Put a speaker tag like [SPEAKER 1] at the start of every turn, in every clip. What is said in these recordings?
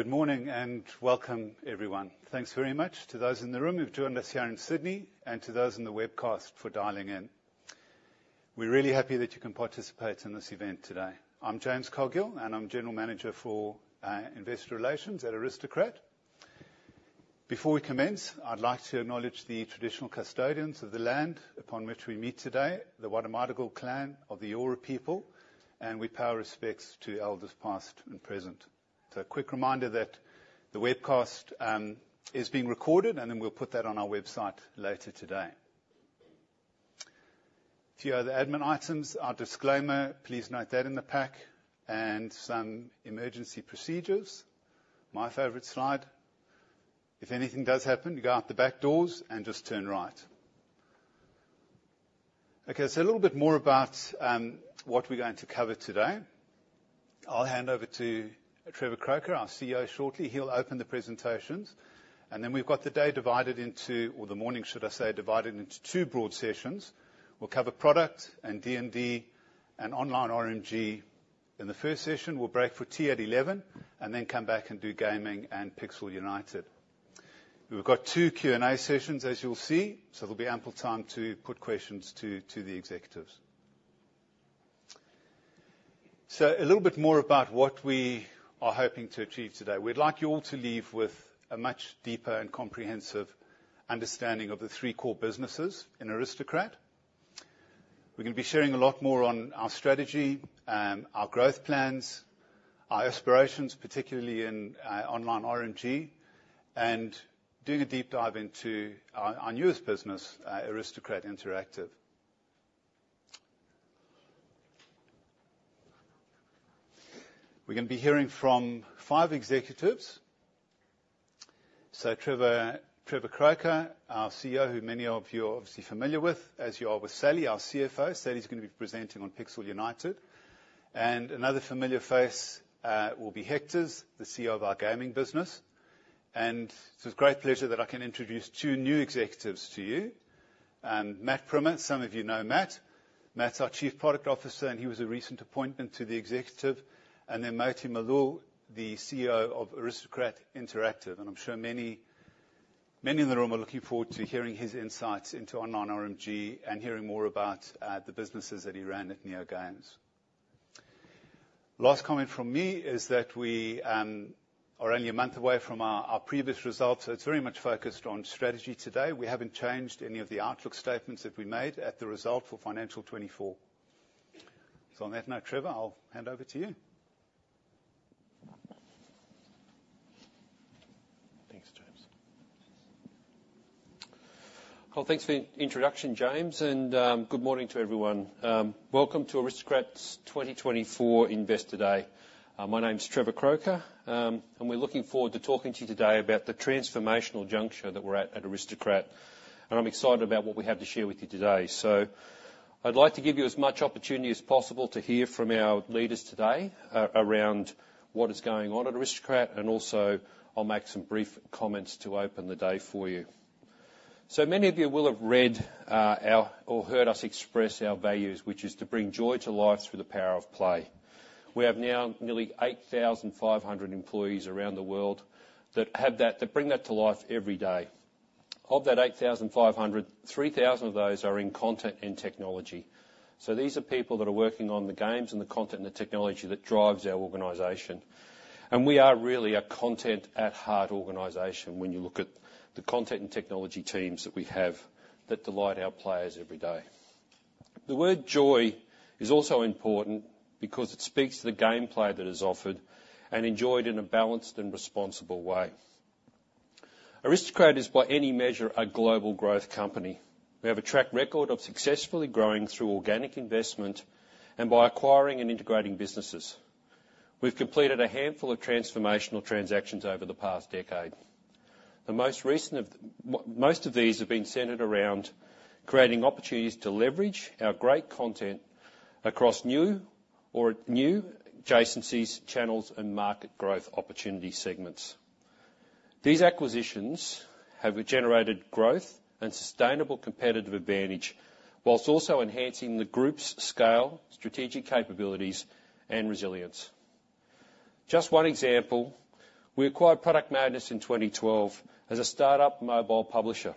[SPEAKER 1] Good morning, and welcome, everyone. Thanks very much to those in the room who've joined us here in Sydney and to those in the webcast for dialing in. We're really happy that you can participate in this event today. I'm James Coghill, and I'm General Manager for Investor Relations at Aristocrat. Before we commence, I'd like to acknowledge the traditional custodians of the land upon which we meet today, the Gadigal clan of the Eora people, and we pay our respects to elders, past and present. So a quick reminder that the webcast is being recorded, and then we'll put that on our website later today. A few other admin items, our disclaimer, please note that in the pack, and some emergency procedures. My favorite slide, if anything does happen, you go out the back doors and just turn right. Okay, so a little bit more about what we're going to cover today. I'll hand over to Trevor Croker, our CEO, shortly. He'll open the presentations, and then we've got the day divided into—or the morning, should I say, divided into two broad sessions. We'll cover product and D&D and online RMG. In the first session, we'll break for tea at 11:00 A.M., and then come back and do gaming and Pixel United. We've got two Q&A sessions, as you'll see, so there'll be ample time to put questions to the executives. So a little bit more about what we are hoping to achieve today. We'd like you all to leave with a much deeper and comprehensive understanding of the three core businesses in Aristocrat. We're gonna be sharing a lot more on our strategy, our growth plans, our aspirations, particularly in online RMG, and doing a deep dive into our newest business, Aristocrat Interactive. We're gonna be hearing from five executives. So Trevor, Trevor Croker, our CEO, who many of you are obviously familiar with, as you are with Sally, our CFO. Sally's gonna be presenting on Pixel United. And another familiar face will be Hector, the CEO of our gaming business. And it's with great pleasure that I can introduce two new executives to you. Matt Primmer, some of you know Matt. Matt's our Chief Product Officer, and he was a recent appointment to the executive. And then Moti Malul, the CEO of Aristocrat Interactive, and I'm sure many, many in the room are looking forward to hearing his insights into online RMG and hearing more about the businesses that he ran at NeoGames. Last comment from me is that we are only a month away from our previous results, so it's very much focused on strategy today. We haven't changed any of the outlook statements that we made at the result for financial 2024. So on that note, Trevor, I'll hand over to you.
[SPEAKER 2] Thanks, James. Well, thanks for the introduction, James, and good morning to everyone. Welcome to Aristocrat's 2024 Investor Day. My name's Trevor Croker, and we're looking forward to talking to you today about the transformational juncture that we're at at Aristocrat, and I'm excited about what we have to share with you today. So I'd like to give you as much opportunity as possible to hear from our leaders today around what is going on at Aristocrat, and also, I'll make some brief comments to open the day for you. So many of you will have read our or heard us express our values, which is to bring joy to lives through the power of play. We have now nearly 8,500 employees around the world that have that, that bring that to life every day. Of that 8,500, 3,000 of those are in content and technology. So these are people that are working on the games and the content and the technology that drives our organization. And we are really a content at heart organization when you look at the content and technology teams that we have that delight our players every day. The word joy is also important because it speaks to the gameplay that is offered and enjoyed in a balanced and responsible way. Aristocrat is, by any measure, a global growth company. We have a track record of successfully growing through organic investment and by acquiring and integrating businesses. We've completed a handful of transformational transactions over the past decade. The most recent of most of these have been centered around creating opportunities to leverage our great content across new or new adjacencies, channels, and market growth opportunity segments. These acquisitions have generated growth and sustainable competitive advantage, while also enhancing the group's scale, strategic capabilities, and resilience. Just one example, we acquired Product Madness in 2012 as a start-up mobile publisher.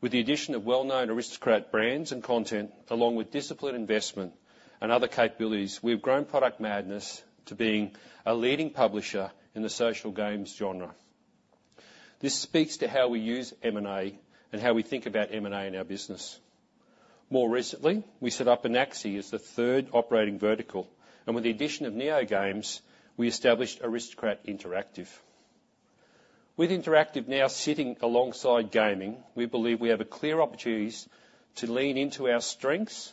[SPEAKER 2] With the addition of well-known Aristocrat brands and content, along with disciplined investment and other capabilities, we've grown Product Madness to being a leading publisher in the social games genre. This speaks to how we use M&A and how we think about M&A in our business. More recently, we set up Anaxi as the third operating vertical, and with the addition of NeoGames, we established Aristocrat Interactive. With Interactive now sitting alongside gaming, we believe we have a clear opportunities to lean into our strengths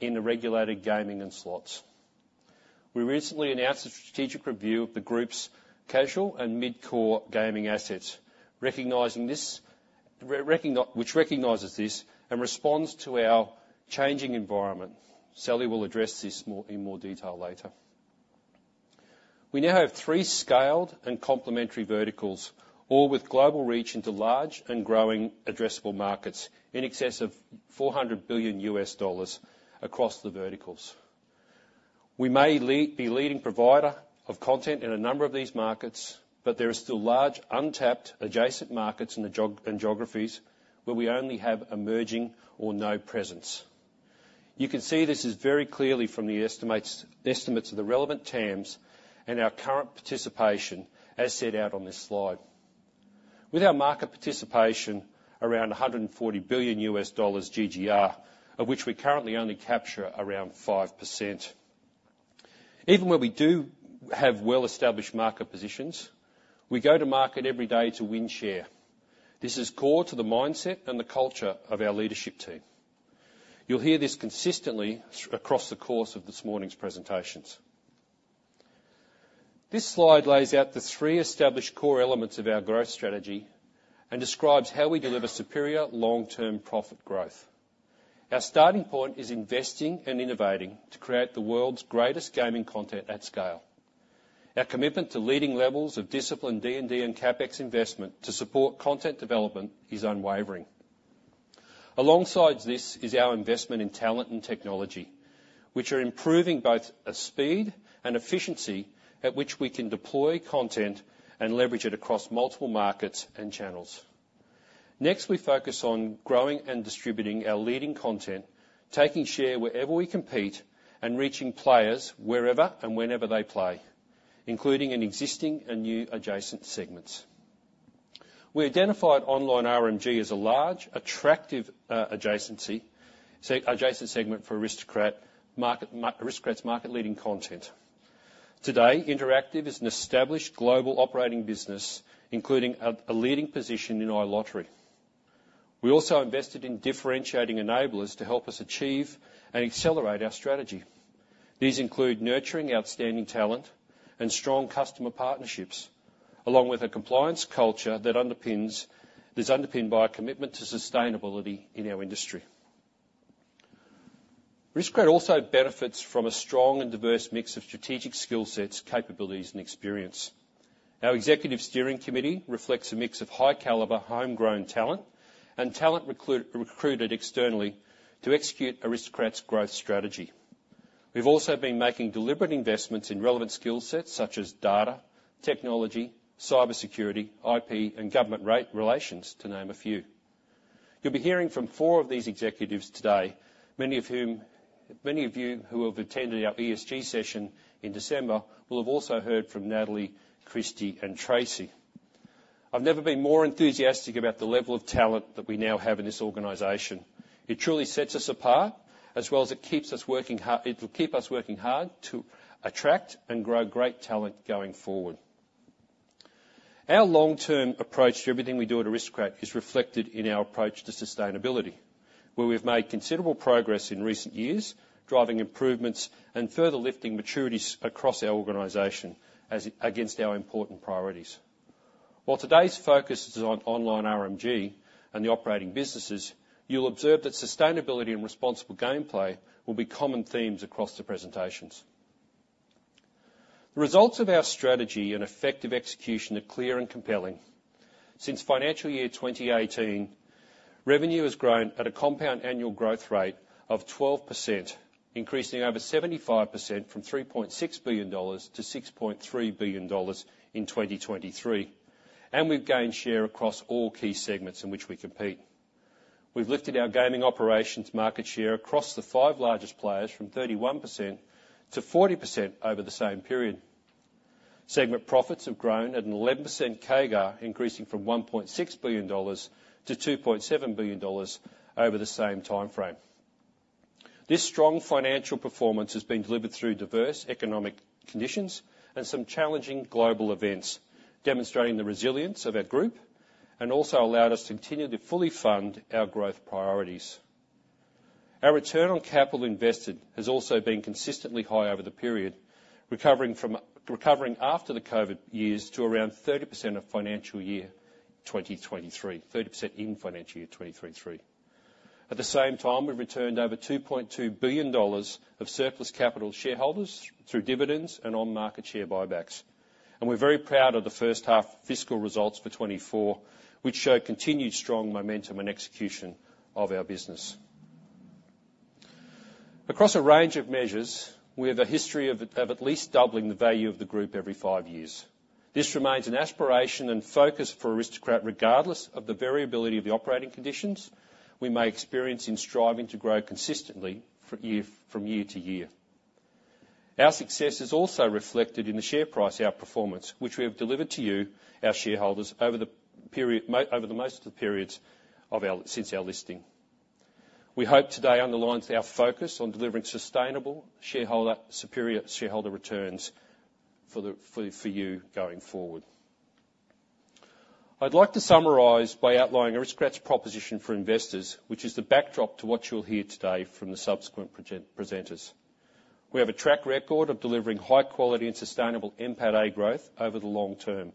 [SPEAKER 2] in the regulated gaming and slots. We recently announced a strategic review of the group's casual and mid-core gaming assets, which recognizes this and responds to our changing environment. Sally will address this more in more detail later. We now have three scaled and complementary verticals, all with global reach into large and growing addressable markets, in excess of $400 billion across the verticals. We may be leading provider of content in a number of these markets, but there are still large, untapped, adjacent markets and geographies where we only have emerging or no presence. You can see this very clearly from the estimates of the relevant TAMs and our current participation, as set out on this slide. With our market participation around $140 billion GGR, of which we currently only capture around 5%. Even where we do have well-established market positions, we go to market every day to win share. This is core to the mindset and the culture of our leadership team. You'll hear this consistently across the course of this morning's presentations. This slide lays out the three established core elements of our growth strategy, and describes how we deliver superior long-term profit growth. Our starting point is investing and innovating to create the world's greatest gaming content at scale. Our commitment to leading levels of disciplined D&D and CapEx investment to support content development is unwavering. Alongside this, is our investment in talent and technology, which are improving both, speed and efficiency at which we can deploy content and leverage it across multiple markets and channels. Next, we focus on growing and distributing our leading content, taking share wherever we compete, and reaching players wherever and whenever they play, including in existing and new adjacent segments. We identified online RMG as a large, attractive, adjacency, adjacent segment for Aristocrat's market-leading content. Today, Interactive is an established global operating business, including a leading position in iLottery. We also invested in differentiating enablers to help us achieve and accelerate our strategy. These include nurturing outstanding talent and strong customer partnerships, along with a compliance culture that underpins that's underpinned by a commitment to sustainability in our industry. Aristocrat also benefits from a strong and diverse mix of strategic skill sets, capabilities, and experience. Our executive steering committee reflects a mix of high caliber, homegrown talent, and talent recruited externally to execute Aristocrat's growth strategy. We've also been making deliberate investments in relevant skill sets, such as data, technology, cybersecurity, IP, and government relations, to name a few. You'll be hearing from four of these executives today, many of you who have attended our ESG session in December, will have also heard from Natalie, Christie, and Tracey. I've never been more enthusiastic about the level of talent that we now have in this organization. It truly sets us apart, as well as it'll keep us working hard to attract and grow great talent going forward. Our long-term approach to everything we do at Aristocrat is reflected in our approach to sustainability, where we've made considerable progress in recent years, driving improvements and further lifting maturities across our organization as against our important priorities. While today's focus is on online RMG and the operating businesses, you'll observe that sustainability and responsible gameplay will be common themes across the presentations. The results of our strategy and effective execution are clear and compelling. Since financial year 2018, revenue has grown at a compound annual growth rate of 12%, increasing over 75% from $3.6 billion-$6.3 billion in 2023, and we've gained share across all key segments in which we compete. We've lifted our gaming operations market share across the five largest players from 31%-40% over the same period. Segment profits have grown at an 11% CAGR, increasing from $1.6 billion-$2.7 billion over the same timeframe. This strong financial performance has been delivered through diverse economic conditions and some challenging global events, demonstrating the resilience of our group, and also allowed us to continue to fully fund our growth priorities. Our return on capital invested has also been consistently high over the period, recovering after the COVID years to around 30% in financial year 2023, 30% in financial year 2023. At the same time, we've returned over $2.2 billion of surplus capital to shareholders through dividends and on-market share buybacks. And we're very proud of the first half fiscal results for 2024, which show continued strong momentum and execution of our business. Across a range of measures, we have a history of at least doubling the value of the group every five years. This remains an aspiration and focus for Aristocrat, regardless of the variability of the operating conditions we may experience in striving to grow consistently from year to year. Our success is also reflected in the share price outperformance, which we have delivered to you, our shareholders, over the period, more over the most of the periods since our listing. We hope today underlines our focus on delivering sustainable, superior shareholder returns for you going forward. I'd like to summarize by outlining Aristocrat's proposition for investors, which is the backdrop to what you'll hear today from the subsequent presenters. We have a track record of delivering high quality and sustainable NPAT growth over the long term.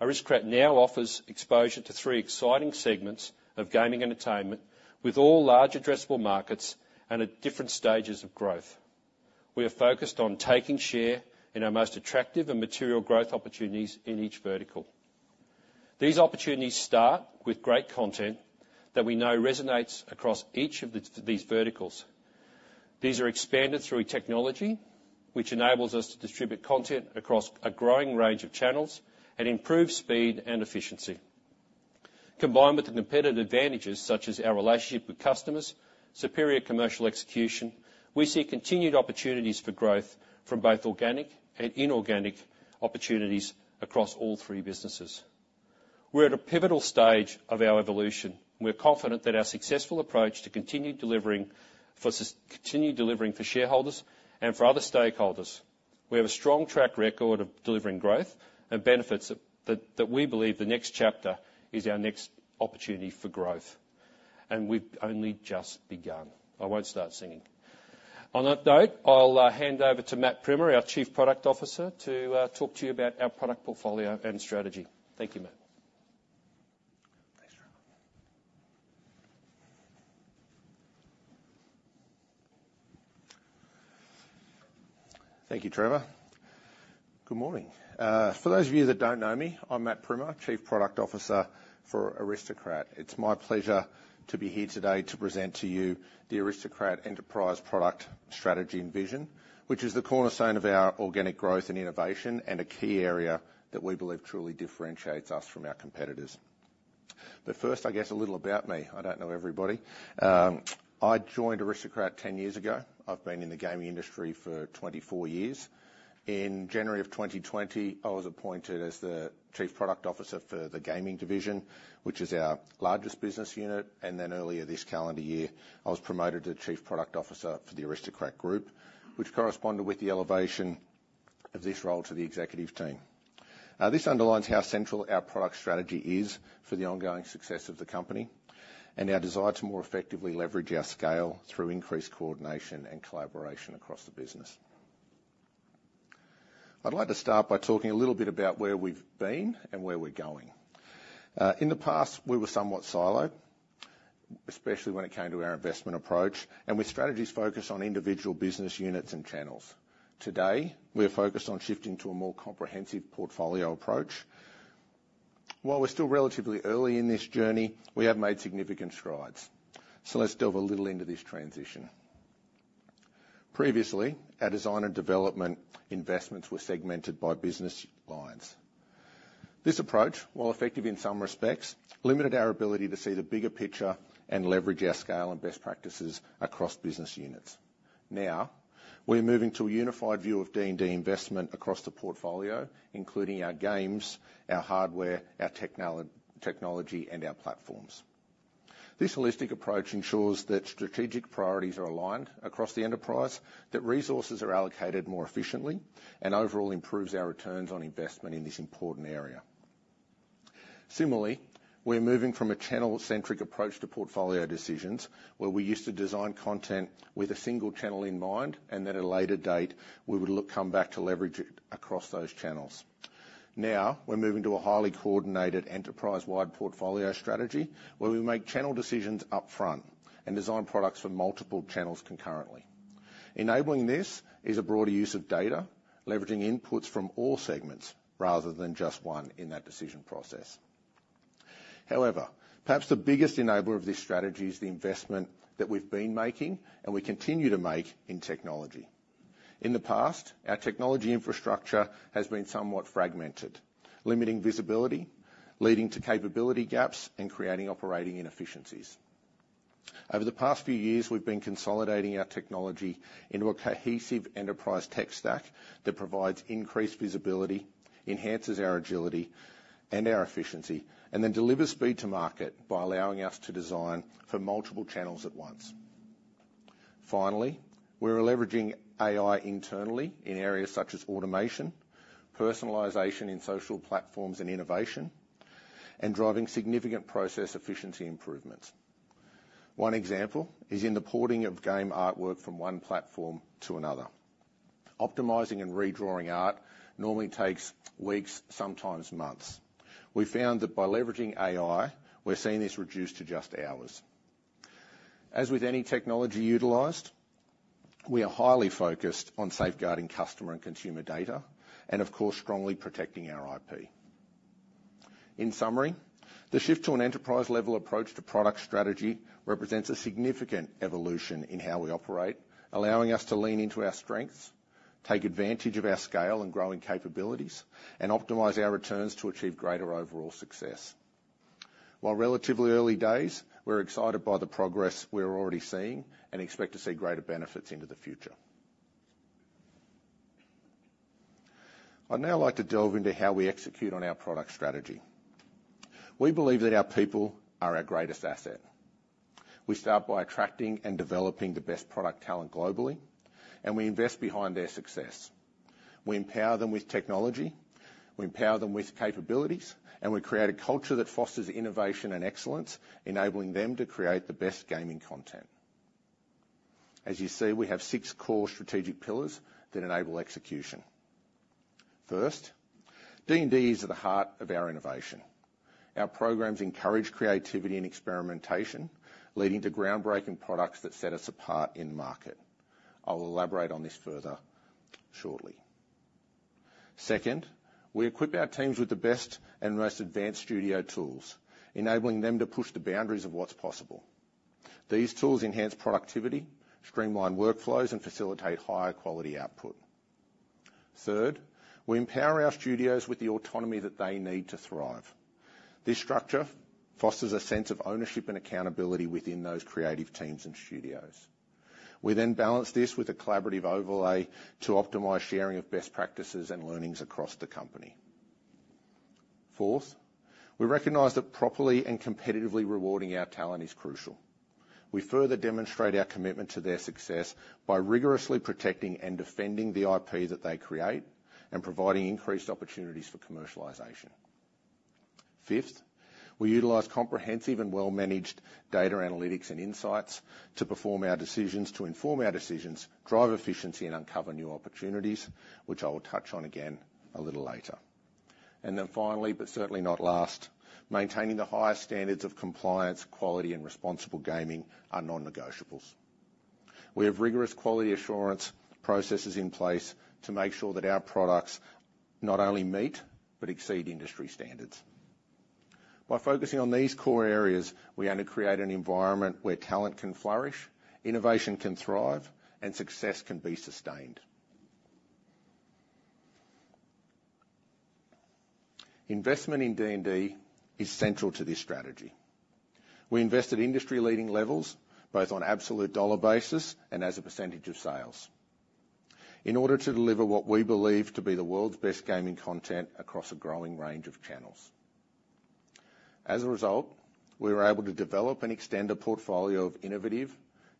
[SPEAKER 2] Aristocrat now offers exposure to three exciting segments of gaming entertainment, with all large addressable markets and at different stages of growth. We are focused on taking share in our most attractive and material growth opportunities in each vertical. These opportunities start with great content that we know resonates across each of the, these verticals. These are expanded through technology, which enables us to distribute content across a growing range of channels, and improve speed and efficiency. Combined with the competitive advantages, such as our relationship with customers, superior commercial execution, we see continued opportunities for growth from both organic and inorganic opportunities across all three businesses. We're at a pivotal stage of our evolution. We're confident that our successful approach to continued delivering for continued delivering for shareholders and for other stakeholders, we have a strong track record of delivering growth and benefits that, that we believe the next chapter is our next opportunity for growth, and we've only just begun. I won't start singing. On that note, I'll hand over to Matt Primmer, our Chief Product Officer, to talk to you about our product portfolio and strategy. Thank you, Matt.
[SPEAKER 3] Thank you, Trevor. Good morning. For those of you that don't know me, I'm Matt Primmer, Chief Product Officer for Aristocrat. It's my pleasure to be here today to present to you the Aristocrat Enterprise Product Strategy and Vision, which is the cornerstone of our organic growth and innovation, and a key area that we believe truly differentiates us from our competitors. But first, I guess a little about me. I don't know everybody. I joined Aristocrat 10 years ago. I've been in the gaming industry for 24 years. In January of 2020, I was appointed as the Chief Product Officer for the gaming division, which is our largest business unit, and then earlier this calendar year, I was promoted to Chief Product Officer for the Aristocrat Group, which corresponded with the elevation of this role to the executive team. This underlines how central our product strategy is for the ongoing success of the company, and our desire to more effectively leverage our scale through increased coordination and collaboration across the business. I'd like to start by talking a little bit about where we've been and where we're going. In the past, we were somewhat siloed, especially when it came to our investment approach, and with strategies focused on individual business units and channels. Today, we are focused on shifting to a more comprehensive portfolio approach. While we're still relatively early in this journey, we have made significant strides, so let's delve a little into this transition. Previously, our design and development investments were segmented by business lines. This approach, while effective in some respects, limited our ability to see the bigger picture and leverage our scale and best practices across business units. Now, we're moving to a unified view of D&D investment across the portfolio, including our games, our hardware, our technology, and our platforms. This holistic approach ensures that strategic priorities are aligned across the enterprise, that resources are allocated more efficiently, and overall improves our returns on investment in this important area. Similarly, we're moving from a channel-centric approach to portfolio decisions, where we used to design content with a single channel in mind, and at a later date, we would come back to leverage it across those channels. Now, we're moving to a highly coordinated enterprise-wide portfolio strategy, where we make channel decisions upfront and design products for multiple channels concurrently. Enabling this is a broader use of data, leveraging inputs from all segments rather than just one in that decision process. However, perhaps the biggest enabler of this strategy is the investment that we've been making, and we continue to make, in technology. In the past, our technology infrastructure has been somewhat fragmented, limiting visibility, leading to capability gaps, and creating operating inefficiencies. Over the past few years, we've been consolidating our technology into a cohesive enterprise tech stack that provides increased visibility, enhances our agility and our efficiency, and then delivers speed to market by allowing us to design for multiple channels at once. Finally, we're leveraging AI internally in areas such as automation, personalization in social platforms and innovation, and driving significant process efficiency improvements. One example is in the porting of game artwork from one platform to another. Optimizing and redrawing art normally takes weeks, sometimes months. We found that by leveraging AI, we're seeing this reduced to just hours. As with any technology utilized, we are highly focused on safeguarding customer and consumer data, and of course, strongly protecting our IP. In summary, the shift to an enterprise-level approach to product strategy represents a significant evolution in how we operate, allowing us to lean into our strengths, take advantage of our scale and growing capabilities, and optimize our returns to achieve greater overall success. While relatively early days, we're excited by the progress we're already seeing and expect to see greater benefits into the future. I'd now like to delve into how we execute on our product strategy. We believe that our people are our greatest asset. We start by attracting and developing the best product talent globally, and we invest behind their success. We empower them with technology, we empower them with capabilities, and we create a culture that fosters innovation and excellence, enabling them to create the best gaming content. As you see, we have six core strategic pillars that enable execution. First, D&D is at the heart of our innovation. Our programs encourage creativity and experimentation, leading to groundbreaking products that set us apart in the market. I'll elaborate on this further shortly. Second, we equip our teams with the best and most advanced studio tools, enabling them to push the boundaries of what's possible. These tools enhance productivity, streamline workflows, and facilitate higher quality output. Third, we empower our studios with the autonomy that they need to thrive. This structure fosters a sense of ownership and accountability within those creative teams and studios. We then balance this with a collaborative overlay to optimize sharing of best practices and learnings across the company. Fourth, we recognize that properly and competitively rewarding our talent is crucial. We further demonstrate our commitment to their success by rigorously protecting and defending the IP that they create, and providing increased opportunities for commercialization. Fifth, we utilize comprehensive and well-managed data analytics and insights to inform our decisions, drive efficiency, and uncover new opportunities, which I will touch on again a little later. Finally, but certainly not last, maintaining the highest standards of compliance, quality, and responsible gaming are non-negotiables. We have rigorous quality assurance processes in place to make sure that our products not only meet, but exceed industry standards. By focusing on these core areas, we aim to create an environment where talent can flourish, innovation can thrive, and success can be sustained. Investment in D&D is central to this strategy. We invest at industry-leading levels, both on absolute dollar basis and as a percentage of sales, in order to deliver what we believe to be the world's best gaming content across a growing range of channels. As a result, we were able to develop and extend a portfolio of innovative,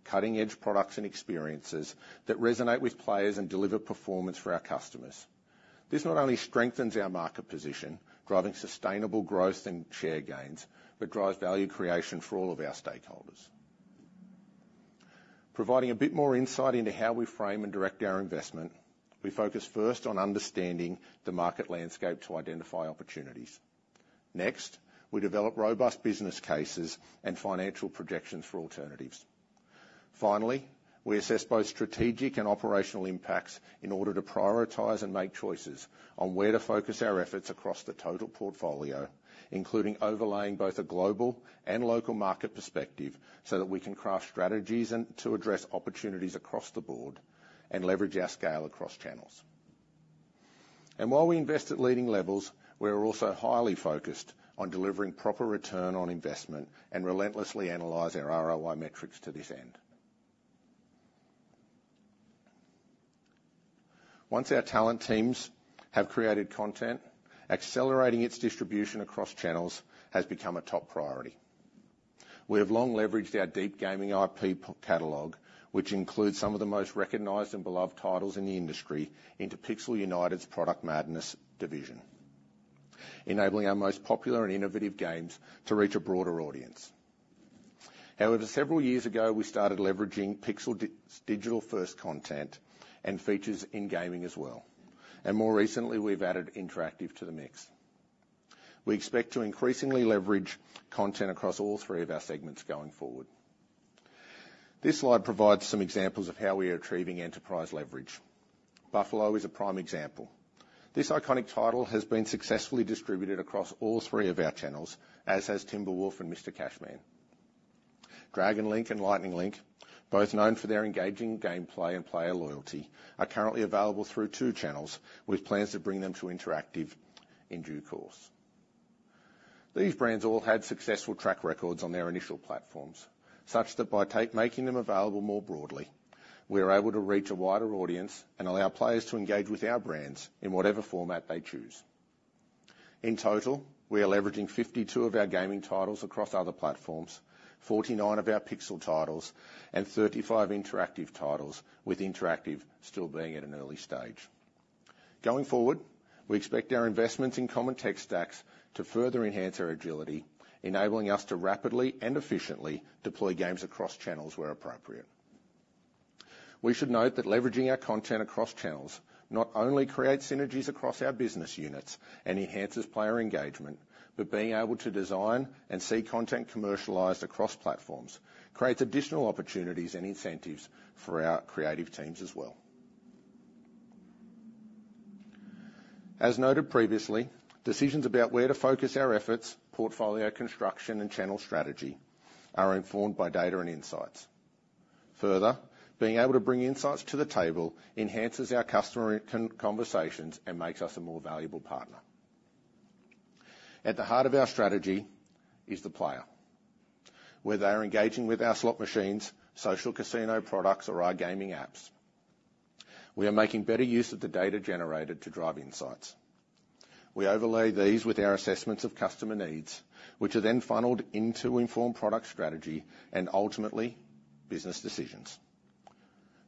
[SPEAKER 3] cutting-edge products and experiences that resonate with players and deliver performance for our customers. This not only strengthens our market position, driving sustainable growth and share gains, but drives value creation for all of our stakeholders. Providing a bit more insight into how we frame and direct our investment, we focus first on understanding the market landscape to identify opportunities. Next, we develop robust business cases and financial projections for alternatives. Finally, we assess both strategic and operational impacts in order to prioritize and make choices on where to focus our efforts across the total portfolio, including overlaying both a global and local market perspective, so that we can craft strategies and to address opportunities across the board and leverage our scale across channels. And while we invest at leading levels, we are also highly focused on delivering proper return on investment and relentlessly analyze our ROI metrics to this end. Once our talent teams have created content, accelerating its distribution across channels has become a top priority. We have long leveraged our deep gaming IP catalog, which includes some of the most recognized and beloved titles in the industry, into Pixel United's Product Madness division, enabling our most popular and innovative games to reach a broader audience. However, several years ago, we started leveraging Pixel United digital-first content and features in gaming as well, and more recently, we've added interactive to the mix. We expect to increasingly leverage content across all three of our segments going forward. This slide provides some examples of how we are achieving enterprise leverage. Buffalo is a prime example. This iconic title has been successfully distributed across all three of our channels, as has Timber Wolf and Mr. Cashman. Dragon Link and Lightning Link, both known for their engaging gameplay and player loyalty, are currently available through two channels, with plans to bring them to interactive in due course. These brands all had successful track records on their initial platforms, such that by making them available more broadly, we are able to reach a wider audience and allow players to engage with our brands in whatever format they choose. In total, we are leveraging 52 of our gaming titles across other platforms, 49 of our Pixel titles, and 35 interactive titles, with interactive still being at an early stage. Going forward, we expect our investments in common tech stacks to further enhance our agility, enabling us to rapidly and efficiently deploy games across channels where appropriate. We should note that leveraging our content across channels not only creates synergies across our business units and enhances player engagement, but being able to design and see content commercialized across platforms creates additional opportunities and incentives for our creative teams as well. As noted previously, decisions about where to focus our efforts, portfolio construction, and channel strategy are informed by data and insights. Further, being able to bring insights to the table enhances our customer conversations and makes us a more valuable partner. At the heart of our strategy is the player. Whether they are engaging with our slot machines, social casino products, or our gaming apps, we are making better use of the data generated to drive insights. We overlay these with our assessments of customer needs, which are then funneled into informed product strategy and ultimately, business decisions.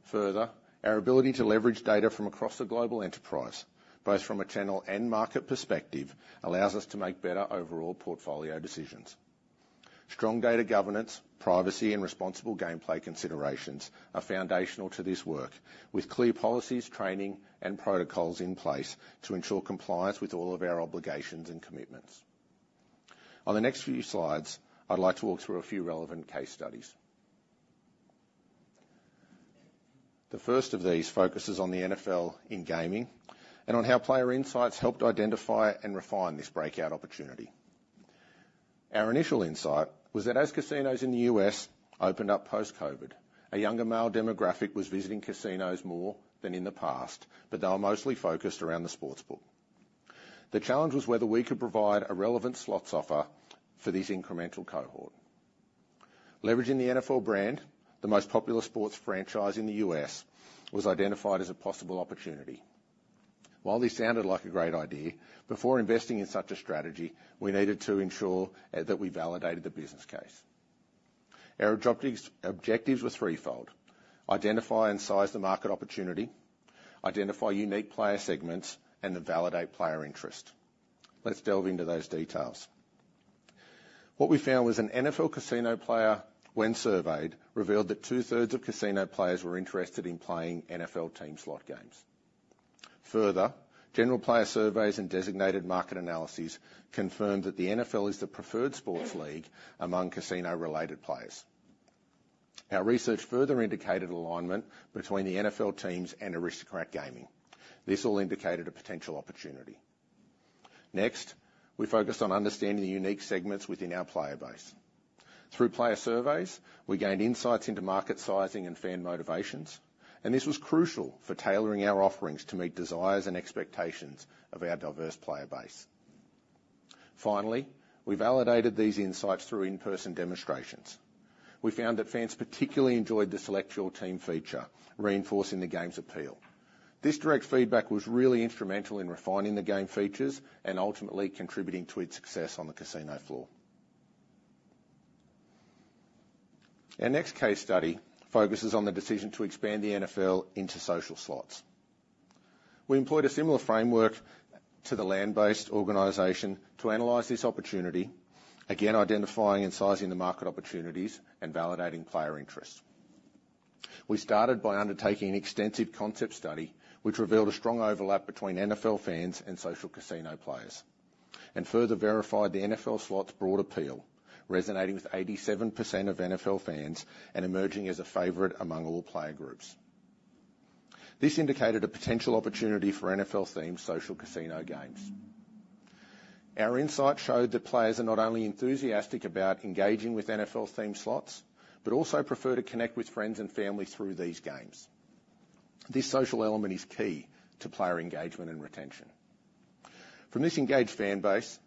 [SPEAKER 3] Further, our ability to leverage data from across the global enterprise, both from a channel and market perspective, allows us to make better overall portfolio decisions. Strong data governance, privacy, and responsible gameplay considerations are foundational to this work, with clear policies, training, and protocols in place to ensure compliance with all of our obligations and commitments. On the next few slides, I'd like to walk through a few relevant case studies. The first of these focuses on the NFL in gaming, and on how player insights helped identify and refine this breakout opportunity. Our initial insight was that as casinos in the U.S. opened up post-COVID, a younger male demographic was visiting casinos more than in the past, but they were mostly focused around the sportsbook. The challenge was whether we could provide a relevant slots offer for this incremental cohort. Leveraging the NFL brand, the most popular sports franchise in the U.S., was identified as a possible opportunity. While this sounded like a great idea, before investing in such a strategy, we needed to ensure that we validated the business case. Our objectives were threefold: identify and size the market opportunity, identify unique player segments, and then validate player interest. Let's delve into those details. What we found was an NFL casino player, when surveyed, revealed that 2/3 of casino players were interested in playing NFL team slot games. Further, general player surveys and designated market analyses confirmed that the NFL is the preferred sports league among casino-related players. Our research further indicated alignment between the NFL teams and Aristocrat Gaming. This all indicated a potential opportunity. Next, we focused on understanding the unique segments within our player base. Through player surveys, we gained insights into market sizing and fan motivations, and this was crucial for tailoring our offerings to meet desires and expectations of our diverse player base. Finally, we validated these insights through in-person demonstrations. We found that fans particularly enjoyed the Select Your Team feature, reinforcing the game's appeal. This direct feedback was really instrumental in refining the game features and ultimately contributing to its success on the casino floor. Our next case study focuses on the decision to expand the NFL into social slots. We employed a similar framework to the land-based organization to analyze this opportunity, again, identifying and sizing the market opportunities and validating player interest. We started by undertaking an extensive concept study, which revealed a strong overlap between NFL fans and social casino players, and further verified the NFL slots' broad appeal, resonating with 87% of NFL fans and emerging as a favorite among all player groups. This indicated a potential opportunity for NFL-themed social casino games. Our insight showed that players are not only enthusiastic about engaging with NFL-themed slots, but also prefer to connect with friends and family through these games. This social element is key to player engagement and retention. From this engaged fan base,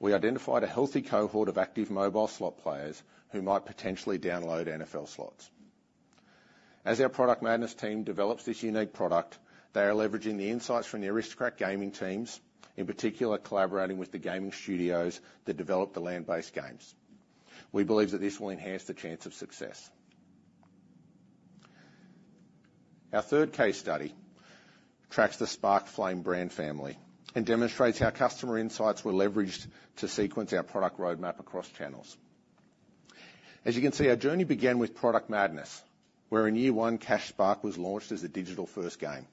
[SPEAKER 3] we identified a healthy cohort of active mobile slot players who might potentially download NFL slots. As our Product Madness team develops this unique product, they are leveraging the insights from the Aristocrat Gaming teams, in particular, collaborating with the gaming studios that develop the land-based games. We believe that this will enhance the chance of success. Our third case study tracks the Spark Flame brand family and demonstrates how customer insights were leveraged to sequence our product roadmap across channels. As you can see, our journey began with Product Madness, where in year one, Cash Spark was launched as a digital-first game.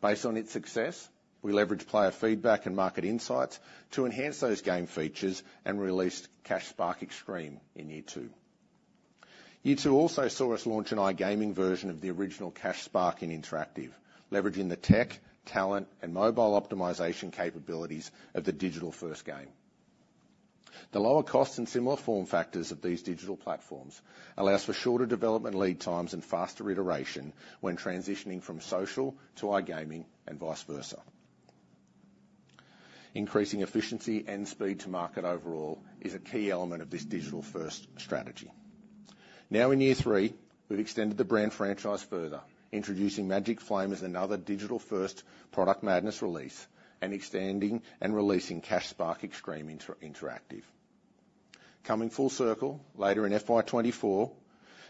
[SPEAKER 3] Based on its success, we leveraged player feedback and market insights to enhance those game features and released Cash Spark Extreme in year two. Year two also saw us launch an iGaming version of the original Cash Spark in Interactive, leveraging the tech, talent, and mobile optimization capabilities of the digital-first game. The lower costs and similar form factors of these digital platforms allows for shorter development lead times and faster iteration when transitioning from social to iGaming and vice versa. Increasing efficiency and speed to market overall is a key element of this digital-first strategy. Now, in year three, we've extended the brand franchise further, introducing Magic Flame as another digital-first Product Madness release and extending and releasing Cash Spark Extreme in Interactive. Coming full circle, later in FY 2024,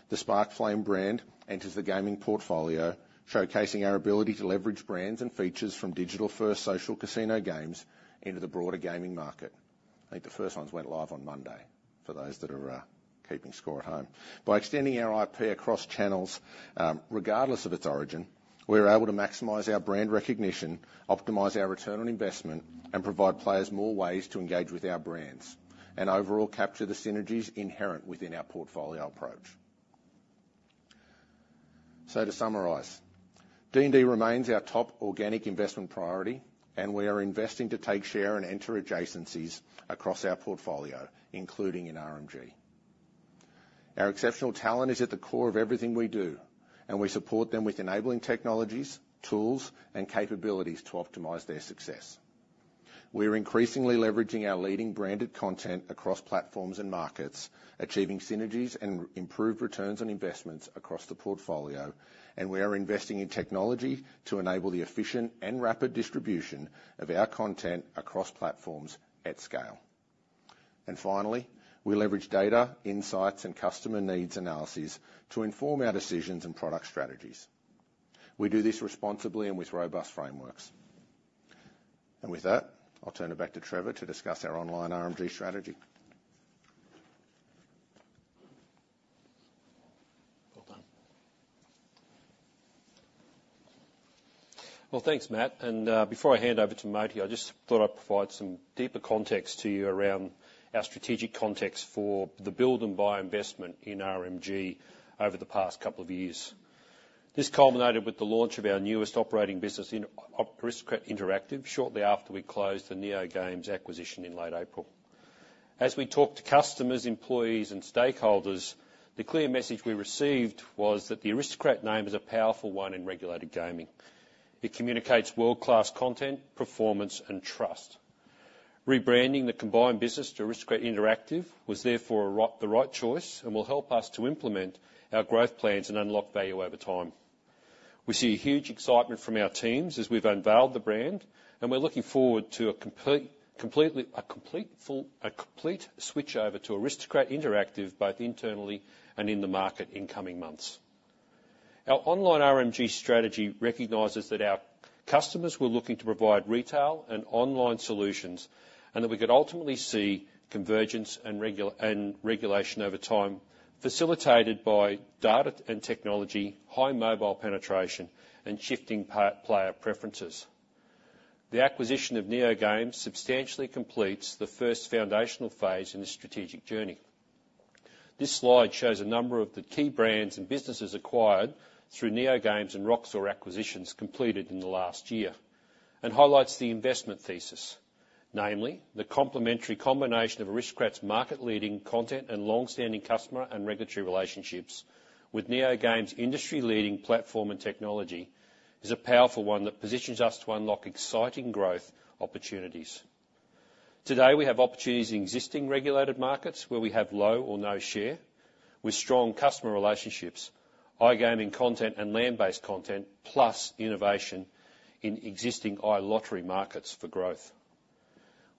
[SPEAKER 3] the Spark Flame brand enters the gaming portfolio, showcasing our ability to leverage brands and features from digital-first social casino games into the broader gaming market. I think the first ones went live on Monday, for those that are, keeping score at home. By extending our IP across channels, regardless of its origin, we're able to maximize our brand recognition, optimize our return on investment, and provide players more ways to engage with our brands, and overall, capture the synergies inherent within our portfolio approach. So to summarize, D&D remains our top organic investment priority, and we are investing to take share and enter adjacencies across our portfolio, including in RMG. Our exceptional talent is at the core of everything we do, and we support them with enabling technologies, tools, and capabilities to optimize their success. We are increasingly leveraging our leading branded content across platforms and markets, achieving synergies and improved returns on investments across the portfolio, and we are investing in technology to enable the efficient and rapid distribution of our content across platforms at scale. Finally, we leverage data, insights, and customer needs analyses to inform our decisions and product strategies. We do this responsibly and with robust frameworks. With that, I'll turn it back to Trevor to discuss our online RMG strategy.
[SPEAKER 2] Well, thanks, Matt, and before I hand over to Moti, I just thought I'd provide some deeper context to you around our strategic context for the build and buy investment in RMG over the past couple of years. This culminated with the launch of our newest operating business in Aristocrat Interactive, shortly after we closed the NeoGames acquisition in late April. As we talked to customers, employees, and stakeholders, the clear message we received was that the Aristocrat name is a powerful one in regulated gaming. It communicates world-class content, performance, and trust. Rebranding the combined business to Aristocrat Interactive was therefore alright the right choice, and will help us to implement our growth plans and unlock value over time. We see huge excitement from our teams as we've unveiled the brand, and we're looking forward to a complete switch over to Aristocrat Interactive, both internally and in the market in coming months. Our online RMG strategy recognizes that our customers were looking to provide retail and online solutions, and that we could ultimately see convergence and regulation over time, facilitated by data and technology, high mobile penetration, and shifting player preferences. The acquisition of NeoGames substantially completes the first foundational phase in the strategic journey. This slide shows a number of the key brands and businesses acquired through NeoGames and Roxor acquisitions completed in the last year, and highlights the investment thesis. Namely, the complementary combination of Aristocrat's market-leading content and long-standing customer and regulatory relationships with NeoGames' industry-leading platform and technology, is a powerful one that positions us to unlock exciting growth opportunities. Today, we have opportunities in existing regulated markets, where we have low or no share, with strong customer relationships, iGaming content, and land-based content, plus innovation in existing iLottery markets for growth.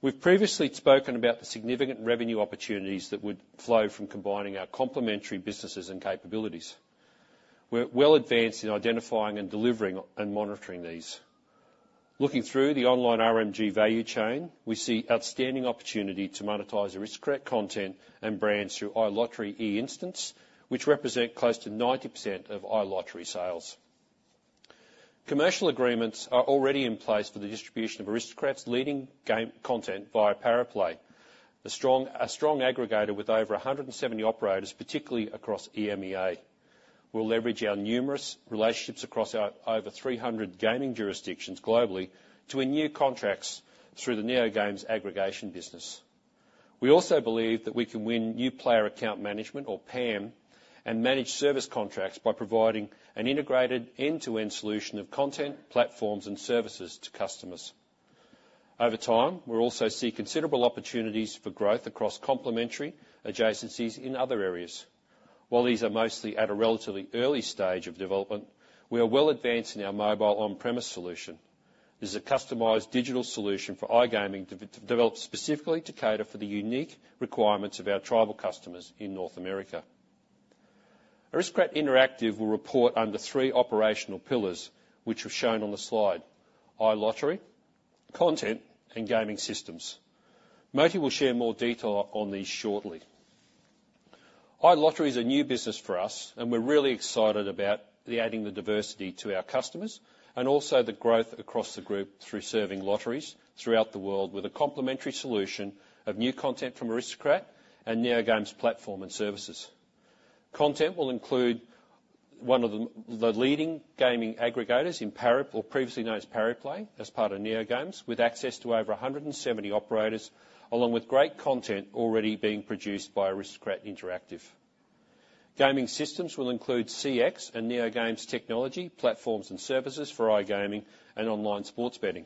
[SPEAKER 2] We've previously spoken about the significant revenue opportunities that would flow from combining our complementary businesses and capabilities. We're well advanced in identifying and delivering, and monitoring these. Looking through the online RMG value chain, we see outstanding opportunity to monetize Aristocrat content and brands through iLottery eInstant, which represent close to 90% of iLottery sales. Commercial agreements are already in place for the distribution of Aristocrat's leading game content via Pariplay. A strong aggregator with over 170 operators, particularly across EMEA. We'll leverage our numerous relationships across our over 300 gaming jurisdictions globally, to win new contracts through the NeoGames aggregation business. We also believe that we can win new player account management, or PAM, and manage service contracts by providing an integrated end-to-end solution of content, platforms, and services to customers. Over time, we'll also see considerable opportunities for growth across complementary adjacencies in other areas. While these are mostly at a relatively early stage of development, we are well advanced in our mobile on-premise solution. This is a customized digital solution for iGaming developed specifically to cater for the unique requirements of our tribal customers in North America. Aristocrat Interactive will report under three operational pillars, which are shown on the slide: iLottery, content, and gaming systems. Moti will share more detail on these shortly. iLottery is a new business for us, and we're really excited about adding the diversity to our customers, and also the growth across the group through serving lotteries throughout the world with a complementary solution of new content from Aristocrat and NeoGames platform and services. Content will include one of the leading gaming aggregators in Pariplay, as part of NeoGames, with access to over 170 operators, along with great content already being produced by Aristocrat Interactive. Gaming systems will include CX and NeoGames technology, platforms and services for iGaming and online sports betting.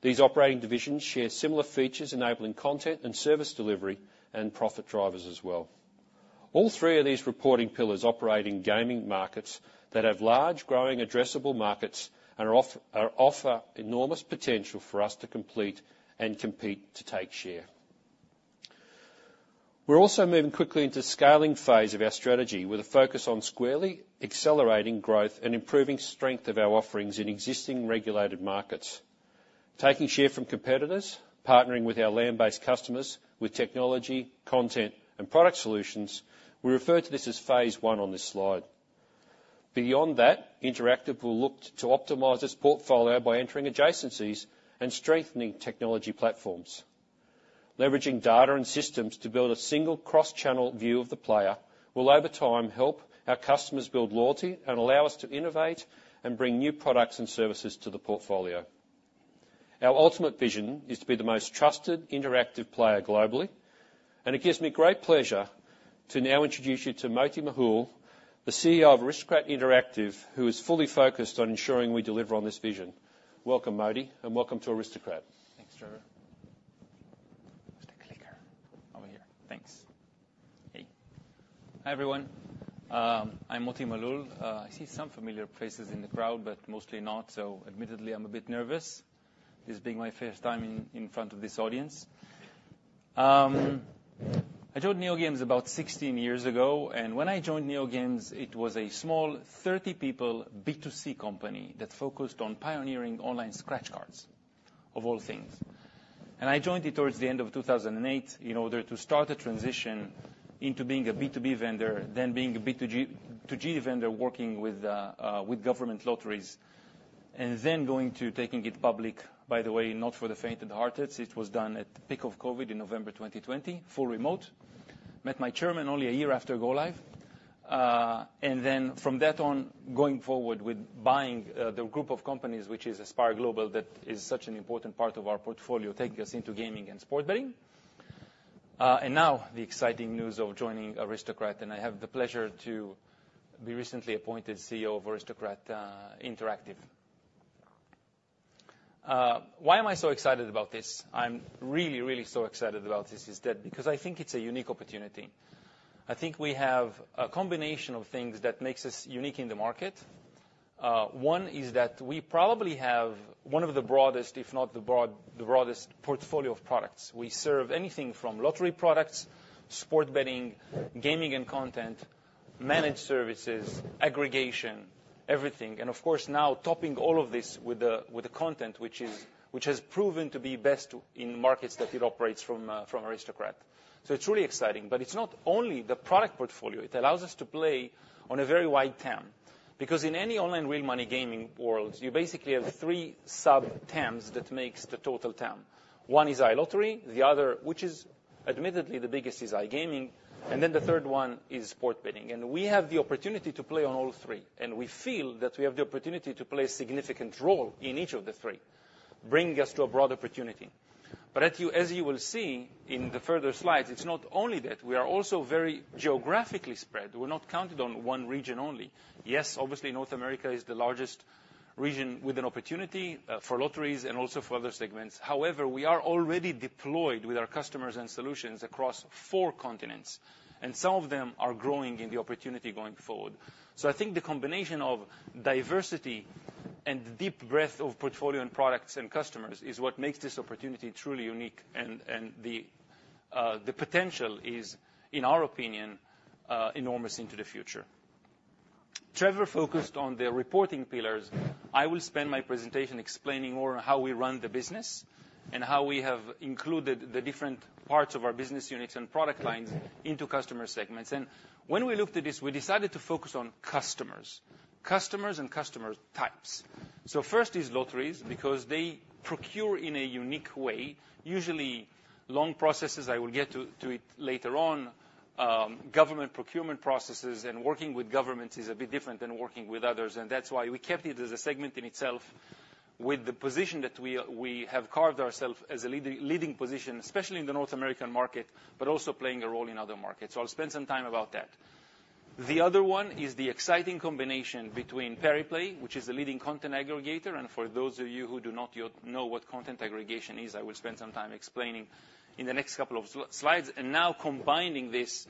[SPEAKER 2] These operating divisions share similar features, enabling content and service delivery and profit drivers as well. All three of these reporting pillars operate in gaming markets that have large, growing, addressable markets, and offer enormous potential for us to compete to take share. We're also moving quickly into scaling phase of our strategy with a focus on squarely accelerating growth and improving strength of our offerings in existing regulated markets. Taking share from competitors, partnering with our land-based customers with technology, content, and product solutions, we refer to this as phase one on this slide. Beyond that, Interactive will look to optimize its portfolio by entering adjacencies and strengthening technology platforms. Leveraging data and systems to build a single cross-channel view of the player will, over time, help our customers build loyalty and allow us to innovate and bring new products and services to the portfolio. Our ultimate vision is to be the most trusted interactive player globally, and it gives me great pleasure to now introduce you to Moti Malul, the CEO of Aristocrat Interactive, who is fully focused on ensuring we deliver on this vision. Welcome, Moti, and welcome to Aristocrat.
[SPEAKER 4] Thanks, Trevor. Where's the clicker? Over here. Thanks. Hey. Hi, everyone, I'm Moti Malul. I see some familiar faces in the crowd, but mostly not, so admittedly, I'm a bit nervous, this being my first time in front of this audience. I joined NeoGames about 16 years ago, and when I joined NeoGames, it was a small, 30 people, B2C company that focused on pioneering online scratch cards, of all things, and I joined it towards the end of 2008 in order to start a transition into being a B2B vendor, then being a B2G vendor, working with with government lotteries, and then going to taking it public. By the way, not for the faint of the hearted, it was done at the peak of COVID in November 2020, full remote. Met my chairman only a year after go live. And then from that on, going forward with buying the group of companies, which is Aspire Global, that is such an important part of our portfolio, taking us into gaming and sports betting. And now the exciting news of joining Aristocrat, and I have the pleasure to be recently appointed CEO of Aristocrat Interactive. Why am I so excited about this? I'm really, really so excited about this, is that because I think it's a unique opportunity. I think we have a combination of things that makes us unique in the market. One is that we probably have one of the broadest, if not the broadest portfolio of products. We serve anything from lottery products, sports betting, gaming and content, managed services, aggregation, everything, and of course, now topping all of this with the, with the content which is, which has proven to be best in markets that it operates from Aristocrat. So it's really exciting. But it's not only the product portfolio, it allows us to play on a very wide TAM. Because in any online real money gaming world, you basically have three sub-TAMs that makes the total TAM. One is iLottery, the other, which is admittedly the biggest, is iGaming, and then the third one is sports betting. And we have the opportunity to play on all three, and we feel that we have the opportunity to play a significant role in each of the three, bringing us to a broad opportunity. But as you will see in the further slides, it's not only that, we are also very geographically spread. We're not concentrated on one region only. Yes, obviously, North America is the largest region with an opportunity for lotteries and also for other segments. However, we are already deployed with our customers and solutions across four continents, and some of them are growing in the opportunity going forward. So I think the combination of diversity and deep breadth of portfolio and products and customers is what makes this opportunity truly unique, and the potential is, in our opinion, enormous into the future. Trevor focused on the reporting pillars. I will spend my presentation explaining more on how we run the business and how we have included the different parts of our business units and product lines into customer segments. And when we looked at this, we decided to focus on customers, customers and customer types. So first is lotteries, because they procure in a unique way, usually long processes. I will get to it later on. Government procurement processes and working with governments is a bit different than working with others, and that's why we kept it as a segment in itself with the position that we have carved ourselves as a leading position, especially in the North American market, but also playing a role in other markets. So I'll spend some time about that. The other one is the exciting combination between Pariplay, which is a leading content aggregator, and for those of you who do not know what content aggregation is, I will spend some time explaining in the next couple of slides. Now combining this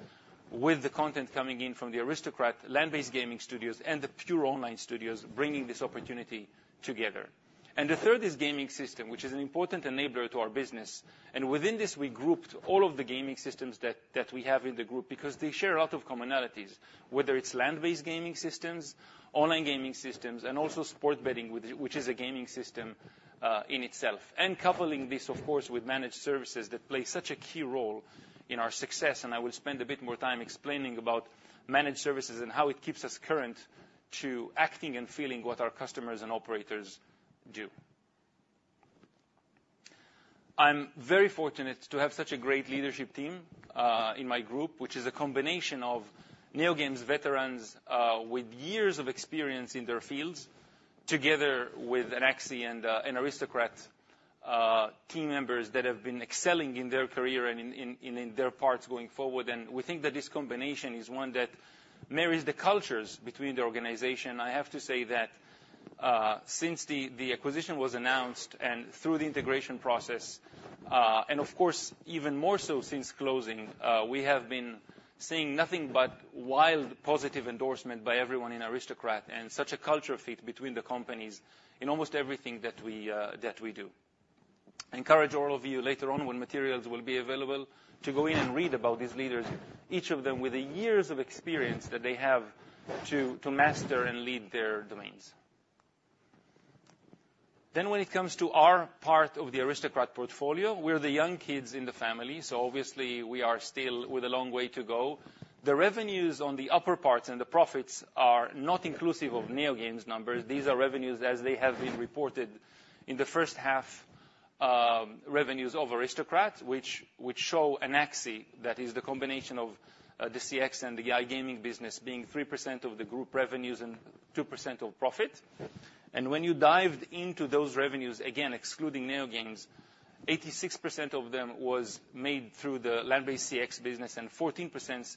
[SPEAKER 4] with the content coming in from the Aristocrat land-based gaming studios and the pure online studios, bringing this opportunity together. The third is gaming system, which is an important enabler to our business. Within this, we grouped all of the gaming systems that we have in the group because they share a lot of commonalities, whether it's land-based gaming systems, online gaming systems, and also sports betting, which is a gaming system in itself. Coupling this, of course, with managed services that play such a key role in our success, and I will spend a bit more time explaining about managed services and how it keeps us current to acting and feeling what our customers and operators do. I'm very fortunate to have such a great leadership team, in my group, which is a combination of NeoGames veterans, with years of experience in their fields, together with Anaxi and, and Aristocrat, team members that have been excelling in their career and in their parts going forward. We think that this combination is one that marries the cultures between the organization. I have to say that, since the acquisition was announced and through the integration process, and of course, even more so since closing, we have been seeing nothing but wild, positive endorsement by everyone in Aristocrat and such a culture fit between the companies in almost everything that we do. I encourage all of you, later on, when materials will be available, to go in and read about these leaders, each of them with the years of experience that they have to, to master and lead their domains. Then when it comes to our part of the Aristocrat portfolio, we're the young kids in the family, so obviously, we are still with a long way to go. The revenues on the upper parts and the profits are not inclusive of NeoGames numbers. These are revenues as they have been reported in the first half, revenues of Aristocrat, which, which show Anaxi, that is the combination of the CX and the iGaming business, being 3% of the group revenues and 2% of profit. When you dived into those revenues, again, excluding NeoGames, 86% of them was made through the land-based CX business and 14%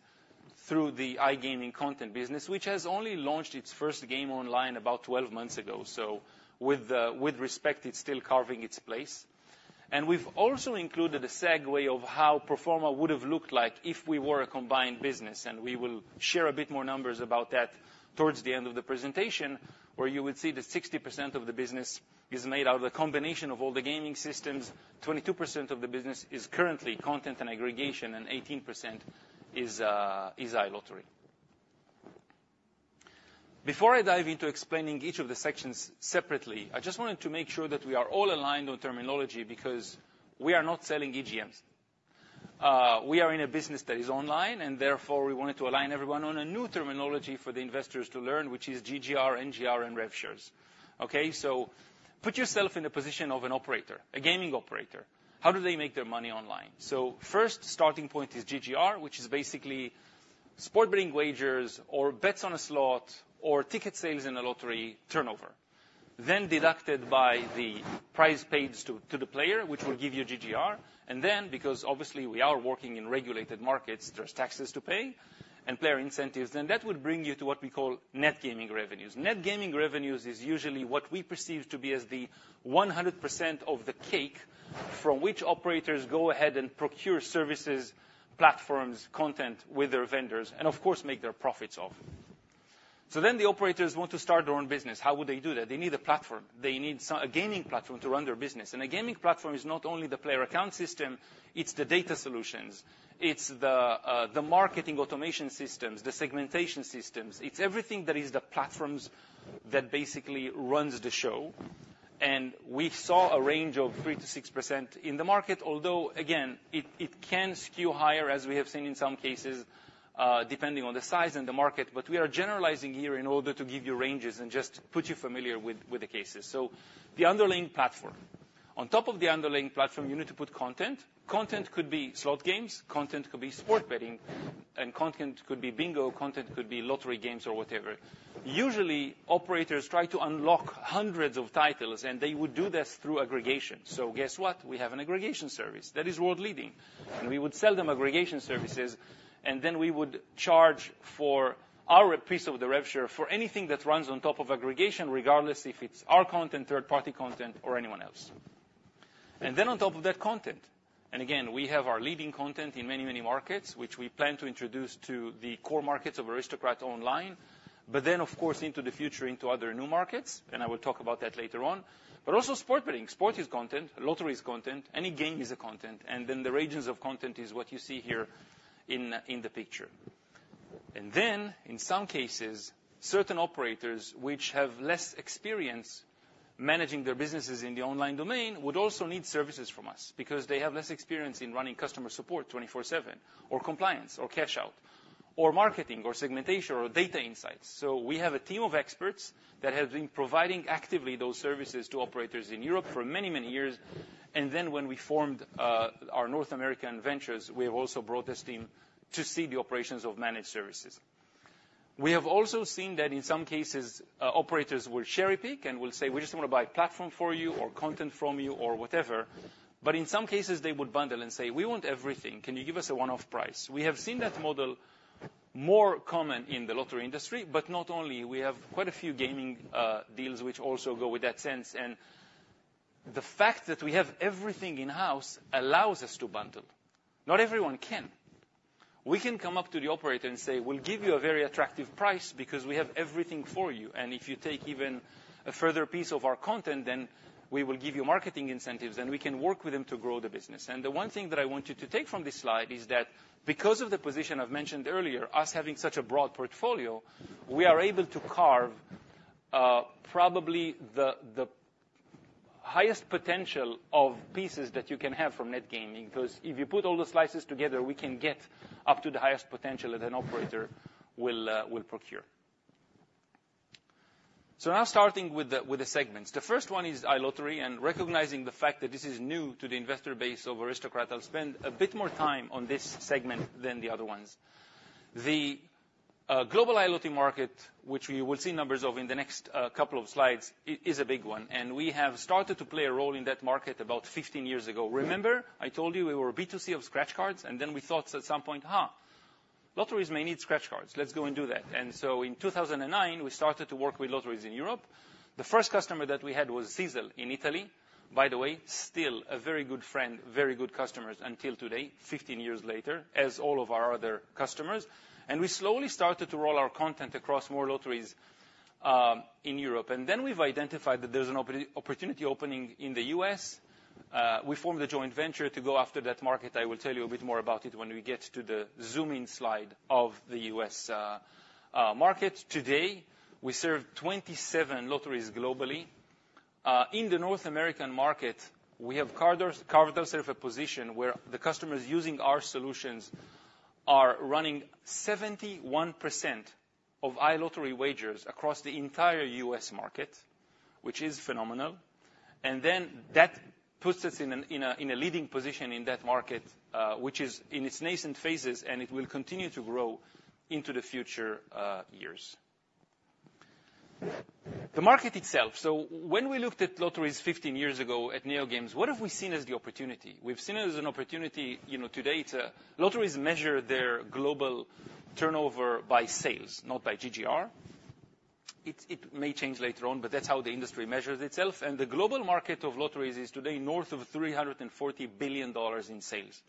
[SPEAKER 4] through the iGaming content business, which has only launched its first game online about 12 months ago. So with, with respect, it's still carving its place. And we've also included a segue of how Pro Forma would have looked like if we were a combined business, and we will share a bit more numbers about that towards the end of the presentation, where you would see that 60% of the business is made out of the combination of all the gaming systems, 22% of the business is currently content and aggregation, and 18% is iLottery. Before I dive into explaining each of the sections separately, I just wanted to make sure that we are all aligned on terminology, because we are not selling EGMs. We are in a business that is online, and therefore, we wanted to align everyone on a new terminology for the investors to learn, which is GGR, NGR, and rev shares. Okay? So put yourself in the position of an operator, a gaming operator. How do they make their money online? So first starting point is GGR, which is basically sports betting wagers or bets on a slot or ticket sales in a lottery turnover. Then deducted by the price paid to the player, which will give you GGR. And then, because obviously we are working in regulated markets, there's taxes to pay and player incentives, and that would bring you to what we call net gaming revenues. Net gaming revenues is usually what we perceive to be as the 100% of the cake from which operators go ahead and procure services, platforms, content with their vendors, and of course, make their profits off. So then the operators want to start their own business. How would they do that? They need a platform. They need some—a gaming platform to run their business. A gaming platform is not only the player account system, it's the data solutions, it's the marketing automation systems, the segmentation systems. It's everything that is the platforms that basically runs the show. We saw a range of 3%-6% in the market, although, again, it can skew higher, as we have seen in some cases, depending on the size and the market. We are generalizing here in order to give you ranges and just put you familiar with the cases. The underlying platform. On top of the underlying platform, you need to put content. Content could be slot games, content could be sport betting, and content could be bingo, content could be lottery games or whatever. Usually, operators try to unlock hundreds of titles, and they would do this through aggregation. Guess what? We have an aggregation service that is world-leading, and we would sell them aggregation services, and then we would charge for our piece of the rev share for anything that runs on top of aggregation, regardless if it's our content, third-party content, or anyone else. And then on top of that content, and again, we have our leading content in many, many markets, which we plan to introduce to the core markets of Aristocrat Online, but then, of course, into the future, into other new markets, and I will talk about that later on. But also sport betting. Sport is content, lottery is content, any game is a content, and then the regions of content is what you see here in the picture. In some cases, certain operators which have less experience managing their businesses in the online domain would also need services from us because they have less experience in running customer support 24/7, or compliance, or cash out, or marketing, or segmentation, or data insights. So we have a team of experts that have been providing actively those services to operators in Europe for many, many years. When we formed our North American ventures, we have also brought this team to see the operations of managed services. We have also seen that in some cases, operators will cherry-pick and will say, "We just wanna buy a platform from you, or content from you, or whatever." But in some cases, they would bundle and say, "We want everything. Can you give us a one-off price?" We have seen that model more common in the lottery industry, but not only, we have quite a few gaming deals which also go with that sense. And the fact that we have everything in-house allows us to bundle. Not everyone can. We can come up to the operator and say, "We'll give you a very attractive price because we have everything for you, and if you take even a further piece of our content, then we will give you marketing incentives," and we can work with them to grow the business. And the one thing that I want you to take from this slide is that because of the position I've mentioned earlier, us having such a broad portfolio, we are able to carve probably the highest potential of pieces that you can have from net gaming, because if you put all the slices together, we can get up to the highest potential that an operator will procure. So now starting with the segments. The first one is iLottery, and recognizing the fact that this is new to the investor base of Aristocrat, I'll spend a bit more time on this segment than the other ones. The global iLottery market, which we will see numbers of in the next couple of slides, is a big one, and we have started to play a role in that market about 15 years ago. Remember, I told you we were a B2C of scratch cards, and then we thought at some point, ha, lotteries may need scratch cards, let's go and do that. And so in 2009, we started to work with lotteries in Europe. The first customer that we had was Sisal in Italy. By the way, still a very good friend, very good customers until today, 15 years later, as all of our other customers. And we slowly started to roll our content across more lotteries in Europe. And then we've identified that there's an opportunity opening in the U.S. We formed a joint venture to go after that market. I will tell you a bit more about it when we get to the zoom-in slide of the U.S. market. Today, we serve 27 lotteries globally. In the North American market, we have carved ourselves a position where the customers using our solutions are running 71% of iLottery wagers across the entire U.S. market, which is phenomenal. And then that puts us in a leading position in that market, which is in its nascent phases, and it will continue to grow into the future years. The market itself. So when we looked at lotteries 15 years ago at NeoGames, what have we seen as the opportunity? We've seen it as an opportunity, you know, to data. Lotteries measure their global turnover by sales, not by GGR. It may change later on, but that's how the industry measures itself. And the global market of lotteries is today north of $340 billion in sales.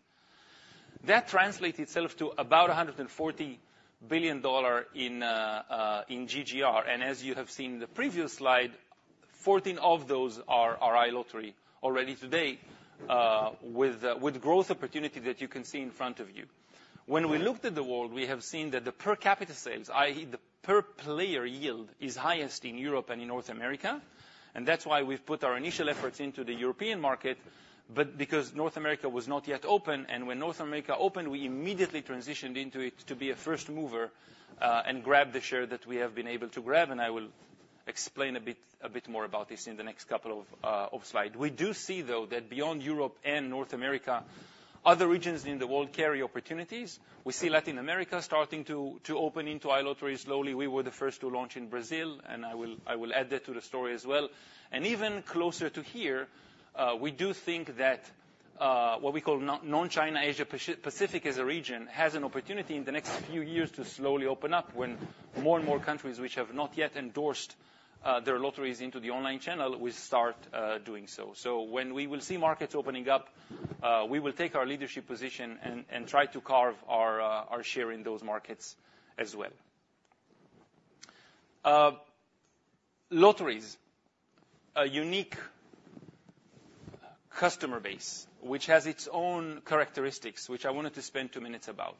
[SPEAKER 4] That translates itself to about $140 billion in GGR. As you have seen in the previous slide, 14 of those are our iLottery already today, with growth opportunity that you can see in front of you. When we looked at the world, we have seen that the per capita sales, i.e., the per player yield, is highest in Europe and in North America, and that's why we've put our initial efforts into the European market. But because North America was not yet open, and when North America opened, we immediately transitioned into it to be a first mover, and grabbed the share that we have been able to grab, and I will explain a bit more about this in the next couple of slides. We do see, though, that beyond Europe and North America, other regions in the world carry opportunities. We see Latin America starting to open into iLottery slowly. We were the first to launch in Brazil, and I will add that to the story as well. And even closer to here, we do think that what we call non-China Asia-Pacific as a region has an opportunity in the next few years to slowly open up when more and more countries which have not yet endorsed their lotteries into the online channel will start doing so. So when we will see markets opening up, we will take our leadership position and try to carve our our share in those markets as well. Lotteries, a unique customer base, which has its own characteristics, which I wanted to spend two minutes about.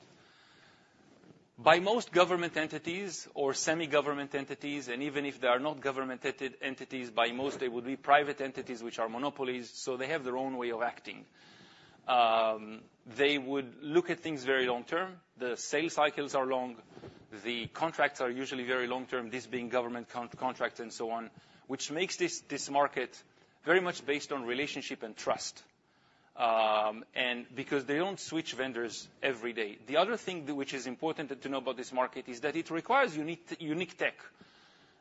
[SPEAKER 4] By most government entities or semi-government entities, and even if they are not government entities, by most, they would be private entities, which are monopolies, so they have their own way of acting. They would look at things very long term. The sales cycles are long, the contracts are usually very long term, this being government contract and so on, which makes this market very much based on relationship and trust, and because they don't switch vendors every day. The other thing which is important to know about this market is that it requires unique tech.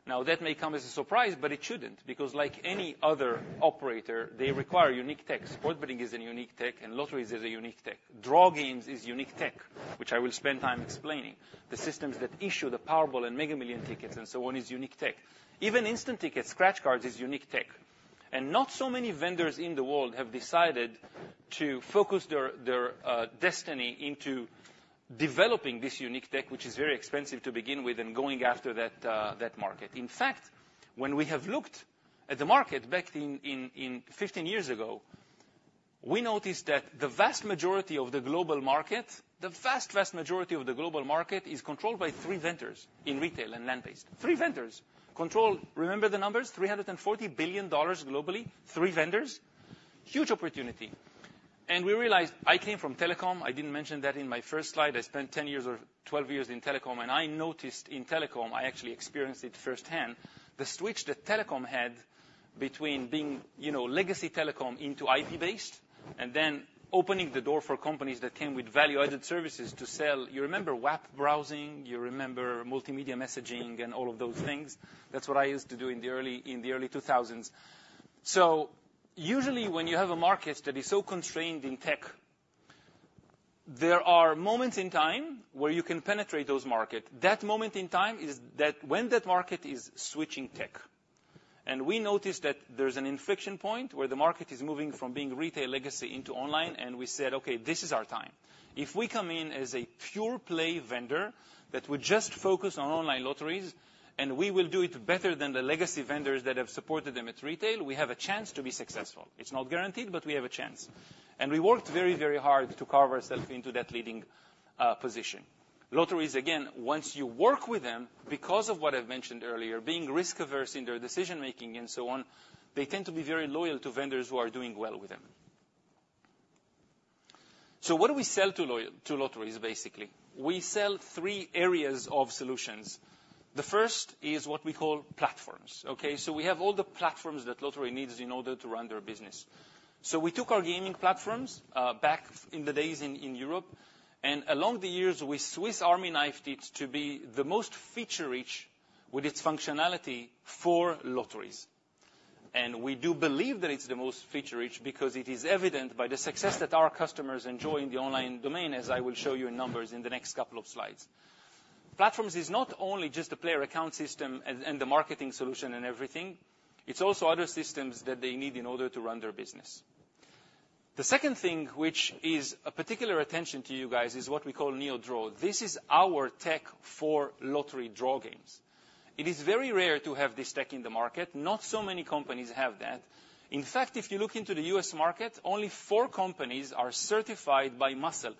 [SPEAKER 4] Now, that may come as a surprise, but it shouldn't, because like any other operator, they require unique tech. Sports betting is a unique tech, and lotteries is a unique tech. Draw games is unique tech, which I will spend time explaining. The systems that issue the Powerball and Mega Millions tickets and so on is unique tech. Even instant tickets, scratch cards, is unique tech. And not so many vendors in the world have decided to focus their, their, destiny into developing this unique tech, which is very expensive to begin with and going after that, that market. In fact, when we have looked at the market back in 15 years ago, we noticed that the vast majority of the global market, the vast, vast majority of the global market, is controlled by three vendors in retail and land-based. Three vendors. Control Remember the numbers? $340 billion globally, three vendors. Huge opportunity. And we realized, I came from telecom. I didn't mention that in my first slide. I spent 10 years or 12 years in telecom, and I noticed in telecom, I actually experienced it firsthand, the switch that telecom had between being, you know, legacy telecom into IP-based, and then opening the door for companies that came with value-added services to sell. You remember WAP browsing, you remember multimedia messaging and all of those things? That's what I used to do in the early 2000s. So usually, when you have a market that is so constrained in tech, there are moments in time where you can penetrate those markets. That moment in time is that when that market is switching tech, and we notice that there's an inflection point where the market is moving from being retail legacy into online, and we said, "Okay, this is our time." If we come in as a pure play vendor that would just focus on online lotteries, and we will do it better than the legacy vendors that have supported them at retail, we have a chance to be successful. It's not guaranteed, but we have a chance. And we worked very, very hard to carve ourselves into that leading position. Lotteries, again, once you work with them, because of what I've mentioned earlier, being risk-averse in their decision-making and so on, they tend to be very loyal to vendors who are doing well with them. So what do we sell to loyal to lotteries, basically? We sell three areas of solutions. The first is what we call platforms, okay? So we have all the platforms that lottery needs in order to run their business. So we took our gaming platforms, back in the days in Europe, and along the years, we Swiss Army knifed it to be the most feature-rich with its functionality for lotteries. And we do believe that it's the most feature-rich because it is evident by the success that our customers enjoy in the online domain, as I will show you in numbers in the next couple of slides. Platforms is not only just the player account system and the marketing solution and everything, it's also other systems that they need in order to run their business. The second thing, which is a particular attention to you guys, is what we call NeoDraw. This is our tech for lottery draw games. It is very rare to have this tech in the market. Not so many companies have that. In fact, if you look into the U.S. market, only four companies are certified by MUSL.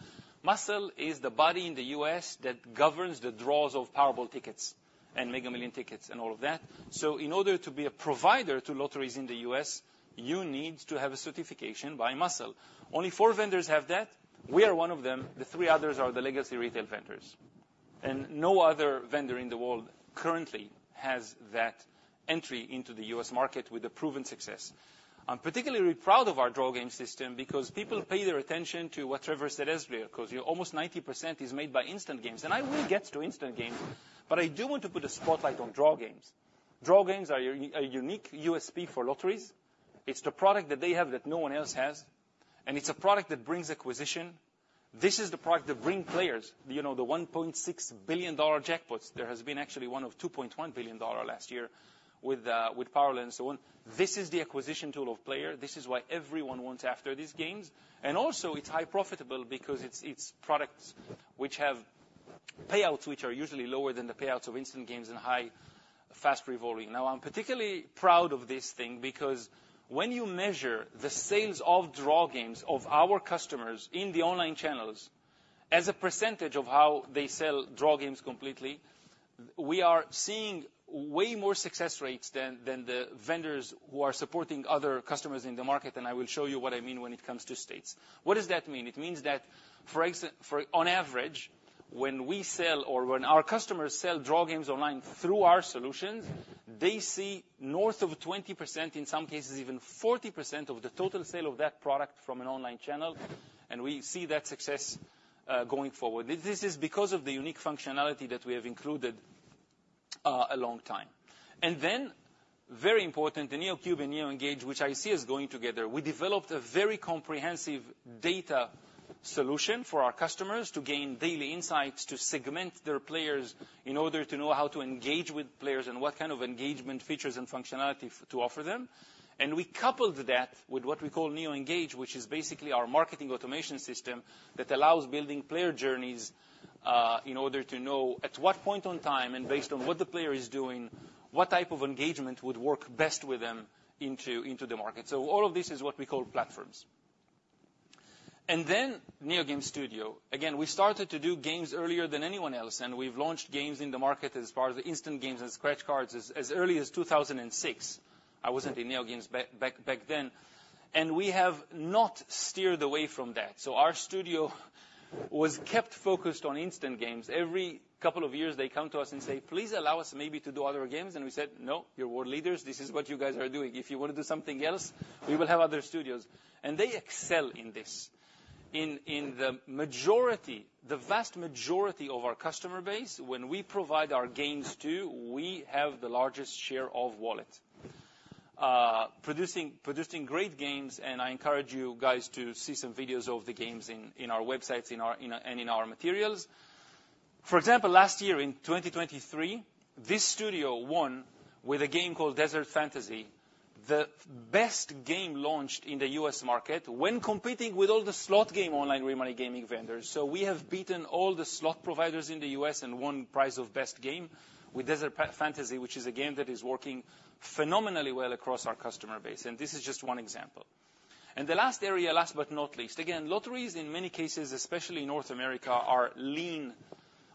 [SPEAKER 4] MUSL is the body in the U.S. that governs the draws of Powerball tickets and Mega Millions tickets and all of that. So in order to be a provider to lotteries in the U.S., you need to have a certification by MUSL. Only four vendors have that. We are one of them. The three others are the legacy retail vendors, and no other vendor in the world currently has that entry into the U.S. market with a proven success. I'm particularly proud of our draw game system because people pay their attention to whatever is there, because, you know, almost 90% is made by instant games, and I will get to instant games, but I do want to put a spotlight on draw games. Draw games are a unique U.S.P for lotteries. It's the product that they have that no one else has, and it's a product that brings acquisition. This is the product that bring players, you know, the $1.6 billion jackpots. There has been actually one of $2.1 billion last year with, with Powerball and so on. This is the acquisition tool of player. This is why everyone wants after these games. And also, it's high profitable because it's, it's products which have- Payouts, which are usually lower than the payouts of instant games and high, fast revolving. Now, I'm particularly proud of this thing, because when you measure the sales of draw games of our customers in the online channels, as a percentage of how they sell draw games completely, we are seeing way more success rates than the vendors who are supporting other customers in the market, and I will show you what I mean when it comes to states. What does that mean? It means that, for, on average, when we sell or when our customers sell draw games online through our solutions, they see north of 20%, in some cases, even 40% of the total sale of that product from an online channel, and we see that success going forward. This is because of the unique functionality that we have included a long time. And then, very important, the NeoCube and NeoEngage, which I see as going together. We developed a very comprehensive data solution for our customers to gain daily insights, to segment their players in order to know how to engage with players and what kind of engagement features and functionality to offer them. And we coupled that with what we call NeoEngage, which is basically our marketing automation system that allows building player journeys in order to know at what point in time, and based on what the player is doing, what type of engagement would work best with them into the market. So all of this is what we call platforms. And then NeoGames Studio. Again, we started to do games earlier than anyone else, and we've launched games in the market as far as the instant games and scratch cards as early as 2006. I wasn't in NeoGames back, back, back then, and we have not steered away from that. So our studio was kept focused on instant games. Every couple of years, they come to us and say, "Please allow us maybe to do other games." And we said, "No, you're world leaders. This is what you guys are doing. If you want to do something else, we will have other studios." And they excel in this. In the majority, the vast majority of our customer base, when we provide our games too, we have the largest share of wallet. Producing great games, and I encourage you guys to see some videos of the games in our websites and in our materials. For example, last year in 2023, this studio won, with a game called Desert Fantasy, the best game launched in the U.S. market when competing with all the slot game online real money gaming vendors. So we have beaten all the slot providers in the U.S. and won prize of best game with Desert Fantasy, which is a game that is working phenomenally well across our customer base, and this is just one example. The last area, last but not least, again, lotteries, in many cases, especially in North America, are lean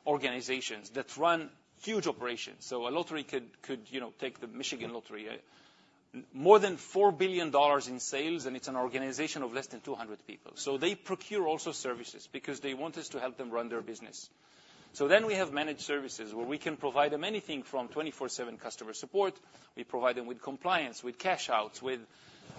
[SPEAKER 4] organizations that run huge operations. So a lottery could, you know, take the Michigan Lottery. More than $4 billion in sales, and it's an organization of less than 200 people. So they procure also services because they want us to help them run their business. So then we have managed services, where we can provide them anything from 24/7 customer support, we provide them with compliance, with cash outs, with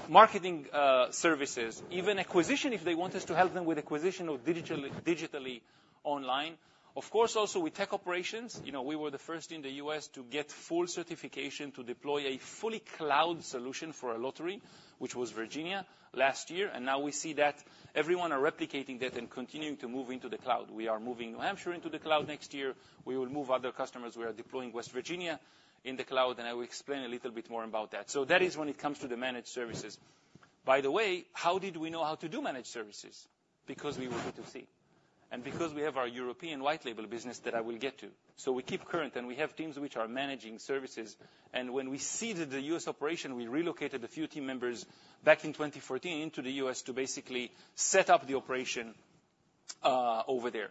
[SPEAKER 4] marketing, services, even acquisition, if they want us to help them with acquisition of digitally, digitally online. Of course, also with tech operations, you know, we were the first in the U.S. to get full certification to deploy a fully cloud solution for a lottery, which was Virginia last year, and now we see that everyone are replicating that and continuing to move into the cloud. We are moving New Hampshire into the cloud next year. We will move other customers. We are deploying West Virginia in the cloud, and I will explain a little bit more about that. So that is when it comes to the managed services. By the way, how did we know how to do managed services? Because we were B2C, and because we have our European white label business that I will get to. So we keep current, and we have teams which are managing services, and when we seeded the U.S. operation, we relocated a few team members back in 2014 into the U.S. to basically set up the operation over there.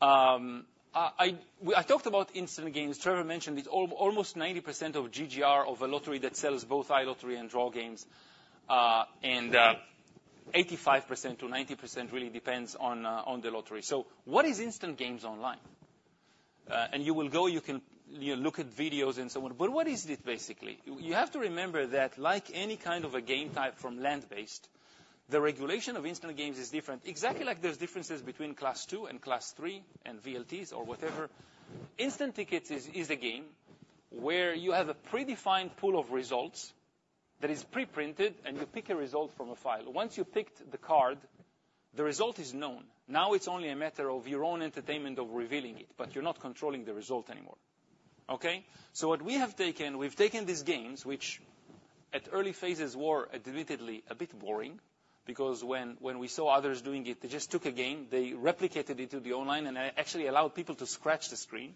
[SPEAKER 4] I talked about instant games. Trevor mentioned it's almost 90% of GGR of a lottery that sells both iLottery and draw games, and 85%-90% really depends on the lottery. So what is instant games online? And you will go, you can, you look at videos and so on, but what is it, basically? You have to remember that, like any kind of a game type from land-based, the regulation of instant games is different, exactly like there's differences between Class II and Class III and VLTs or whatever. Instant tickets is, is a game where you have a predefined pool of results that is pre-printed, and you pick a result from a file. Once you picked the card, the result is known. Now it's only a matter of your own entertainment of revealing it, but you're not controlling the result anymore, okay? So what we have taken, we've taken these games, which at early phases were admittedly a bit boring, because when we saw others doing it, they just took a game, they replicated it to the online, and actually allowed people to scratch the screen,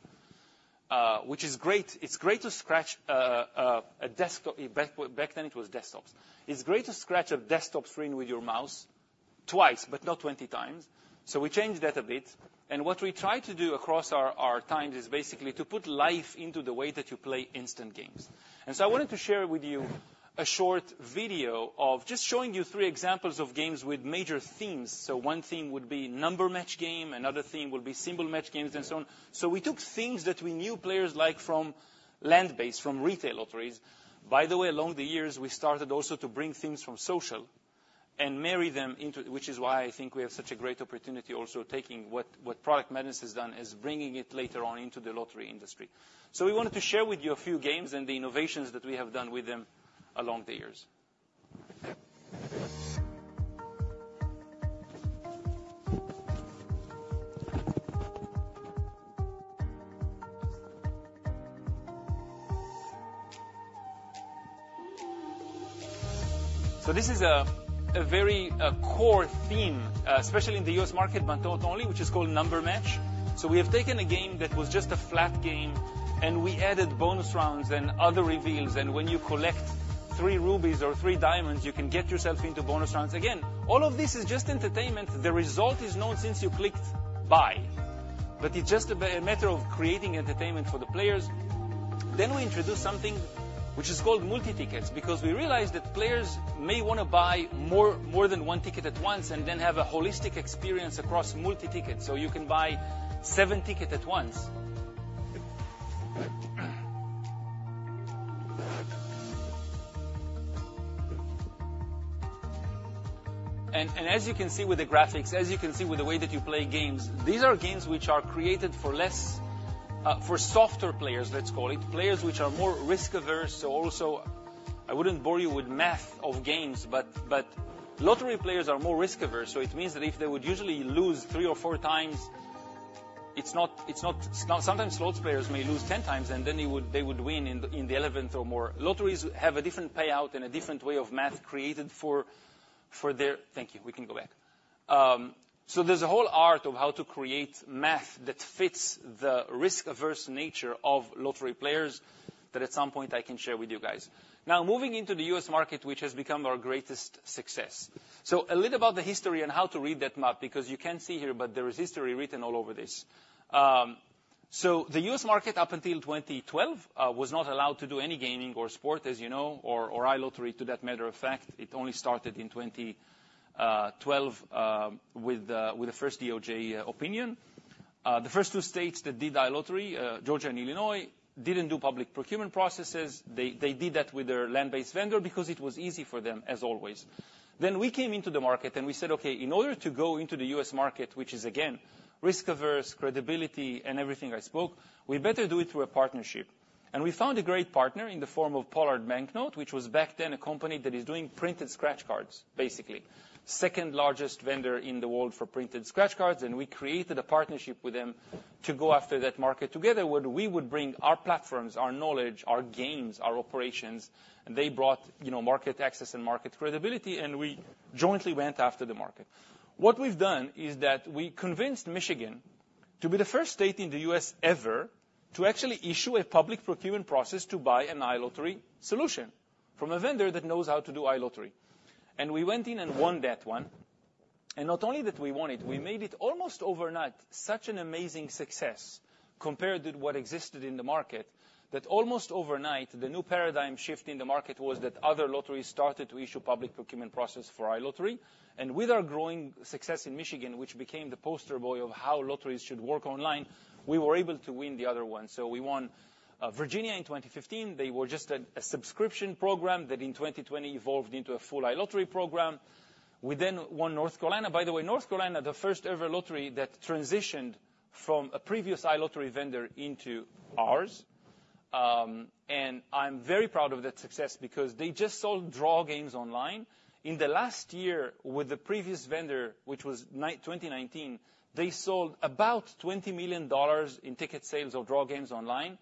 [SPEAKER 4] which is great. It's great to scratch a desktop screen. Back then, it was desktops. It's great to scratch a desktop screen with your mouse twice, but not 20 times, so we changed that a bit. What we tried to do across our times is basically to put life into the way that you play instant games. I wanted to share with you a short video of just showing you three examples of games with major themes. One theme would be number match game, another theme would be symbol match games, and so on. So we took themes that we knew players like from land-based, from retail lotteries. By the way, along the years, we started also to bring themes from social and marry them into Which is why I think we have such a great opportunity, also, taking what Product Madness has done, is bringing it later on into the lottery industry. So we wanted to share with you a few games and the innovations that we have done with them along the years. So this is a very core theme, especially in the U.S. market, but not only, which is called number match. So we have taken a game that was just a flat game, and we added bonus rounds and other reveals, and when you collect three rubies or three diamonds, you can get yourself into bonus rounds again. All of this is just entertainment. The result is known since you clicked buy, but it's just a matter of creating entertainment for the players. Then we introduced something which is called multi-tickets, because we realized that players may wanna buy more than one ticket at once and then have a holistic experience across multi-tickets, so you can buy seven ticket at once. And as you can see with the graphics, as you can see with the way that you play games, these are games which are created for less, for softer players, let's call it. Players which are more risk-averse. So also, I wouldn't bore you with math of games, but, but lottery players are more risk-averse, so it means that if they would usually lose 3 or 4 times, it's not, it's not—Sometimes slots players may lose 10 times, and then they would, they would win in the, in the 11th or more. Lotteries have a different payout and a different way of math created for, for their Thank you. We can go back. So there's a whole art of how to create math that fits the risk-averse nature of lottery players, that at some point, I can share with you guys. Now, moving into the U.S. market, which has become our greatest success. So a little about the history and how to read that map, because you can't see here, but there is history written all over this. So the U.S. market, up until 2012, was not allowed to do any gaming or sport, as you know, or iLottery, to that matter of fact. It only started in 2012, with the first DOJ opinion. The first two states that did iLottery, Georgia and Illinois, didn't do public procurement processes. They did that with their land-based vendor because it was easy for them, as always. Then we came into the market, and we said, "Okay, in order to go into the U.S. market," which is again, risk-averse, credibility and everything I spoke, "we better do it through a partnership." We found a great partner in the form of Pollard Banknote, which was back then, a company that is doing printed scratch cards, basically. Second largest vendor in the world for printed scratch cards, and we created a partnership with them to go after that market together, where we would bring our platforms, our knowledge, our games, our operations, and they brought, you know, market access and market credibility, and we jointly went after the market. What we've done is that we convinced Michigan to be the first state in the U.S. ever, to actually issue a public procurement process to buy an iLottery solution from a vendor that knows how to do iLottery. And we went in and won that one. And not only that we won it, we made it almost overnight, such an amazing success compared with what existed in the market. That almost overnight, the new paradigm shift in the market was that other lotteries started to issue public procurement process for iLottery. With our growing success in Michigan, which became the poster boy of how lotteries should work online, we were able to win the other one. We won Virginia in 2015. They were just a subscription program that in 2020 evolved into a full iLottery program. We then won North Carolina. By the way, North Carolina, the first-ever lottery that transitioned from a previous iLottery vendor into ours. And I'm very proud of that success because they just sold draw games online. In the last year with the previous vendor, 2019, they sold about $20 million in ticket sales of draw games online.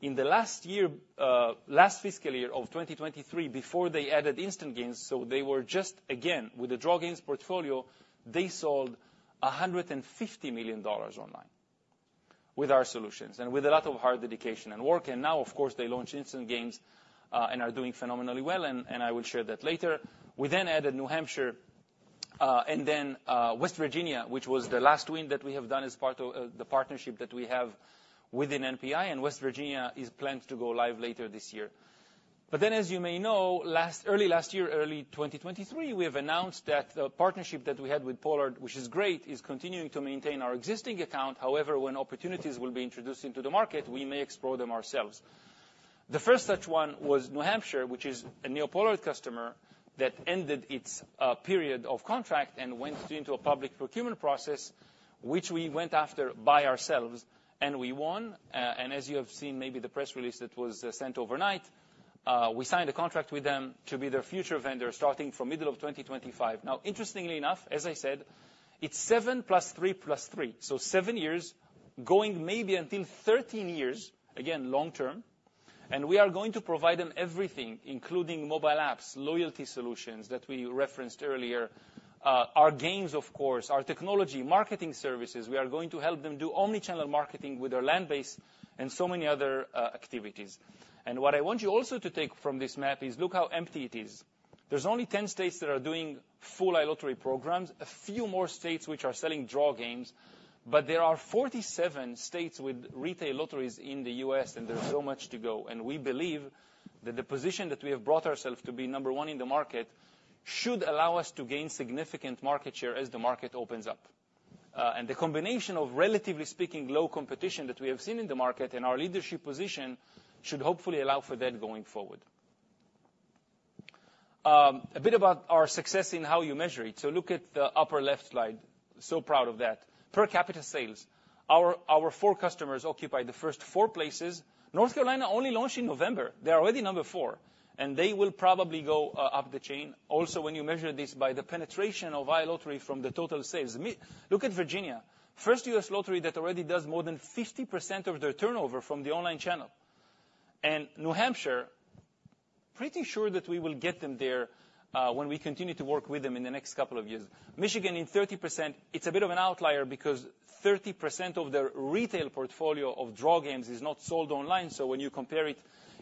[SPEAKER 4] In the last year, last fiscal year of 2023, before they added instant games, so they were just, again, with the draw games portfolio, they sold $150 million online with our solutions and with a lot of hard dedication and work. And now, of course, they launched instant games, and are doing phenomenally well, and I will share that later. We then added New Hampshire, and then West Virginia, which was the last win that we have done as part of the partnership that we have within NPI, and West Virginia is planned to go live later this year. But then, as you may know, early last year, early 2023, we have announced that the partnership that we had with Pollard, which is great, is continuing to maintain our existing account. However, when opportunities will be introduced into the market, we may explore them ourselves. The first such one was New Hampshire, which is a NeoPollard customer, that ended its period of contract and went into a public procurement process, which we went after by ourselves, and we won. And as you have seen, maybe the press release that was sent overnight, we signed a contract with them to be their future vendor, starting from middle of 2025. Now, interestingly enough, as I said, it's 7 + 3 + 3, so 7 years, going maybe until 13 years, again, long-term. And we are going to provide them everything, including mobile apps, loyalty solutions that we referenced earlier, our games, of course, our technology, marketing services. We are going to help them do omni-channel marketing with their land base and so many other activities. What I want you also to take from this map is look how empty it is. There's only 10 states that are doing full iLottery programs, a few more states which are selling draw games, but there are 47 states with retail lotteries in the U.S., and there's so much to go. We believe that the position that we have brought ourselves to be number one in the market should allow us to gain significant market share as the market opens up. The combination of, relatively speaking, low competition that we have seen in the market and our leadership position should hopefully allow for that going forward. A bit about our success in how you measure it. Look at the upper left slide. Proud of that. Per capita sales, our four customers occupy the first four places. North Carolina only launched in November. They are already number 4, and they will probably go up the chain. Also, when you measure this by the penetration of iLottery from the total sales. Look at Virginia, first U.S. lottery that already does more than 50% of their turnover from the online channel. And New Hampshire, pretty sure that we will get them there, when we continue to work with them in the next couple of years. Michigan, in 30%, it's a bit of an outlier because 30% of their retail portfolio of draw games is not sold online, so when you compare it,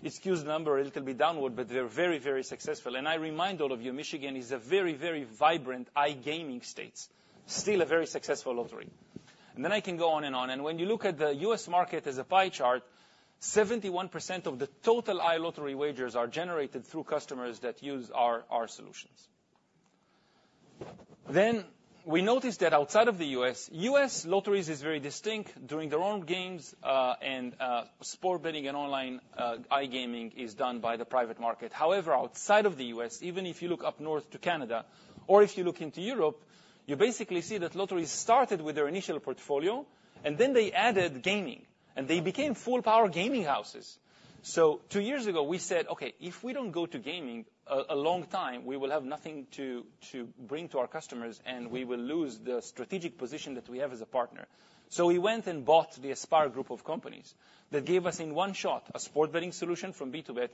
[SPEAKER 4] it skews the number a little bit downward, but they're very, very successful. And I remind all of you, Michigan is a very, very vibrant iGaming state, still a very successful lottery. And then I can go on and on. When you look at the U.S. market as a pie chart, 71% of the total iLottery wagers are generated through customers that use our, our solutions. We noticed that outside of the U.S., U.S. Lotteries is very distinct, doing their own games, and sport betting and online iGaming is done by the private market. However, outside of the U.S., even if you look up north to Canada, or if you look into Europe, you basically see that lotteries started with their initial portfolio, and then they added gaming, and they became full-power gaming houses. Two years ago, we said, "Okay, if we don't go to gaming a long time, we will have nothing to bring to our customers, and we will lose the strategic position that we have as a partner." We went and bought the Aspire group of companies. That gave us, in one shot, a sports betting solution from BtoBet,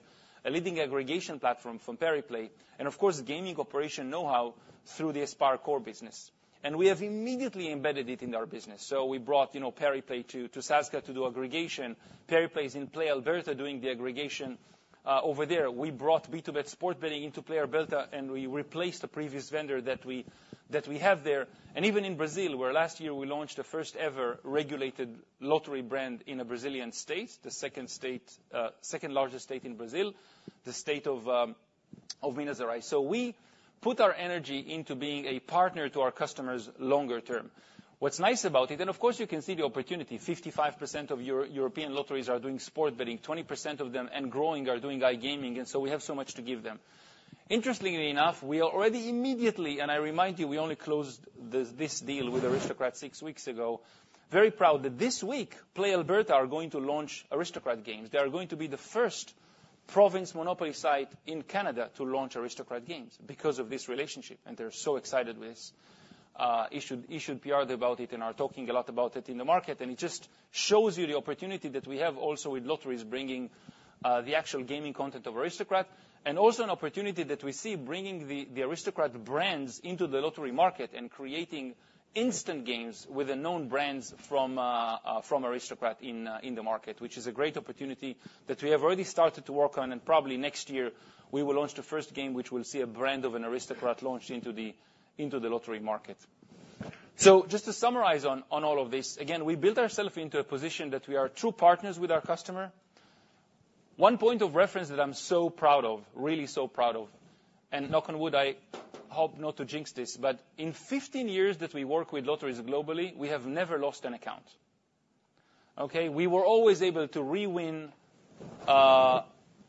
[SPEAKER 4] a leading aggregation platform from Pariplay, and of course, gaming operation know-how through the Aspire core business. We have immediately embedded it in our business. So we brought, you know, Pariplay to Sazka to do aggregation. Pariplay is in PlayAlberta, doing the aggregation over there. We brought BtoBet sports betting into PlayAlberta, and we replaced the previous vendor that we have there. Even in Brazil, where last year we launched the first-ever regulated lottery brand in a Brazilian state, the second-largest state in Brazil, the state of Minas Gerais. So we put our energy into being a partner to our customers longer term. What's nice about it, and of course, you can see the opportunity, 55% of European lotteries are doing sports betting, 20% of them, and growing, are doing iGaming, and so we have so much to give them. Interestingly enough, we are already immediately, and I remind you, we only closed this, this deal with Aristocrat six weeks ago, very proud that this week, PlayAlberta are going to launch Aristocrat games. They are going to be the first province monopoly site in Canada to launch Aristocrat games because of this relationship, and they're so excited with this. Issued, issued PR about it and are talking a lot about it in the market, and it just shows you the opportunity that we have also with lotteries, bringing the actual gaming content of Aristocrat, and also an opportunity that we see bringing the Aristocrat brands into the lottery market and creating instant games with the known brands from from Aristocrat in in the market, which is a great opportunity that we have already started to work on, and probably next year, we will launch the first game, which we'll see a brand of an Aristocrat launch into the into the lottery market. So just to summarize on on all of this, again, we built ourself into a position that we are true partners with our customer. One point of reference that I'm so proud of, really so proud of, and knock on wood, I hope not to jinx this, but in 15 years that we work with lotteries globally, we have never lost an account, okay? We were always able to re-win,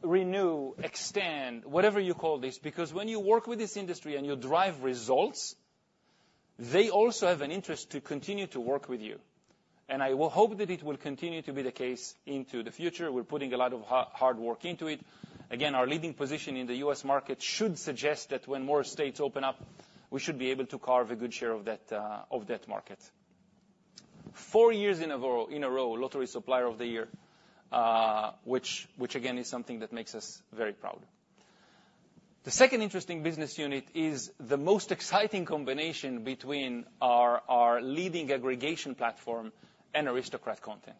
[SPEAKER 4] renew, extend, whatever you call this, because when you work with this industry and you drive results, they also have an interest to continue to work with you. I will hope that it will continue to be the case into the future. We're putting a lot of hard work into it. Again, our leading position in the U.S. market should suggest that when more states open up, we should be able to carve a good share of that, of that market. Four years in a row, Lottery Supplier of the Year, which again is something that makes us very proud. The second interesting business unit is the most exciting combination between our leading aggregation platform and Aristocrat content,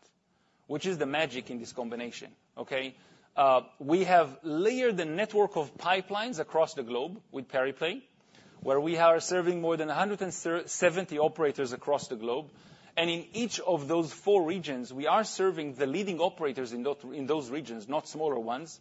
[SPEAKER 4] which is the magic in this combination, okay? We have layered the network of pipelines across the globe with Pariplay, where we are serving more than 170 operators across the globe. And in each of those four regions, we are serving the leading operators in those regions, not smaller ones.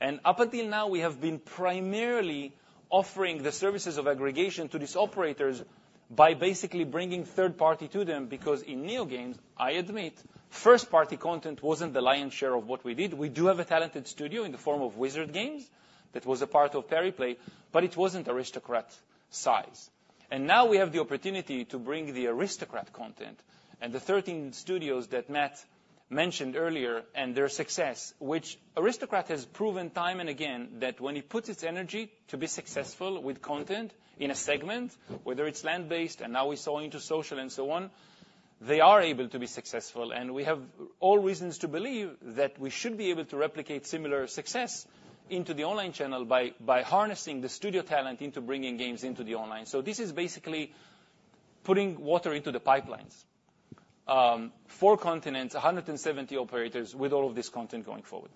[SPEAKER 4] And up until now, we have been primarily offering the services of aggregation to these operators by basically bringing third party to them, because in NeoGames, I admit, first-party content wasn't the lion's share of what we did. We do have a talented studio in the form of Wizard Games that was a part of Pariplay, but it wasn't Aristocrat size. And now we have the opportunity to bring the Aristocrat content and the 13 studios that Matt mentioned earlier and their success, which Aristocrat has proven time and again, that when it puts its energy to be successful with content in a segment, whether it's land-based and now we saw into social and so on, they are able to be successful. And we have all reasons to believe that we should be able to replicate similar success into the online channel by harnessing the studio talent into bringing games into the online. So this is basically putting water into the pipelines. 4 continents, 170 operators with all of this content going forward.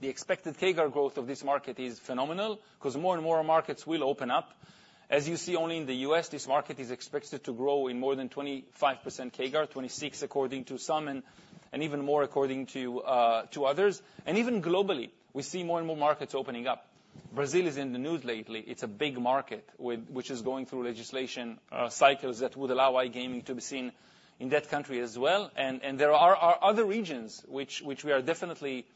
[SPEAKER 4] The expected CAGR growth of this market is phenomenal because more and more markets will open up. As you see, only in the U.S., this market is expected to grow in more than 25% CAGR, 26, according to some, and even more according to others. Even globally, we see more and more markets opening up. Brazil is in the news lately. It's a big market which is going through legislation cycles that would allow iGaming to be seen in that country as well. There are other regions which we are definitely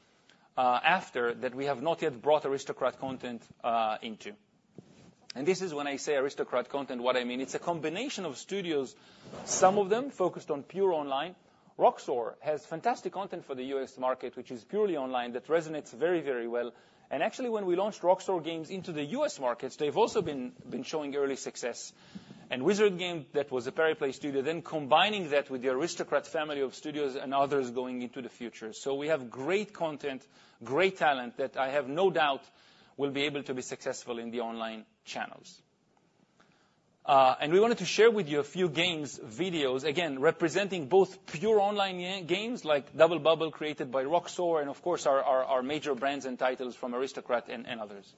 [SPEAKER 4] after that we have not yet brought Aristocrat content into. This is when I say Aristocrat content, what I mean, it's a combination of studios, some of them focused on pure online. Roxor has fantastic content for the U.S. market, which is purely online, that resonates very, very well. Actually, when we launched Roxor games into the U.S. markets, they've also been showing early success. And Wizard Games, that was a Pariplay studio, then combining that with the Aristocrat family of studios and others going into the future. So we have great content, great talent, that I have no doubt will be able to be successful in the online channels. And we wanted to share with you a few games, videos, again, representing both pure online games, like Double Bubble, created by Roxor, and of course, our major brands and titles from Aristocrat and others.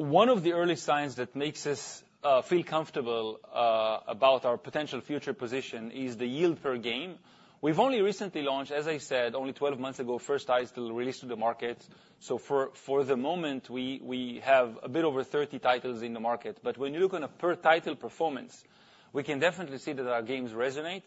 [SPEAKER 4] Back. Thank you. One of the early signs that makes us feel comfortable about our potential future position is the yield per game. We've only recently launched, as I said, only 12 months ago, first title released to the market, so for the moment, we have a bit over 30 titles in the market. But when you look on a per-title performance, we can definitely see that our games resonate,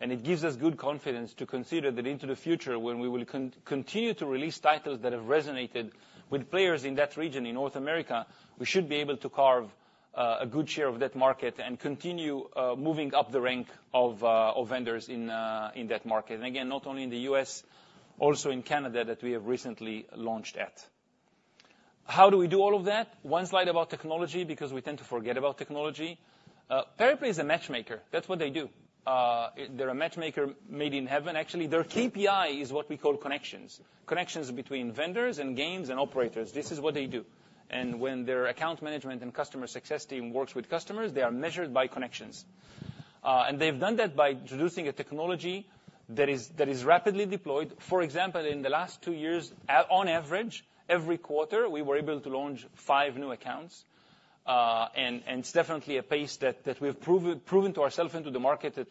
[SPEAKER 4] and it gives us good confidence to consider that into the future, when we will continue to release titles that have resonated with players in that region. In North America, we should be able to carve a good share of that market and continue moving up the rank of vendors in that market. And again, not only in the U.S., also in Canada, that we have recently launched at. How do we do all of that? One slide about technology, because we tend to forget about technology. Pariplay is a matchmaker. That's what they do. They're a matchmaker made in heaven, actually. Their KPI is what we call connections, connections between vendors and games and operators. This is what they do. And when their account management and customer success team works with customers, they are measured by connections. And they've done that by introducing a technology that is rapidly deployed. For example, in the last 2 years, on average, every quarter, we were able to launch 5 new accounts. And it's definitely a pace that we have proven to ourselves and to the market that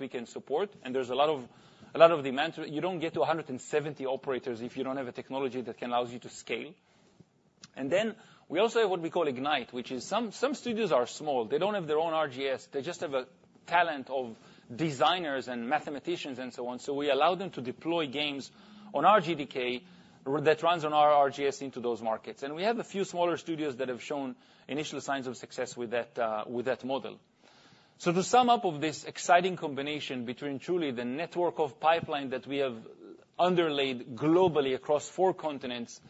[SPEAKER 4] we can support, and there's a lot of demand to it. You don't get to 170 operators if you don't have a technology that can allow you to scale. We also have what we call Ignite, which is some studios are small. They don't have their own RGS. They just have a talent of designers and mathematicians and so on. So we allow them to deploy games on our GDK, that runs on our RGS into those markets. And we have a few smaller studios that have shown initial signs of success with that, with that model. To sum up this exciting combination between truly the network of pipeline that we have underlaid globally across four continents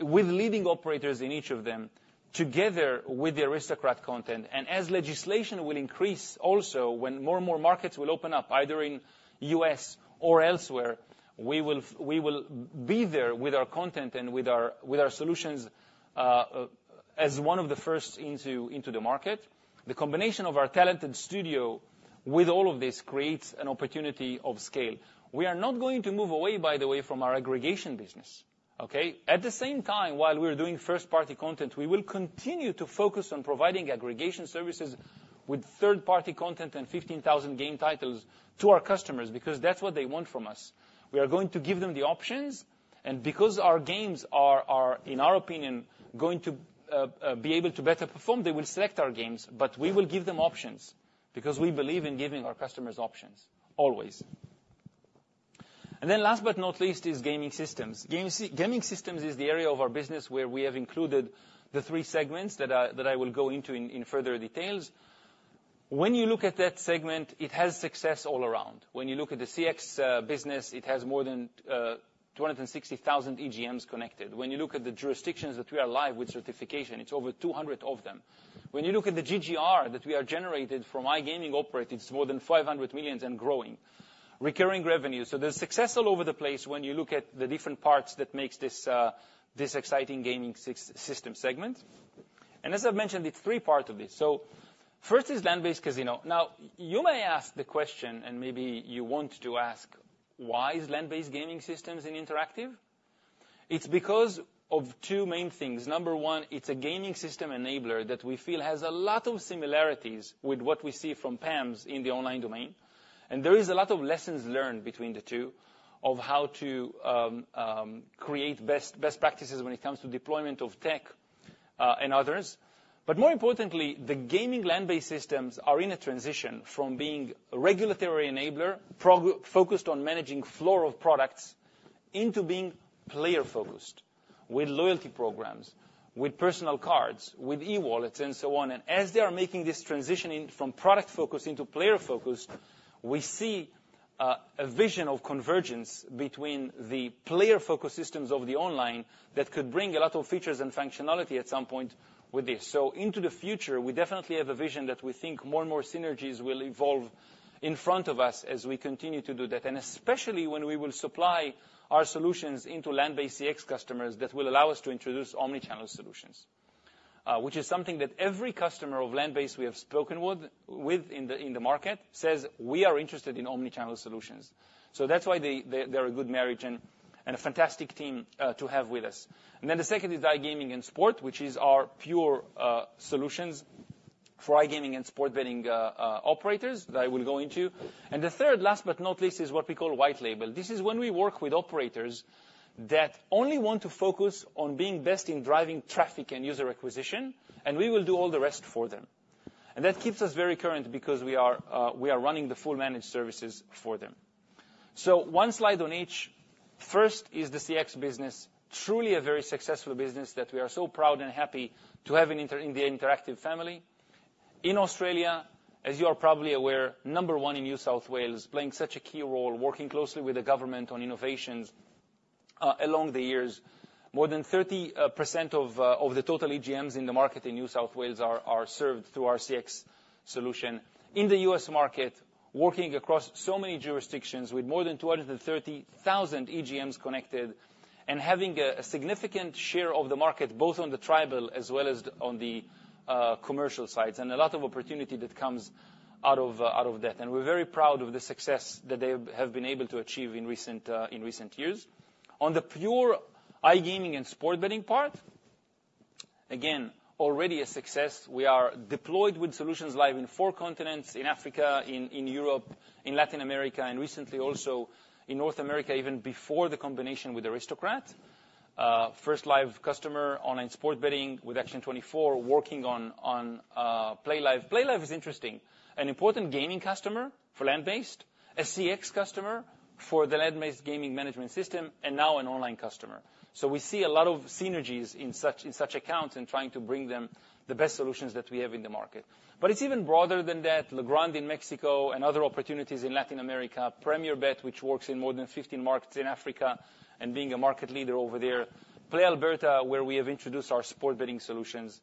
[SPEAKER 4] with leading operators in each of them, together with the Aristocrat content, and as legislation will increase, also, when more and more markets will open up, either in U.S. or elsewhere, we will be there with our content and with our solutions as one of the first into the market. The combination of our talented studio with all of this creates an opportunity of scale. We are not going to move away, by the way, from our aggregation business, okay? At the same time, while we are doing first-party content, we will continue to focus on providing aggregation services with third-party content and 15,000 game titles to our customers, because that's what they want from us. We are going to give them the options, and because our games are, in our opinion, going to be able to better perform, they will select our games. But we will give them options, because we believe in giving our customers options, always. And then, last but not least, is gaming systems. Gaming systems is the area of our business where we have included the three segments that I will go into in further details. When you look at that segment, it has success all around. When you look at the CX business, it has more than 260,000 EGMs connected. When you look at the jurisdictions that we are live with certification, it's over 200 of them. When you look at the GGR that we have generated from iGaming operators, it's more than $500 million and growing. Recurring revenue, so there's success all over the place when you look at the different parts that makes this, this exciting gaming system segment. And as I've mentioned, it's three parts of this. So first is land-based casino. Now, you may ask the question, and maybe you want to ask, "Why is land-based gaming systems in interactive?" It's because of two main things. Number one, it's a gaming system enabler that we feel has a lot of similarities with what we see from PAMs in the online domain, and there is a lot of lessons learned between the two of how to, create best practices when it comes to deployment of tech, and others. But more importantly, the gaming land-based systems are in a transition from being a regulatory enabler, product-focused on managing flow of products, into being player-focused with loyalty programs, with personal cards, with e-wallets, and so on. And as they are making this transitioning from product-focused into player-focused, we see a vision of convergence between the player-focused systems of the online that could bring a lot of features and functionality at some point with this. So into the future, we definitely have a vision that we think more and more synergies will evolve in front of us as we continue to do that, and especially when we will supply our solutions into land-based CX customers that will allow us to introduce omni-channel solutions. Which is something that every customer of land-based we have spoken with, within the market, says, "We are interested in omni-channel solutions." So that's why they, they're a good marriage and a fantastic team to have with us. And then the second is iGaming and sports, which is our pure solutions for iGaming and sports betting operators, that I will go into. And the third, last but not least, is what we call white label. This is when we work with operators that only want to focus on being best in driving traffic and user acquisition, and we will do all the rest for them. And that keeps us very current because we are running the full managed services for them. So one slide on each. First is the CX business, truly a very successful business that we are so proud and happy to have in the Interactive family. In Australia, as you are probably aware, number one in New South Wales, playing such a key role, working closely with the government on innovations along the years. More than 30% of the total EGMs in the market in New South Wales are served through our CX solution. In the U.S. market, working across so many jurisdictions with more than 230,000 EGMs connected, and having a significant share of the market, both on the tribal as well as on the commercial sides, and a lot of opportunity that comes out of that. And we're very proud of the success that they have been able to achieve in recent years. On the pure iGaming and sports betting part, again, already a success. We are deployed with solutions live in four continents, in Africa, in Europe, in Latin America, and recently also in North America, even before the combination with Aristocrat. First live customer online sports betting with Action 24/7, working on PlayLive! PlayLive! is interesting, an important gaming customer for land-based, a CX customer for the land-based gaming management system, and now an online customer. So we see a lot of synergies in such accounts in trying to bring them the best solutions that we have in the market. But it's even broader than that. Logrand in Mexico, and other opportunities in Latin America, Premier Bet, which works in more than 15 markets in Africa, and being a market leader over there, PlayAlberta, where we have introduced our sports betting solutions,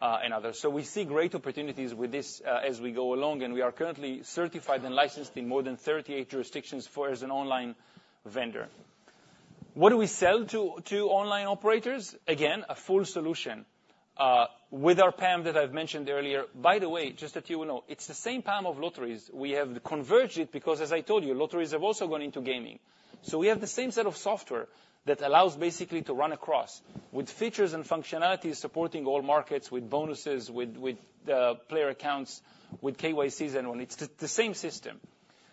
[SPEAKER 4] and others. So we see great opportunities with this, as we go along, and we are currently certified and licensed in more than 38 jurisdictions as an online vendor. What do we sell to online operators? Again, a full solution, with our PAM that I've mentioned earlier. By the way, just that you will know, it's the same PAM of lotteries. We have converged it because, as I told you, lotteries have also gone into gaming. So we have the same set of software that allows basically to run across, with features and functionalities supporting all markets, with bonuses, with player accounts, with KYCs and all. It's the same system.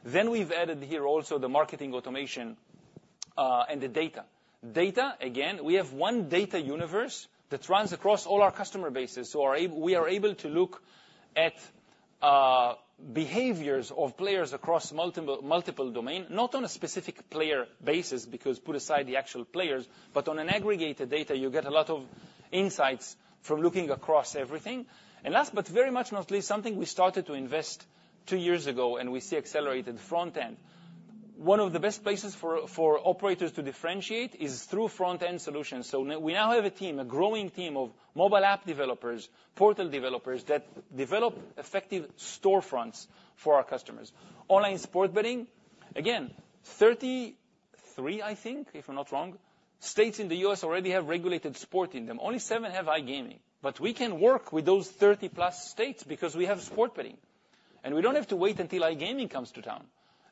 [SPEAKER 4] Then we've added here also the marketing automation and the data. Data, again, we have one data universe that runs across all our customer bases, so we are able to look at behaviors of players across multiple domains. Not on a specific player basis, because put aside the actual players, but on an aggregated data, you get a lot of insights from looking across everything. And last, but very much not least, something we started to invest two years ago, and we see accelerated front end. One of the best places for operators to differentiate is through front-end solutions. We now have a team, a growing team of mobile app developers, portal developers, that develop effective storefronts for our customers. Online sports betting, again, 33, I think, if I'm not wrong, states in the U.S. already have regulated sports in them. Only seven have iGaming, but we can work with those 30+ states because we have sports betting. And we don't have to wait until iGaming comes to town,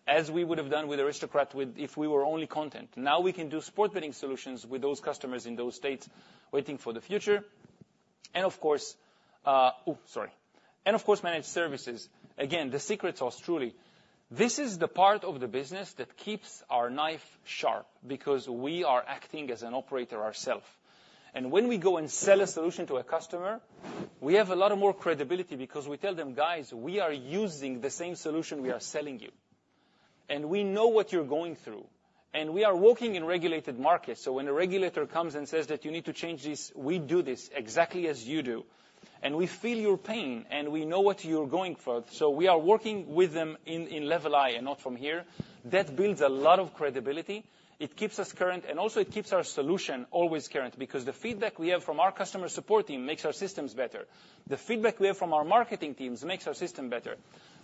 [SPEAKER 4] as we would have done with Aristocrat, with If we were only content. Now, we can do sports betting solutions with those customers in those states, waiting for the future. And of course, managed services. Again, the secret sauce, truly. This is the part of the business that keeps our knife sharp, because we are acting as an operator ourselves. When we go and sell a solution to a customer, we have a lot more credibility because we tell them, "Guys, we are using the same solution we are selling you, and we know what you're going through, and we are working in regulated markets. So when a regulator comes and says that you need to change this, we do this exactly as you do, and we feel your pain, and we know what you're going through." So we are working with them eye to eye and not from here. That builds a lot of credibility, it keeps us current, and also it keeps our solution always current, because the feedback we have from our customer support team makes our systems better. The feedback we have from our marketing teams makes our system better.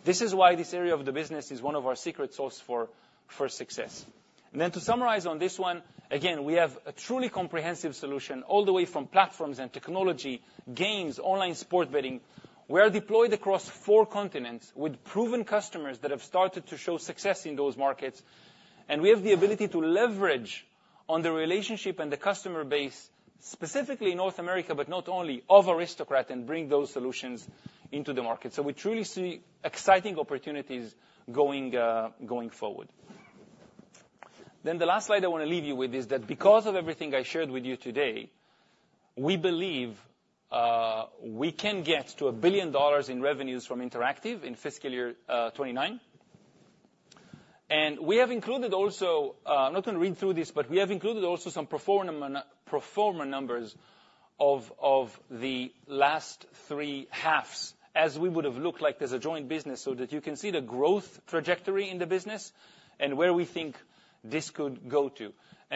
[SPEAKER 4] This is why this area of the business is one of our secret sauce for, for success. Then to summarize on this one, again, we have a truly comprehensive solution, all the way from platforms and technology, games, online sports betting. We are deployed across four continents with proven customers that have started to show success in those markets, and we have the ability to leverage on the relationship and the customer base, specifically in North America, but not only, of Aristocrat and bring those solutions into the market. So we truly see exciting opportunities going forward. Then the last slide I want to leave you with is that because of everything I shared with you today, we believe we can get to $1 billion in revenues from Interactive in fiscal year 2029. We have included also, I'm not gonna read through this, but we have included also some pro forma numbers of the last three halves as we would have looked like as a joint business, so that you can see the growth trajectory in the business and where we think this could go to.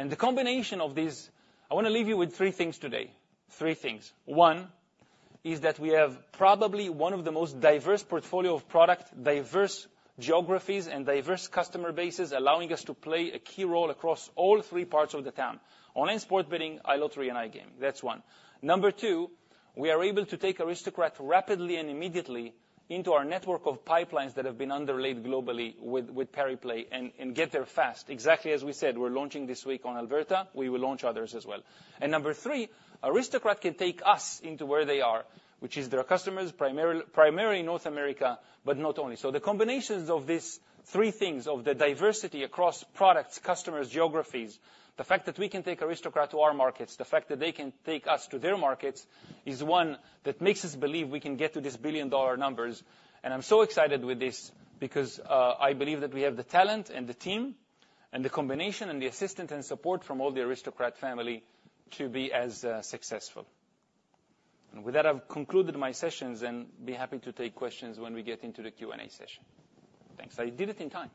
[SPEAKER 4] The combination of these, I wanna leave you with three things today. Three things. One, is that we have probably one of the most diverse portfolio of product, diverse geographies, and diverse customer bases, allowing us to play a key role across all three parts of the town. Online sport betting, iLottery, and iGaming. That's one. Number two, we are able to take Aristocrat rapidly and immediately into our network of pipelines that have been underlaid globally with Pariplay and get there fast. Exactly as we said, we're launching this week on Alberta, we will launch others as well. And number three, Aristocrat can take us into where they are, which is their customers, primary- primarily North America, but not only. So the combinations of these three things, of the diversity across products, customers, geographies, the fact that we can take Aristocrat to our markets, the fact that they can take us to their markets, is one that makes us believe we can get to these billion-dollar numbers. And I'm so excited with this, because, I believe that we have the talent and the team, and the combination and the assistance and support from all the Aristocrat family to be as, successful. And with that, I've concluded my sessions, and be happy to take questions when we get into the Q&A session. Thanks. I did it in time.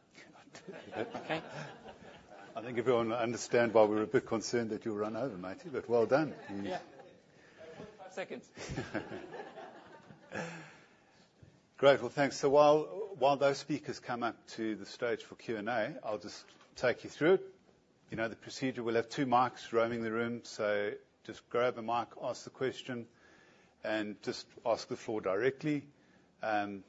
[SPEAKER 1] I think everyone understands why we were a bit concerned that you'll run over, Moti, but well done.
[SPEAKER 4] Yeah. I have 15 seconds.
[SPEAKER 1] Great. Well, thanks. So while those speakers come up to the stage for Q&A, I'll just take you through. You know the procedure, we'll have two mics roaming the room, so just grab a mic, ask the question, and just ask the floor directly. There'll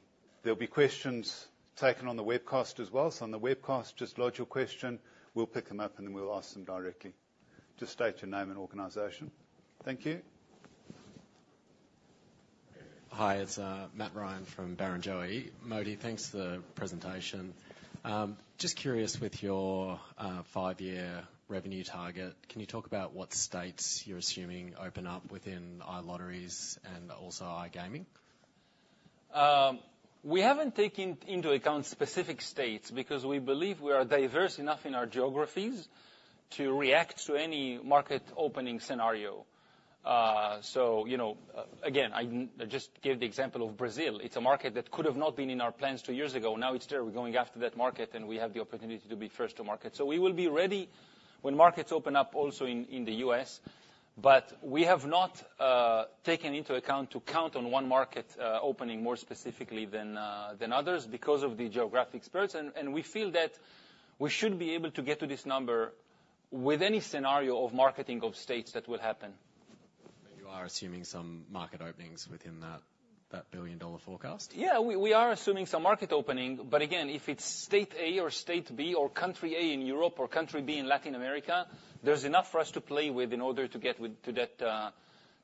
[SPEAKER 1] be questions taken on the webcast as well. So on the webcast, just lodge your question, we'll pick them up and then we'll ask them directly. Just state your name and organization. Thank you.
[SPEAKER 5] Hi, it's Matt Ryan from Barrenjoey. Moti, thanks for the presentation. Just curious with your five-year revenue target, can you talk about what states you're assuming open up within iLotteries and also iGaming?
[SPEAKER 4] We haven't taken into account specific states, because we believe we are diverse enough in our geographies to react to any market opening scenario. So, you know, again, I just gave the example of Brazil. It's a market that could have not been in our plans two years ago. Now it's there, we're going after that market, and we have the opportunity to be first to market. So we will be ready when markets open up also in the U.S., but we have not taken into account to count on one market opening more specifically than others, because of the geographic spreads. And we feel that we should be able to get to this number with any scenario of market opening of states that will happen.
[SPEAKER 5] You are assuming some market openings within that billion-dollar forecast?
[SPEAKER 4] Yeah, we are assuming some market opening, but again, if it's state A or state B, or country A in Europe or country B in Latin America, there's enough for us to play with in order to get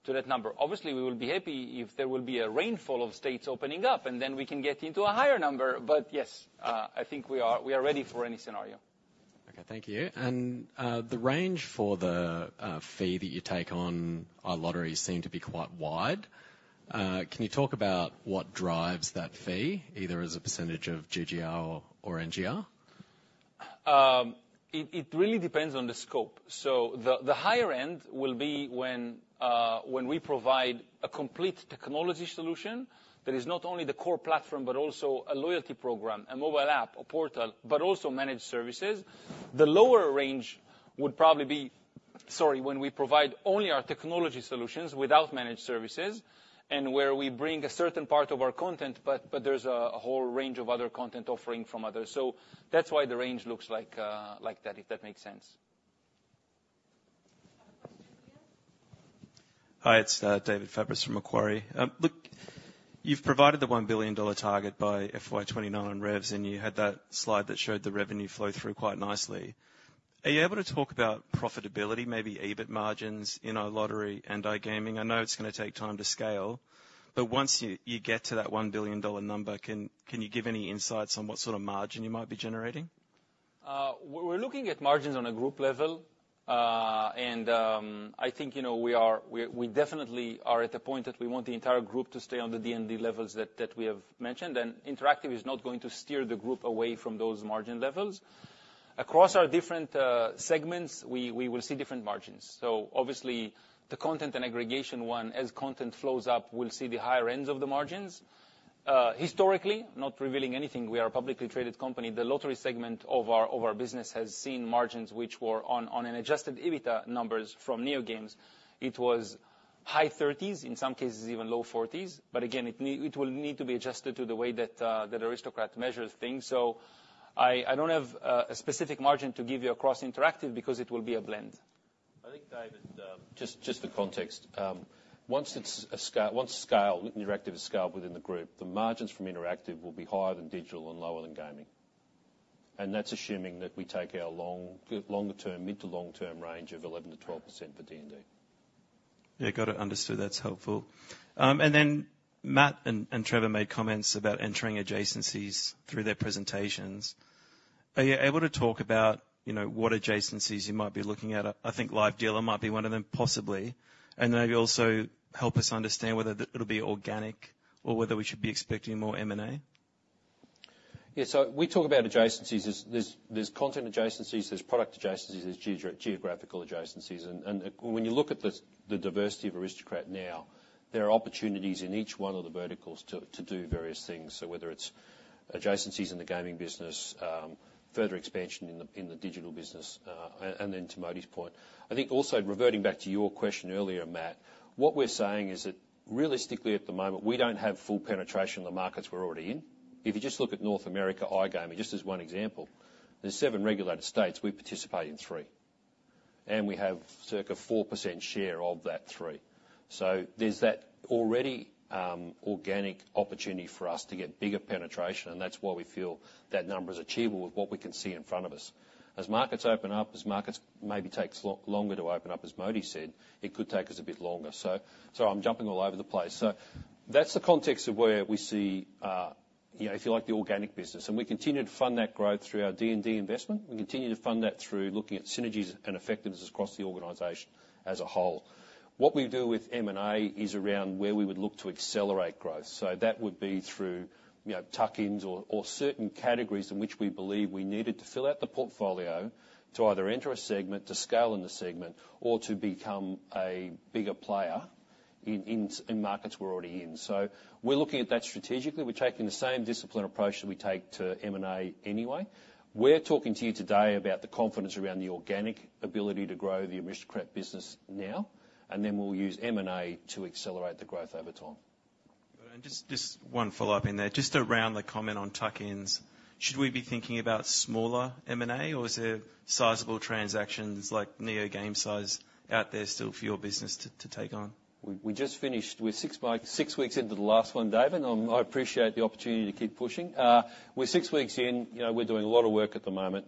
[SPEAKER 4] to that number. Obviously, we will be happy if there will be a rainfall of states opening up, and then we can get into a higher number. But yes, I think we are ready for any scenario.
[SPEAKER 5] Okay, thank you. The range for the fee that you take on lottery seems to be quite wide. Can you talk about what drives that fee, either as a percentage of GGR or NGR?
[SPEAKER 4] It really depends on the scope. So the higher end will be when we provide a complete technology solution that is not only the core platform, but also a loyalty program, a mobile app, a portal, but also managed services. The lower range would probably be, sorry, when we provide only our technology solutions without managed services, and where we bring a certain part of our content, but there's a whole range of other content offering from others. So that's why the range looks like that, if that makes sense.
[SPEAKER 1] Question here.
[SPEAKER 6] Hi, it's David Fabris from Macquarie. Look, you've provided the $1 billion target by FY 2029 revs, and you had that slide that showed the revenue flow through quite nicely. Are you able to talk about profitability, maybe EBIT margins in our lottery and iGaming? I know it's gonna take time to scale, but once you, you get to that $1 billion number, can, can you give any insights on what sort of margin you might be generating?
[SPEAKER 4] We're looking at margins on a group level. And, I think, you know, we definitely are at the point that we want the entire group to stay on the D&D levels that we have mentioned, and Interactive is not going to steer the group away from those margin levels. Across our different segments, we will see different margins. So obviously, the content and aggregation one, as content flows up, we'll see the higher ends of the margins. Historically, not revealing anything, we are a publicly traded company, the lottery segment of our business has seen margins which were on an adjusted EBITDA numbers from NeoGames. It was high 30s, in some cases, even low 40s. But again, it will need to be adjusted to the way that Aristocrat measures things. I don't have a specific margin to give you across interactive, because it will be a blend.
[SPEAKER 1] I think, David, just the context. Once scaled, interactive is scaled within the group, the margins from interactive will be higher than digital and lower than gaming. And that's assuming that we take our longer term, mid- to long-term range of 11%-12% for D&D.
[SPEAKER 6] Yeah, got it. Understood. That's helpful. And then Matt and Trevor made comments about entering adjacencies through their presentations. Are you able to talk about, you know, what adjacencies you might be looking at? I think live dealer might be one of them, possibly. And maybe also help us understand whether it'll be organic or whether we should be expecting more M&A?
[SPEAKER 2] Yeah, so we talk about adjacencies. There's, there's content adjacencies, there's product adjacencies, there's geo-geographical adjacencies. And, and when you look at the, the diversity of Aristocrat now, there are opportunities in each one of the verticals to, to do various things. So whether it's adjacencies in the gaming business, further expansion in the, in the digital business, and then to Moti's point. I think also reverting back to your question earlier, Matt, what we're saying is that realistically, at the moment, we don't have full penetration in the markets we're already in. If you just look at North America iGaming, just as one example, there's seven regulated states; we participate in three. And we have circa 4% share of that three. So there's that already, organic opportunity for us to get bigger penetration, and that's why we feel that number is achievable with what we can see in front of us. As markets open up, as markets maybe takes longer to open up, as Moti said, it could take us a bit longer. So I'm jumping all over the place. So that's the context of where we see, you know, if you like, the organic business, and we continue to fund that growth through our D&D investment. We continue to fund that through looking at synergies and effectiveness across the organization as a whole. What we do with M&A is around where we would look to accelerate growth. So that would be through, you know, tuck-ins or certain categories in which we believe we needed to fill out the portfolio to either enter a segment, to scale in the segment, or to become a bigger player in markets we're already in. So we're looking at that strategically. We're taking the same disciplined approach that we take to M&A anyway. We're talking to you today about the confidence around the organic ability to grow the Aristocrat business now, and then we'll use M&A to accelerate the growth over time.
[SPEAKER 6] Just one follow-up in there. Just around the comment on tuck-ins, should we be thinking about smaller M&A, or is there sizable transactions like NeoGames size out there still for your business to take on?
[SPEAKER 2] We just finished. We're six weeks into the last one, Dave, and I appreciate the opportunity to keep pushing. We're six weeks in, you know, we're doing a lot of work at the moment.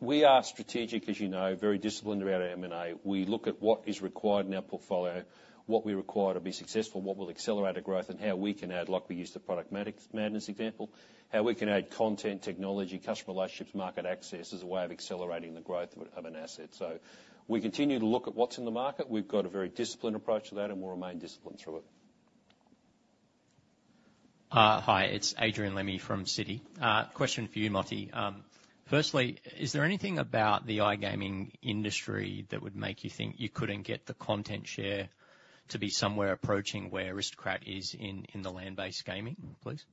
[SPEAKER 2] We are strategic, as you know, very disciplined around our M&A. We look at what is required in our portfolio, what we require to be successful, what will accelerate our growth, and how we can add, like we used the Product Madness example, how we can add content, technology, customer relationships, market access as a way of accelerating the growth of an asset. So we continue to look at what's in the market. We've got a very disciplined approach to that, and we'll remain disciplined through it.
[SPEAKER 7] Hi, it's Adrian Lemme from Citi. Question for you, Moti. Firstly, is there anything about the iGaming industry that would make you think you couldn't get the content share to be somewhere approaching where Aristocrat is in the land-based gaming, please?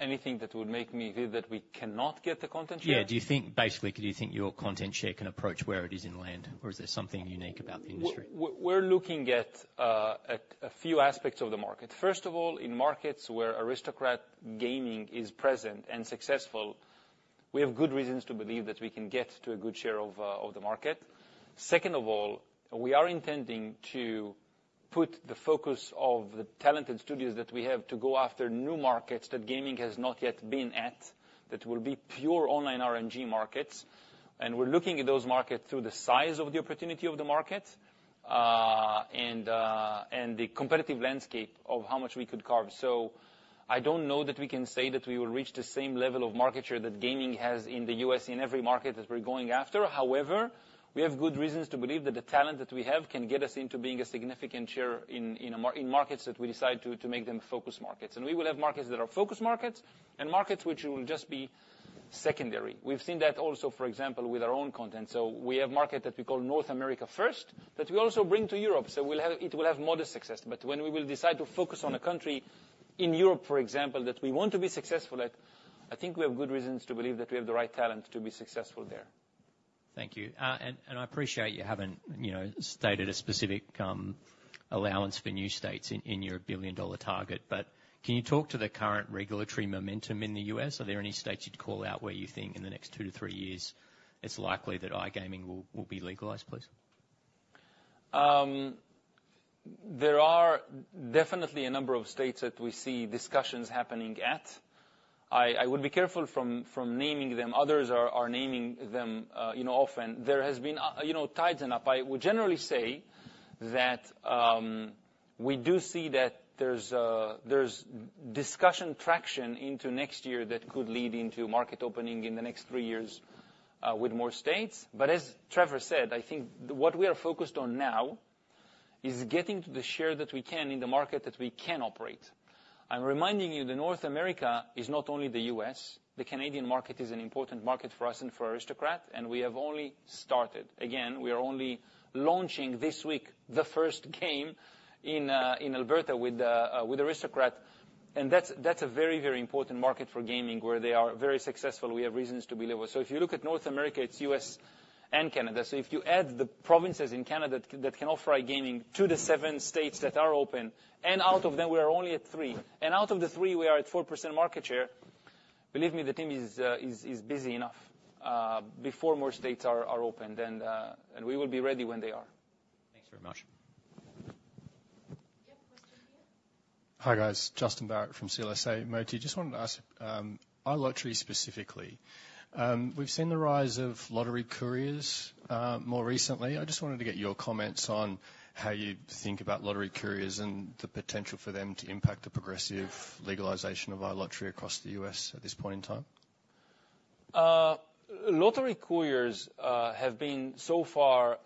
[SPEAKER 4] Anything that would make me feel that we cannot get the content share?
[SPEAKER 7] Yeah. Do you think, basically, do you think your content share can approach where it is in land, or is there something unique about the industry?
[SPEAKER 4] We're looking at a few aspects of the market. First of all, in markets where Aristocrat Gaming is present and successful, we have good reasons to believe that we can get to a good share of the market. Second of all, we are intending to put the focus of the talented studios that we have to go after new markets that gaming has not yet been at, that will be pure online RMG markets. And we're looking at those markets through the size of the opportunity of the market, and the competitive landscape of how much we could carve. So I don't know that we can say that we will reach the same level of market share that gaming has in the U.S. in every market that we're going after. However, we have good reasons to believe that the talent that we have can get us into being a significant sharer in markets that we decide to make them focus markets. And we will have markets that are focus markets and markets which will just be secondary. We've seen that also, for example, with our own content. So we have markets that we call North America first, that we also bring to Europe, so we'll have it will have modest success. But when we will decide to focus on a country in Europe, for example, that we want to be successful at, I think we have good reasons to believe that we have the right talent to be successful there.
[SPEAKER 7] Thank you. I appreciate you haven't, you know, stated a specific allowance for new states in your billion-dollar target, but can you talk to the current regulatory momentum in the U.S.? Are there any states you'd call out where you think in the next two to three years, it's likely that iGaming will be legalized, please?
[SPEAKER 4] There are definitely a number of states that we see discussions happening at. I would be careful from naming them. Others are naming them, you know, often. There has been, you know, tied up. I would generally say that we do see that there's discussion traction into next year that could lead into market opening in the next three years with more states. But as Trevor said, I think what we are focused on now is getting to the share that we can in the market that we can operate. I'm reminding you that North America is not only the U.S. The Canadian market is an important market for us and for Aristocrat, and we have only started. Again, we are only launching this week, the first game in, in Alberta with, with Aristocrat, and that's, that's a very, very important market for gaming, where they are very successful. We have reasons to believe. So if you look at North America, it's U.S. and Canada. So if you add the provinces in Canada that can offer iGaming to the 7 states that are open, and out of them, we are only at 3, and out of the 3, we are at 4% market share, believe me, the team is busy enough, before more states are opened, and we will be ready when they are.
[SPEAKER 7] Thanks very much.
[SPEAKER 1] Yeah, question here.
[SPEAKER 8] Hi, guys. Justin Barratt from CLSA. Moti, just wanted to ask, iLottery specifically, we've seen the rise of lottery couriers, more recently. I just wanted to get your comments on how you think about lottery couriers and the potential for them to impact the progressive legalization of iLottery across the U.S. at this point in time.
[SPEAKER 4] Lottery couriers have been so far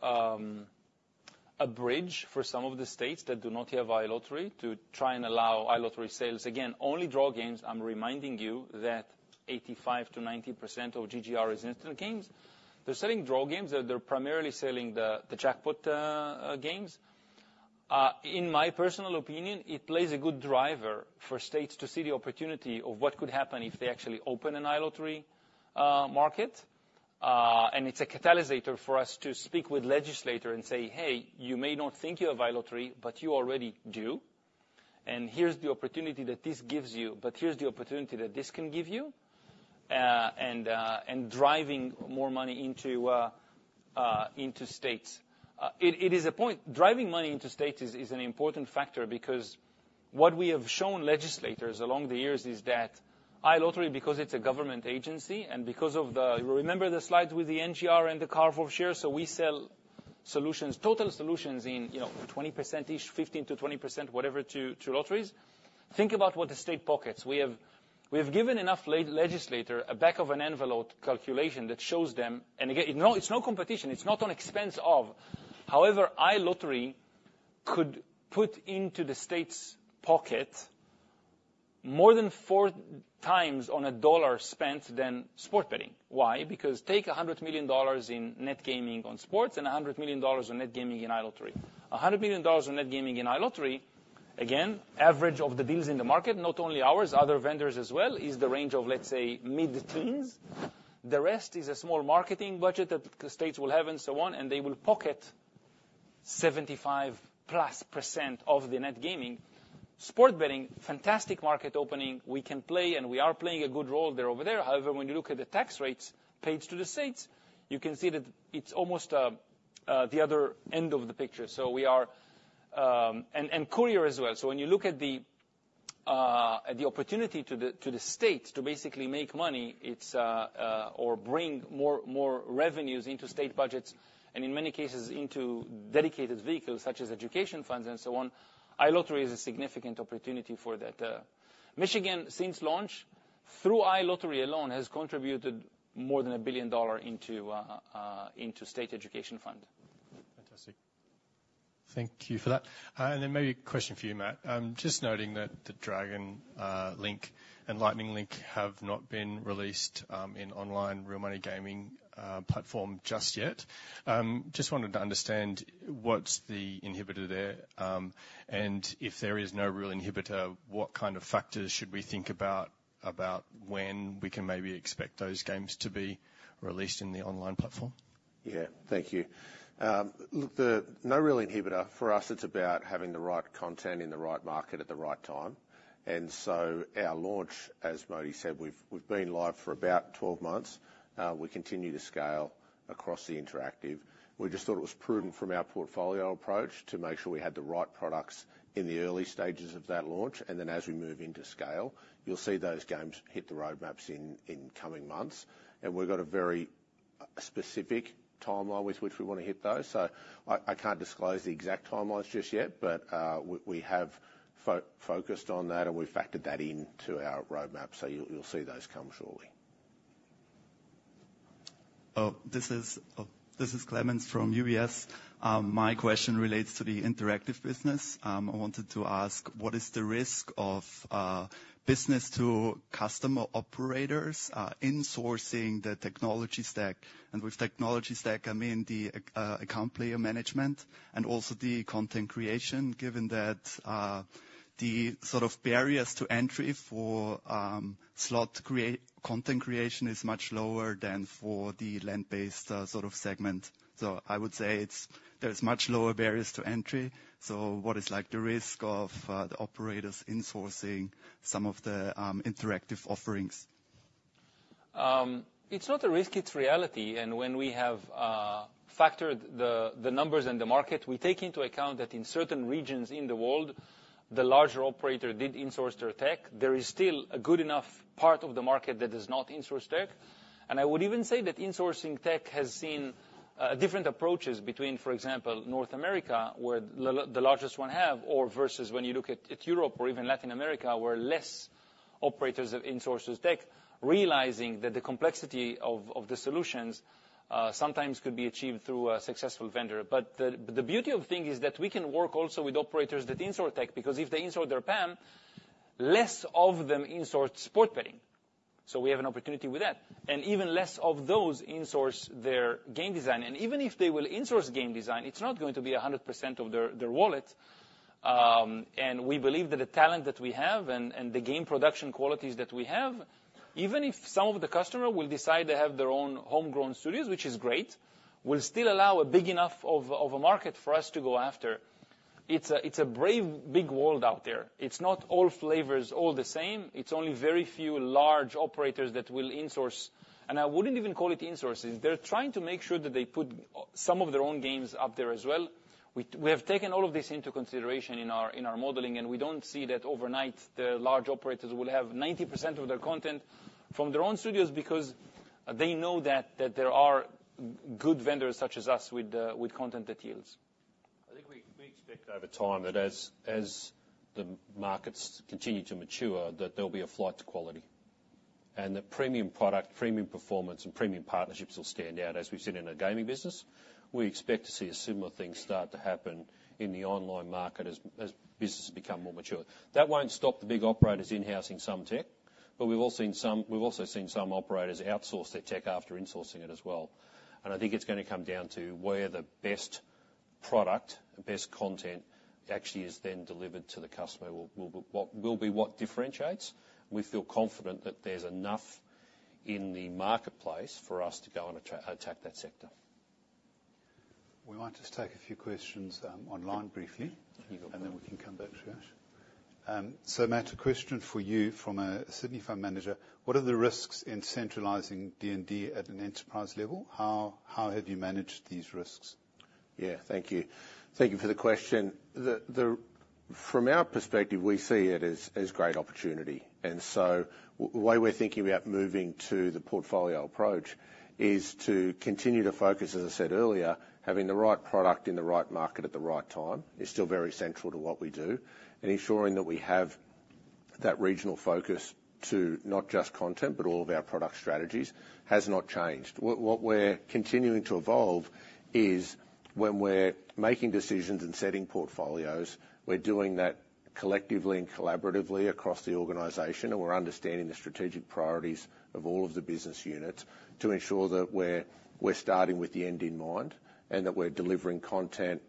[SPEAKER 4] a bridge for some of the states that do not have iLottery to try and allow iLottery sales. Again, only draw games, I'm reminding you that 85%-90% of GGR is instant games. They're selling draw games, they're primarily selling the jackpot games. In my personal opinion, it plays a good driver for states to see the opportunity of what could happen if they actually open an iLottery market. And it's a catalyst for us to speak with legislator and say, "Hey, you may not think you have iLottery, but you already do. And here's the opportunity that this gives you, but here's the opportunity that this can give you," and driving more money into states. It is a point—driving money into states is an important factor because what we have shown legislators along the years is that iLottery, because it's a government agency, and because of the You remember the slide with the NGR and the carve-off share? So we sell solutions, total solutions in, you know, 20% each, 15%-20%, whatever, to lotteries. Think about what the state pockets. We have given enough legislator a back of an envelope calculation that shows them, and again, it's no competition, it's not on expense of. However, iLottery could put into the state's pocket more than four times on a dollar spent than sport betting. Why? Because take $100 million in net gaming on sports and $100 million in net gaming in iLottery. $100 million on net gaming in iLottery, again, average of the deals in the market, not only ours, other vendors as well, is the range of, let's say, mid-teens. The rest is a small marketing budget that the states will have and so on, and they will pocket 75%+ of the net gaming. Sports betting, fantastic market opening. We can play, and we are playing a good role there over there. However, when you look at the tax rates paid to the states, you can see that it's almost the other end of the picture. So we are And courier as well. So when you look at the, at the opportunity to the, to the state to basically make money, it's, or bring more, more revenues into state budgets, and in many cases, into dedicated vehicles, such as education funds and so on, iLottery is a significant opportunity for that. Michigan, since launch, through iLottery alone, has contributed more than $1 billion into state education fund.
[SPEAKER 8] Fantastic. Thank you for that. And then maybe a question for you, Matt. Just noting that the Dragon Link and Lightning Link have not been released in online real money gaming platform just yet. Just wanted to understand what's the inhibitor there, and if there is no real inhibitor, what kind of factors should we think about, about when we can maybe expect those games to be released in the online platform?
[SPEAKER 3] Yeah. Thank you. Look, the no real inhibitor. For us, it's about having the right content in the right market at the right time. And so our launch, as Moti said, we've been live for about 12 months. We continue to scale across the interactive. We just thought it was prudent from our portfolio approach to make sure we had the right products in the early stages of that launch. And then as we move into scale, you'll see those games hit the roadmaps in coming months. And we've got a very specific timeline with which we want to hit those. So I can't disclose the exact timelines just yet, but we have focused on that, and we've factored that into our roadmap, so you'll see those come shortly.
[SPEAKER 9] Oh, this is Clemens from UBS. My question relates to the interactive business. I wanted to ask, what is the risk of business-to-consumer operators insourcing the technology stack? And with technology stack, I mean the player account management and also the content creation, given that the sort of barriers to entry for content creation is much lower than for the land-based sort of segment. So I would say there is much lower barriers to entry. So what is, like, the risk of the operators insourcing some of the interactive offerings?
[SPEAKER 4] It's not a risk, it's reality. And when we have factored the numbers in the market, we take into account that in certain regions in the world, the larger operator did insource their tech. There is still a good enough part of the market that does not insource tech. I would even say that insourcing tech has seen different approaches between, for example, North America, where the largest ones have, versus when you look at Europe or even Latin America, where less operators have insourced tech, realizing that the complexity of the solutions sometimes could be achieved through a successful vendor. But the beauty of the thing is that we can work also with operators that insource tech, because if they insource their PAM, less of them insource sports betting. So we have an opportunity with that. Even less of those insource their game design. And even if they will insource game design, it's not going to be 100% of their wallet. And we believe that the talent that we have and the game production qualities that we have, even if some of the customer will decide to have their own homegrown studios, which is great, will still allow a big enough of a market for us to go after. It's a brave, big world out there. It's not all flavors, all the same. It's only very few large operators that will insource, and I wouldn't even call it insourcing. They're trying to make sure that they put some of their own games up there as well. We have taken all of this into consideration in our modeling, and we don't see that overnight, the large operators will have 90% of their content from their own studios, because they know that there are good vendors, such as us, with content that yields.
[SPEAKER 3] we expect over time that as the markets continue to mature, that there'll be a flight to quality, and that premium product, premium performance, and premium partnerships will stand out. As we've seen in our gaming business, we expect to see a similar thing start to happen in the online market as businesses become more mature. That won't stop the big operators in-housing some tech, but we've all seen some. We've also seen some operators outsource their tech after insourcing it as well. And I think it's gonna come down to where the best product, the best content, actually is then delivered to the customer, will what will be what differentiates. We feel confident that there's enough in the marketplace for us to go and attack that sector.
[SPEAKER 1] We might just take a few questions, online briefly, then we can come back to you. So Matt, a question for you from a Sydney fund manager: What are the risks in centralizing D&D at an enterprise level? How have you managed these risks?
[SPEAKER 3] Yeah. Thank you. Thank you for the question. From our perspective, we see it as great opportunity. And so why we're thinking about moving to the portfolio approach is to continue to focus, as I said earlier, having the right product in the right market at the right time is still very central to what we do. And ensuring that we have that regional focus to not just content, but all of our product strategies, has not changed. What we're continuing to evolve is when we're making decisions and setting portfolios, we're doing that collectively and collaboratively across the organization, and we're understanding the strategic priorities of all of the business units to ensure that we're starting with the end in mind, and that we're delivering content,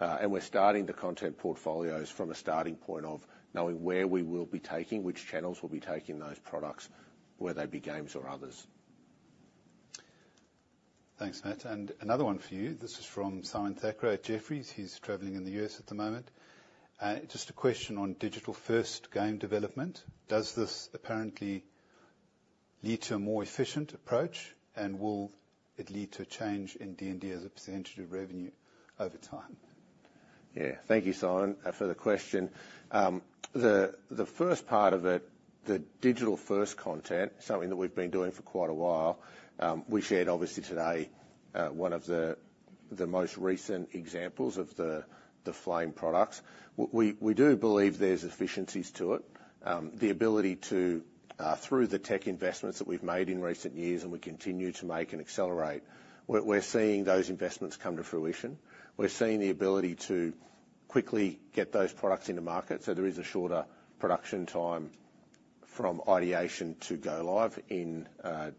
[SPEAKER 3] and we're starting the content portfolios from a starting point of knowing where we will be taking, which channels we'll be taking those products, whether they be games or others.
[SPEAKER 1] Thanks, Matt, and another one for you. This is from Simon Thackray at Jefferies. He's traveling in the U.S. at the moment. Just a question on digital-first game development. Does this apparently lead to a more efficient approach, and will it lead to a change in D&D as a percentage of revenue over time?
[SPEAKER 3] Yeah. Thank you, Simon, for the question. The first part of it, the digital-first content, something that we've been doing for quite a while, we shared, obviously, today, one of the most recent examples of the NFL products. We do believe there's efficiencies to it. The ability to through the tech investments that we've made in recent years, and we continue to make and accelerate, we're seeing those investments come to fruition. We're seeing the ability to quickly get those products into market, so there is a shorter production time from ideation to go live in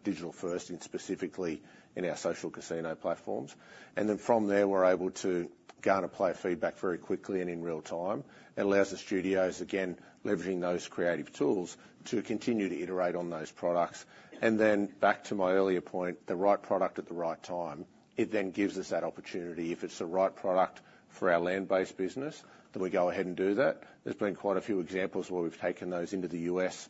[SPEAKER 3] digital-first and specifically in our social casino platforms. And then from there, we're able to garner player feedback very quickly and in real time. It allows the studios, again, leveraging those creative tools, to continue to iterate on those products. And then back to my earlier point, the right product at the right time, it then gives us that opportunity. If it's the right product for our land-based business, then we go ahead and do that. There's been quite a few examples where we've taken those into the U.S.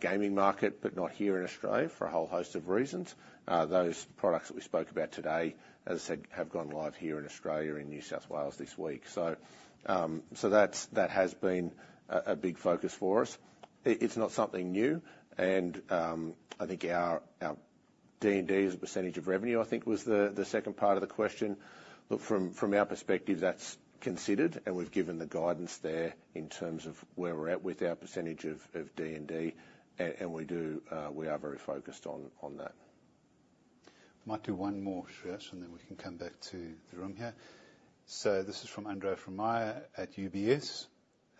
[SPEAKER 3] gaming market, but not here in Australia for a whole host of reasons. Those products that we spoke about today, as I said, have gone live here in Australia, in New South Wales this week. So that's, that has been a big focus for us. It, it's not something new, and, I think our, our D&D as a percentage of revenue, I think, was the second part of the question. Look, from our perspective, that's considered, and we've given the guidance there in terms of where we're at with our percentage of D&D, and we do We are very focused on that.
[SPEAKER 1] Might do one more, Suresh, and then we can come back to the room here. So this is from Andre Vermeulen at UBS,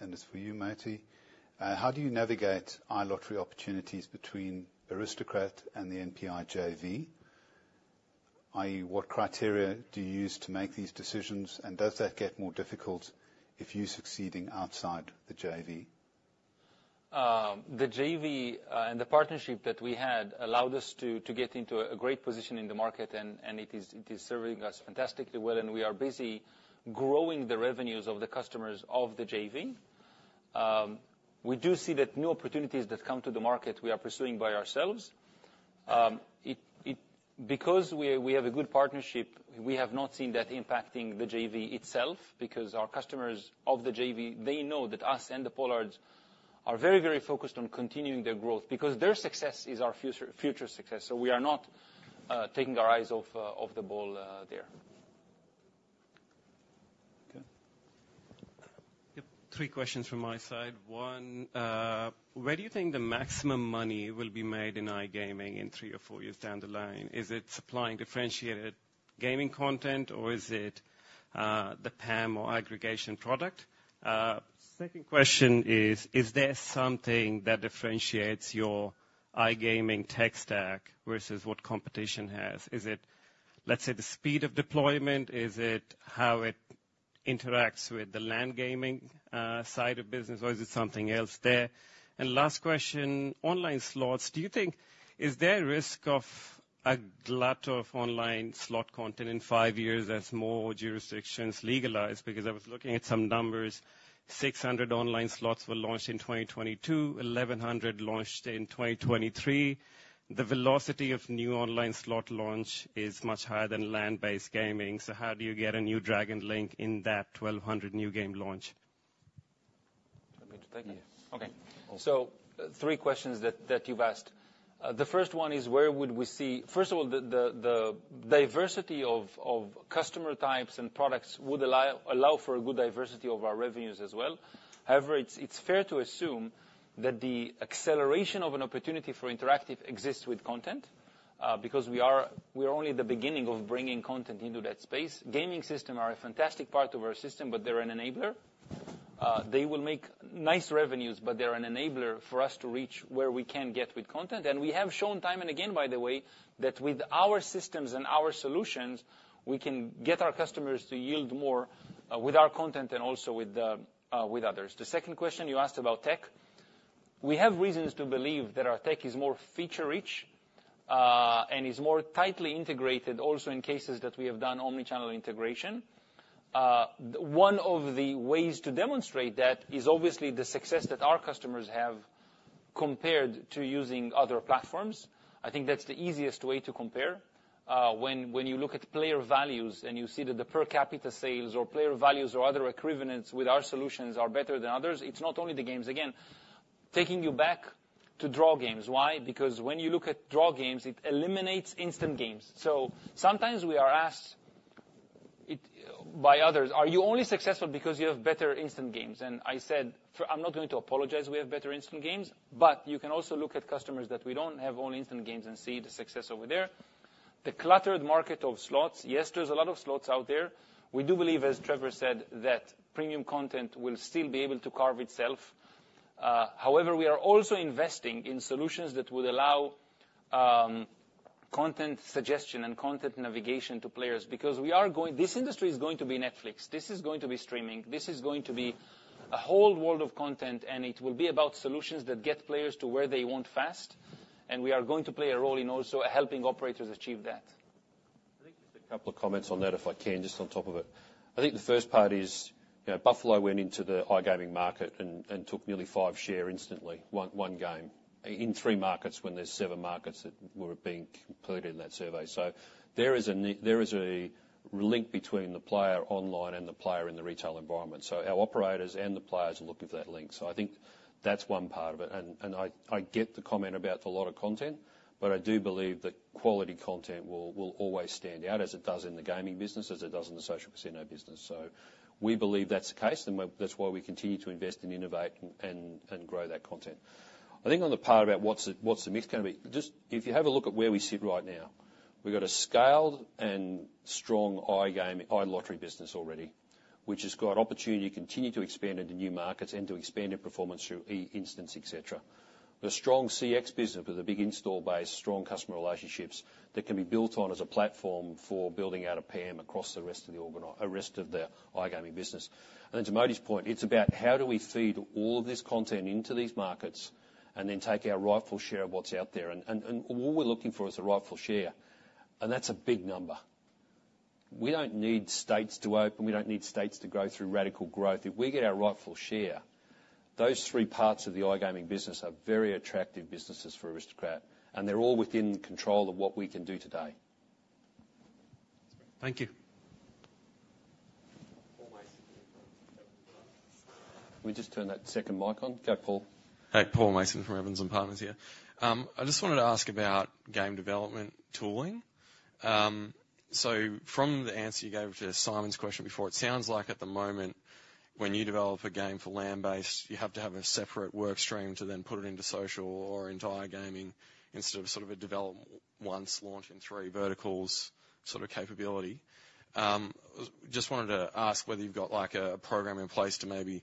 [SPEAKER 1] and it's for you, Moti. How do you navigate iLottery opportunities between Aristocrat and the NPI JV, i.e., what criteria do you use to make these decisions, and does that get more difficult if you're succeeding outside the JV?
[SPEAKER 4] The JV and the partnership that we had allowed us to get into a great position in the market, and it is serving us fantastically well, and we are busy growing the revenues of the customers of the JV. We do see that new opportunities that come to the market, we are pursuing by ourselves. It, because we have a good partnership, we have not seen that impacting the JV itself, because our customers of the JV, they know that us and the Pollards are very, very focused on continuing their growth, because their success is our future success, so we are not taking our eyes off the ball there.
[SPEAKER 1] Okay.
[SPEAKER 10] Yep, three questions from my side. One, where do you think the maximum money will be made in iGaming in three or four years down the line? Is it supplying differentiated gaming content, or is it the PAM or aggregation product? Second question is, is there something that differentiates your iGaming tech stack versus what competition has? Is it, let's say, the speed of deployment? Is it how it interacts with the land gaming side of business, or is it something else there? And last question, online slots, do you think, is there a risk of a glut of online slot content in five years as more jurisdictions legalize? Because I was looking at some numbers, 600 online slots were launched in 2022, 1,100 launched in 2023. The velocity of new online slot launch is much higher than land-based gaming, so how do you get a new Dragon Link in that 1,200 new game launch?
[SPEAKER 4] Thank you. Okay, so three questions that you've asked. The first one is, where would we see? First of all, the diversity of customer types and products would allow for a good diversity of our revenues as well. However, it's fair to assume that the acceleration of an opportunity for interactive exists with content, because we are only at the beginning of bringing content into that space. Gaming system are a fantastic part of our system, but they're an enabler. They will make nice revenues, but they're an enabler for us to reach where we can get with content. And we have shown time and again, by the way, that with our systems and our solutions, we can get our customers to yield more with our content and also with others. The second question you asked about tech, we have reasons to believe that our tech is more feature-rich, and is more tightly integrated, also in cases that we have done omni-channel integration. One of the ways to demonstrate that is obviously the success that our customers have compared to using other platforms. I think that's the easiest way to compare. When you look at player values, and you see that the per capita sales or player values or other equivalents with our solutions are better than others, it's not only the games. Again, taking you back to draw games. Why? Because when you look at draw games, it eliminates instant games. So sometimes we are asked it, by others, "Are you only successful because you have better instant games?" And I said, "I'm not going to apologize we have better instant games, but you can also look at customers that we don't have all instant games and see the success over there." The cluttered market of slots, yes, there's a lot of slots out there. We do believe, as Trevor said, that premium content will still be able to carve itself. However, we are also investing in solutions that will allow content suggestion and content navigation to players. This industry is going to be Netflix. This is going to be streaming. This is going to be a whole world of content, and it will be about solutions that get players to where they want fast, and we are going to play a role in also helping operators achieve that.
[SPEAKER 2] I think just a couple of comments on that, if I can, just on top of it. I think the first part is, you know, Buffalo went into the iGaming market and took nearly 5% share instantly, one game, in 3 markets, when there's 7 markets that were being included in that survey. So there is a link between the player online and the player in the retail environment. So our operators and the players look at that link. So I think that's one part of it, and I get the comment about a lot of content, but I do believe that quality content will always stand out, as it does in the gaming business, as it does in the social casino business. So we believe that's the case, and that's why we continue to invest and innovate and grow that content. I think on the part about what's the mix gonna be, just if you have a look at where we sit right now, we've got a scaled and strong iGaming, iLottery business already, which has got opportunity to continue to expand into new markets and to expand in performance through eInstants, et cetera. The strong CX business with a big install base, strong customer relationships, that can be built on as a platform for building out a PAM across the rest of the iGaming business. And to Moti's point, it's about how do we feed all of this content into these markets and then take our rightful share of what's out there? All we're looking for is a rightful share, and that's a big number. We don't need states to open, we don't need states to grow through radical growth. If we get our rightful share, those three parts of the iGaming business are very attractive businesses for Aristocrat, and they're all within control of what we can do today.
[SPEAKER 10] Thank you.
[SPEAKER 11] Paul Mason.
[SPEAKER 2] Can we just turn that second mic on? Go, Paul.
[SPEAKER 11] Hey, Paul Mason from Evans and Partners here. I just wanted to ask about game development tooling. So from the answer you gave to Simon's question before, it sounds like at the moment, when you develop a game for land-based, you have to have a separate work stream to then put it into social or into iGaming, instead of sort of a develop once, launch in three verticals sort of capability. Just wanted to ask whether you've got, like, a program in place to maybe,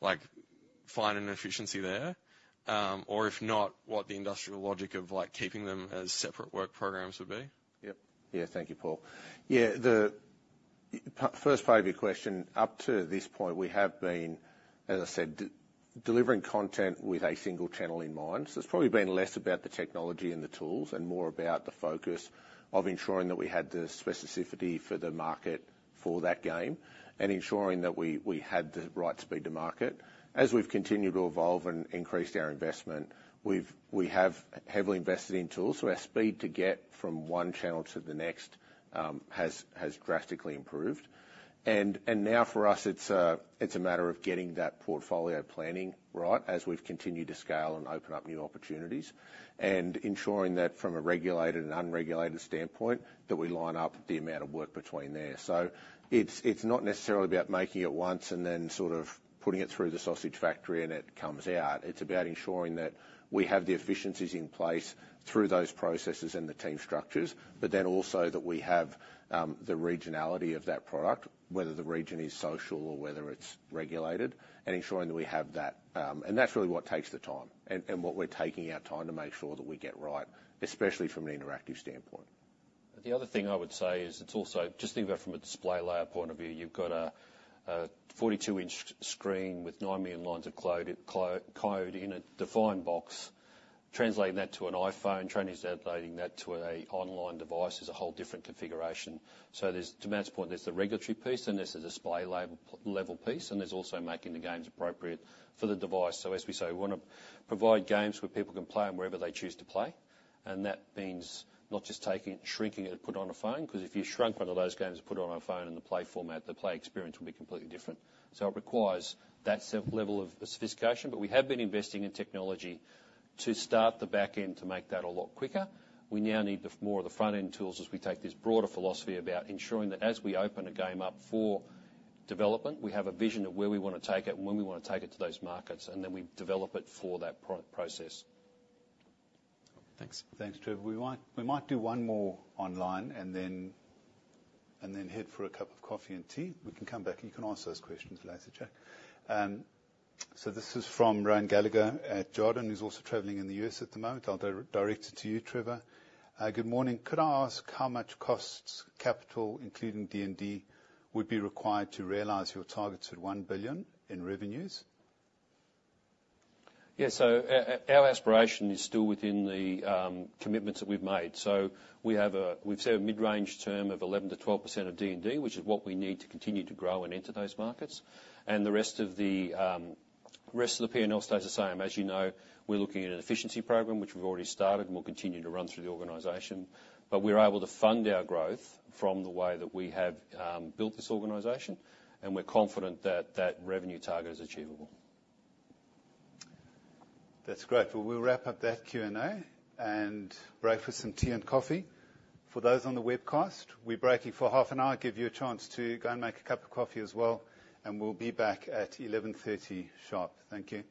[SPEAKER 11] like, find an efficiency there, or if not, what the industrial logic of, like, keeping them as separate work programs would be?
[SPEAKER 3] Yep. Yeah. Thank you, Paul. Yeah, the first part of your question, up to this point, we have been, as I said, delivering content with a single channel in mind. So it's probably been less about the technology and the tools and more about the focus of ensuring that we had the specificity for the market for that game and ensuring that we had the right speed to market. As we've continued to evolve and increased our investment, we have heavily invested in tools, so our speed to get from one channel to the next has drastically improved. And now for us, it's a matter of getting that portfolio planning right as we've continued to scale and open up new opportunities, and ensuring that from a regulated and unregulated standpoint, that we line up the amount of work between there. So it's, it's not necessarily about making it once and then sort of putting it through the sausage factory and it comes out. It's about ensuring that we have the efficiencies in place through those processes and the team structures, but then also that we have the regionality of that product, whether the region is social or whether it's regulated, and ensuring that we have that. And that's really what takes the time and, and what we're taking our time to make sure that we get right, especially from an interactive standpoint. The other thing I would say is it's also Just think about it from a display layer point of view. You've got a 42-inch screen with 9 million lines of code in a defined box. Translating that to an iPhone, translating that to an online device is a whole different configuration. So there's, to Matt's point, there's the regulatory piece, and there's the display layer level piece, and there's also making the games appropriate for the device. So as we say, we wanna provide games where people can play them wherever they choose to play, and that means not just taking it, shrinking it, and put it on a phone, 'cause if you shrunk one of those games and put it on a phone and the play format, the play experience would be completely different. So it requires that same level of sophistication, but we have been investing in technology to start the back end to make that a lot quicker. We now need the, more of the front-end tools as we take this broader philosophy about ensuring that as we open a game up for development. We have a vision of where we want to take it, and when we want to take it to those markets, and then we develop it for that process.
[SPEAKER 1] Thanks. Thanks, Trevor. We might, we might do one more online and then, and then head for a cup of coffee and tea. We can come back, and you can ask those questions later. So this is from Ryan Gallagher at Jarden, who's also traveling in the U.S. at the moment. I'll direct it to you, Trevor. Good morning. Could I ask how much costs, capital, including D&D, would be required to realize your targets at $1 billion in revenues?
[SPEAKER 2] Yes. So, our aspiration is still within the commitments that we've made. So we've set a mid-range term of 11%-12% of D&D, which is what we need to continue to grow and enter those markets. And the rest of the rest of the P&L stays the same. As you know, we're looking at an efficiency program, which we've already started, and we'll continue to run through the organization. But we're able to fund our growth from the way that we have built this organization, and we're confident that that revenue target is achievable.
[SPEAKER 1] That's great. Well, we'll wrap up that Q&A and break for some tea and coffee. For those on the webcast, we're breaking for half an hour, give you a chance to go and make a cup of coffee as well, and we'll be back at 11:30 A.M. sharp. Thank you.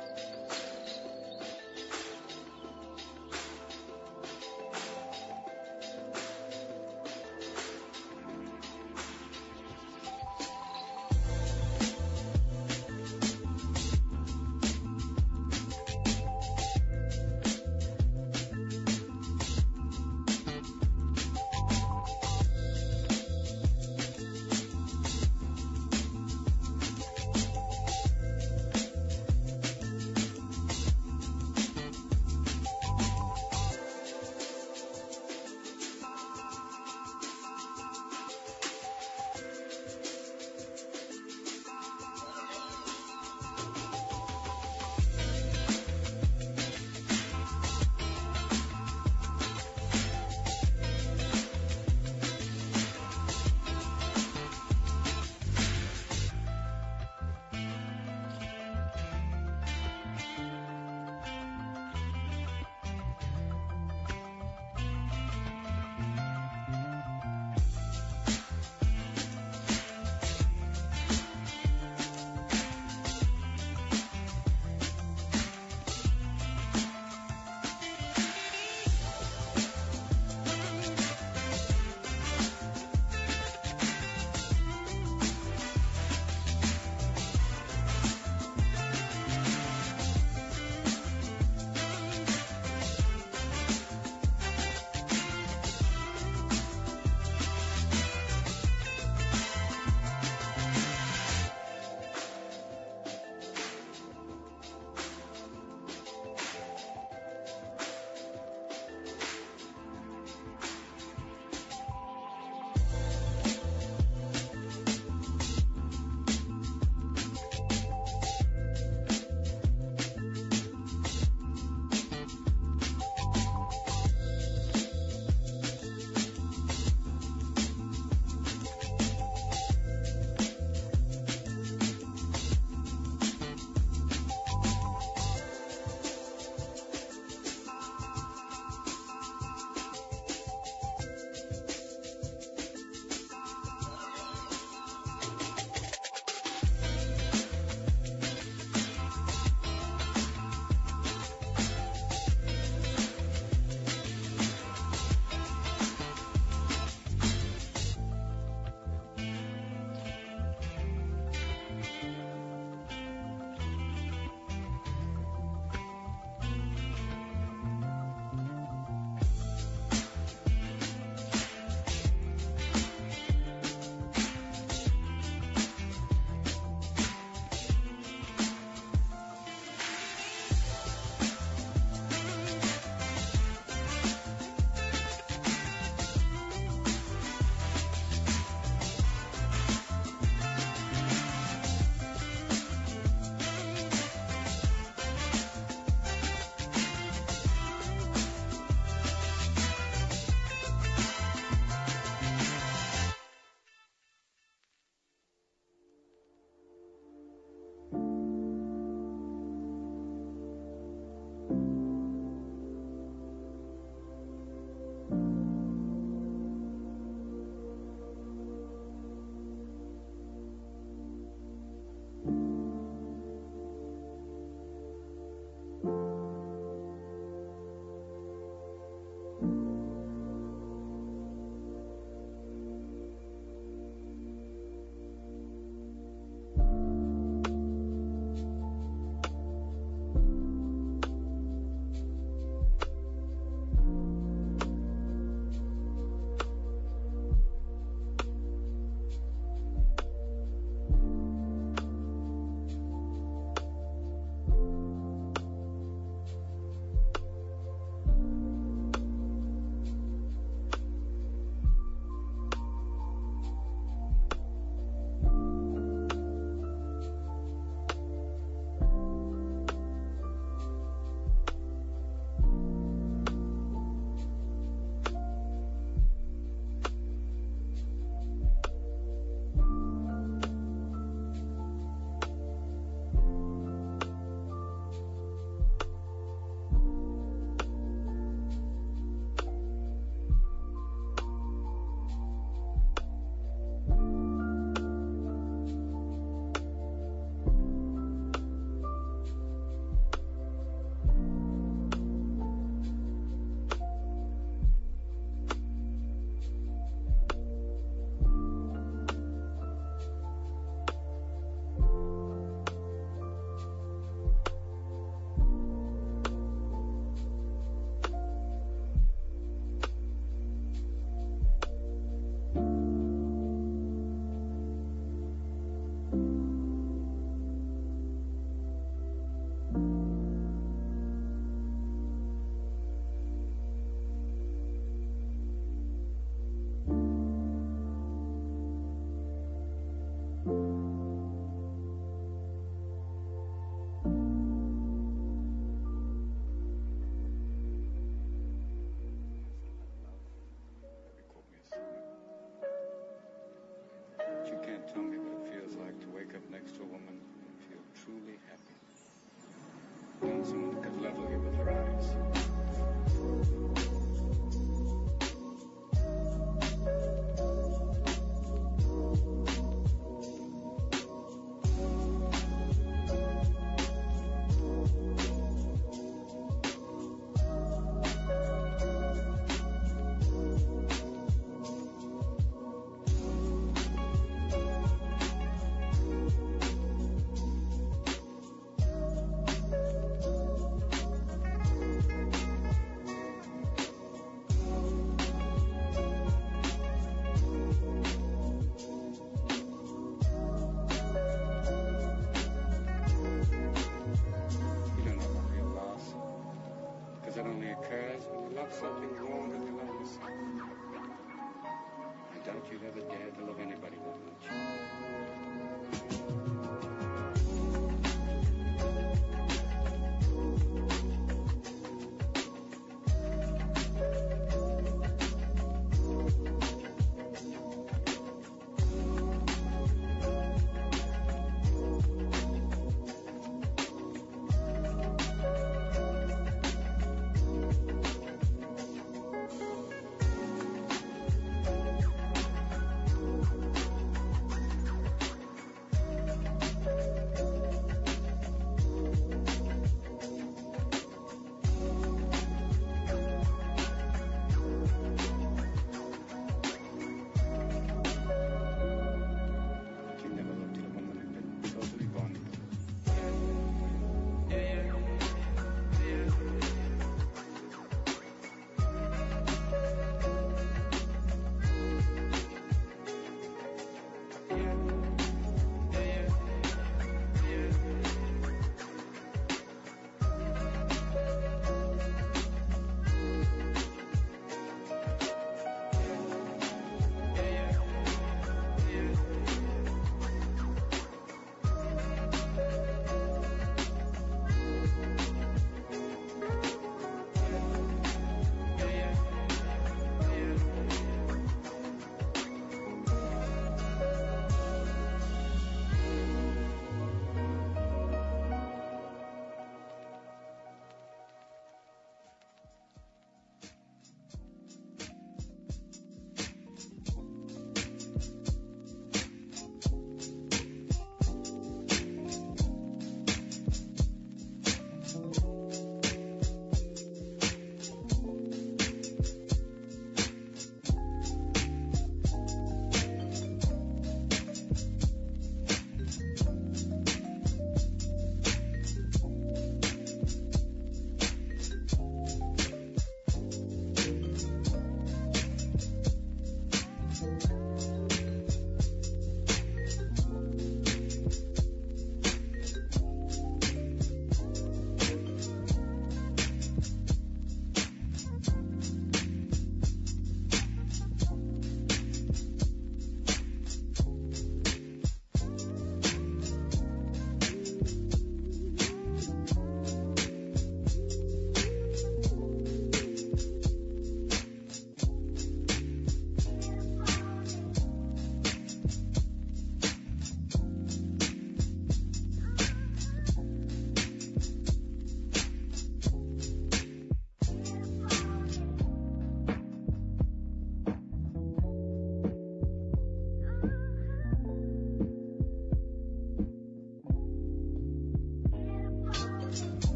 [SPEAKER 12] Welcome back! Can you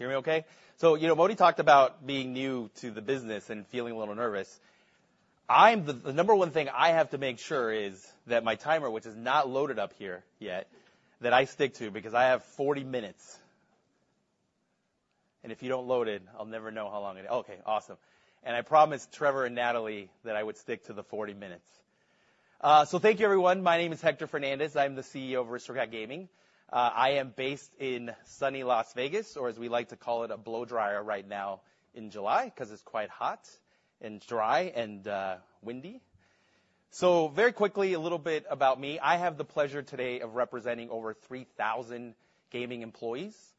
[SPEAKER 12] hear me okay? So, you know, Moti talked about being new to the business and feeling a little nervous. I'm the number one thing I have to make sure is that my timer, which is not loaded up here yet, that I stick to, because I have 40 minutes. And if you don't load it, I'll never know how long it is. Okay, awesome. And I promised Trevor and Natalie that I would stick to the 40 minutes. So thank you, everyone. My name is Hector Fernandez. I'm the CEO of Aristocrat Gaming. I am based in sunny Las Vegas, or as we like to call it, a blow dryer right now in July, 'cause it's quite hot and dry and windy. So very quickly, a little bit about me. I have the pleasure today of representing over 3,000 gaming employees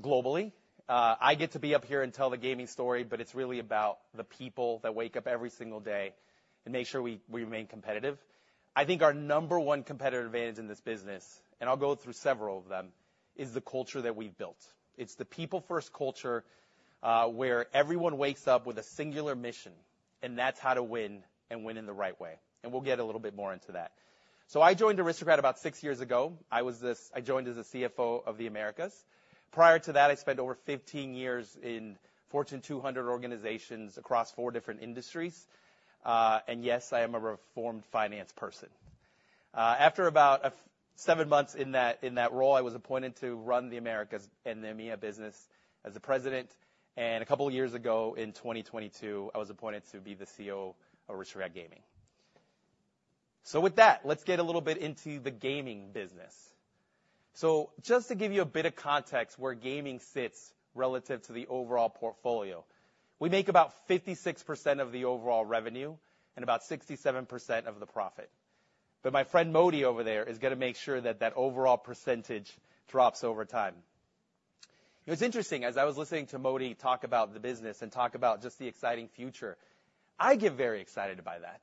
[SPEAKER 12] globally. I get to be up here and tell the gaming story, but it's really about the people that wake up every single day and make sure we remain competitive. I think our number one competitive advantage in this business, and I'll go through several of them, is the culture that we've built. It's the people-first culture, where everyone wakes up with a singular mission, and that's how to win and win in the right way, and we'll get a little bit more into that. So I joined Aristocrat about six years ago. I joined as a CFO of the Americas. Prior to that, I spent over 15 years in Fortune 200 organizations across four different industries. And yes, I am a reformed finance person. After about seven months in that role, I was appointed to run the Americas and the EMEA business as the president. And a couple of years ago, in 2022, I was appointed to be the CEO of Aristocrat Gaming. So with that, let's get a little bit into the gaming business. So just to give you a bit of context where gaming sits relative to the overall portfolio, we make about 56% of the overall revenue and about 67% of the profit. But my friend Moti over there is gonna make sure that that overall percentage drops over time. It was interesting, as I was listening to Moti talk about the business and talk about just the exciting future, I get very excited by that,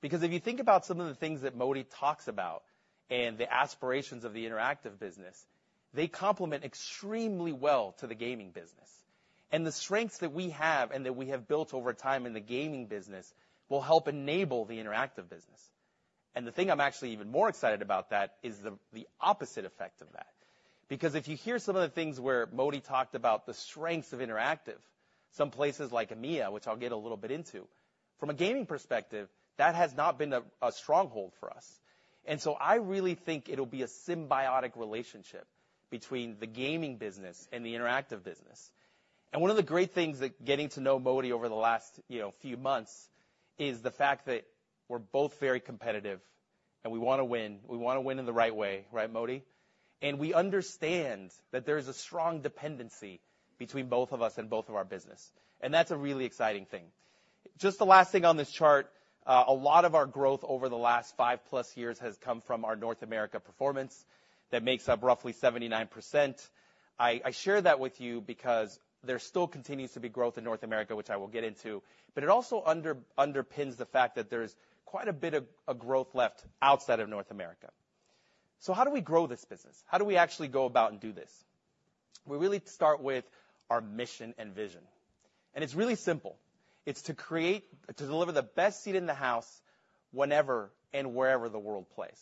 [SPEAKER 12] because if you think about some of the things that Moti talks about and the aspirations of the interactive business, they complement extremely well to the gaming business. And the strengths that we have and that we have built over time in the gaming business will help enable the interactive business. And the thing I'm actually even more excited about that is the, the opposite effect of that. Because if you hear some of the things where Moti talked about the strengths of interactive, some places like EMEA, which I'll get a little bit into, from a gaming perspective, that has not been a, a stronghold for us. I really think it'll be a symbiotic relationship between the gaming business and the interactive business. One of the great things that getting to know Moti over the last, you know, few months is the fact that we're both very competitive, and we want to win. We want to win in the right way. Right, Moti? We understand that there is a strong dependency between both of us and both of our business, and that's a really exciting thing. Just the last thing on this chart, a lot of our growth over the last 5+ years has come from our North America performance. That makes up roughly 79%. I share that with you because there still continues to be growth in North America, which I will get into, but it also underpins the fact that there's quite a bit of growth left outside of North America. So how do we grow this business? How do we actually go about and do this? We really start with our mission and vision, and it's really simple: It's to deliver the best seat in the house whenever and wherever the world plays.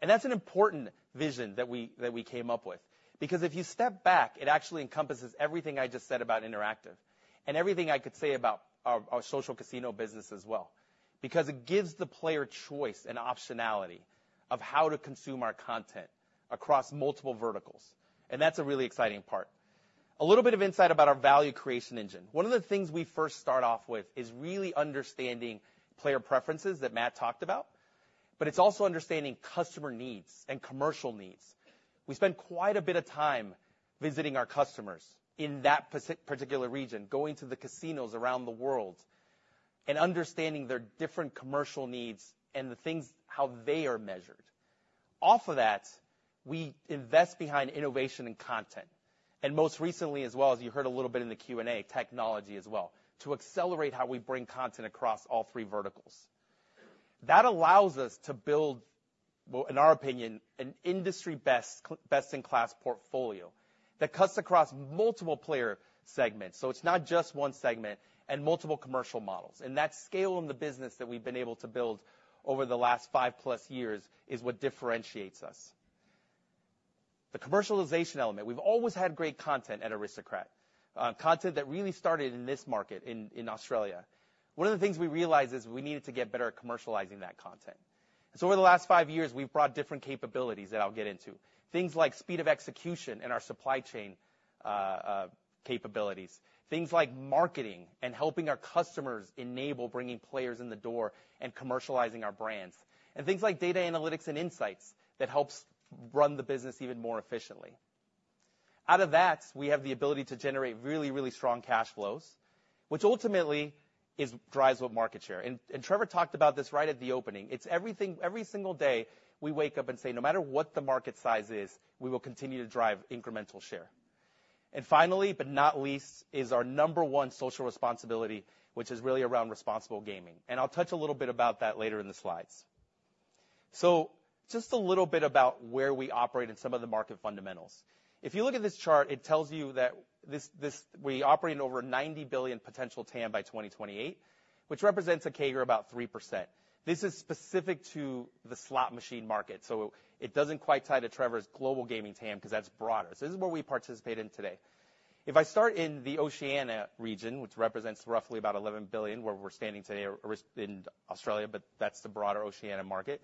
[SPEAKER 12] And that's an important vision that we came up with, because if you step back, it actually encompasses everything I just said about interactive and everything I could say about our social casino business as well, because it gives the player choice and optionality of how to consume our content across multiple verticals, and that's a really exciting part. A little bit of insight about our value creation engine. One of the things we first start off with is really understanding player preferences that Matt talked about, but it's also understanding customer needs and commercial needs. We spend quite a bit of time visiting our customers in that particular region, going to the casinos around the world, and understanding their different commercial needs and the things, how they are measured. Off of that, we invest behind innovation and content, and most recently as well, as you heard a little bit in the Q&A, technology as well, to accelerate how we bring content across all three verticals. That allows us to build, well, in our opinion, an industry-best, best-in-class portfolio that cuts across multiple player segments, so it's not just one segment, and multiple commercial models. That scale in the business that we've been able to build over the last 5+ years is what differentiates us. The commercialization element. We've always had great content at Aristocrat, content that really started in this market in Australia. One of the things we realized is we needed to get better at commercializing that content. So over the last 5 years, we've brought different capabilities that I'll get into. Things like speed of execution and our supply chain capabilities. Things like marketing and helping our customers enable bringing players in the door and commercializing our brands. And things like data analytics and insights that helps run the business even more efficiently. Out of that, we have the ability to generate really, really strong cash flows, which ultimately is drives with market share. And Trevor talked about this right at the opening. It's everything, every single day, we wake up and say, "No matter what the market size is, we will continue to drive incremental share." And finally, but not least, is our number one social responsibility, which is really around responsible gaming. And I'll touch a little bit about that later in the slides. So just a little bit about where we operate and some of the market fundamentals. If you look at this chart, it tells you that this we operate in over $90 billion potential TAM by 2028, which represents a CAGR about 3%. This is specific to the slot machine market, so it doesn't quite tie to Trevor's global gaming TAM because that's broader. So this is where we participate in today. If I start in the Oceania region, which represents roughly about $11 billion, where we're standing today in Australia, but that's the broader Oceania market,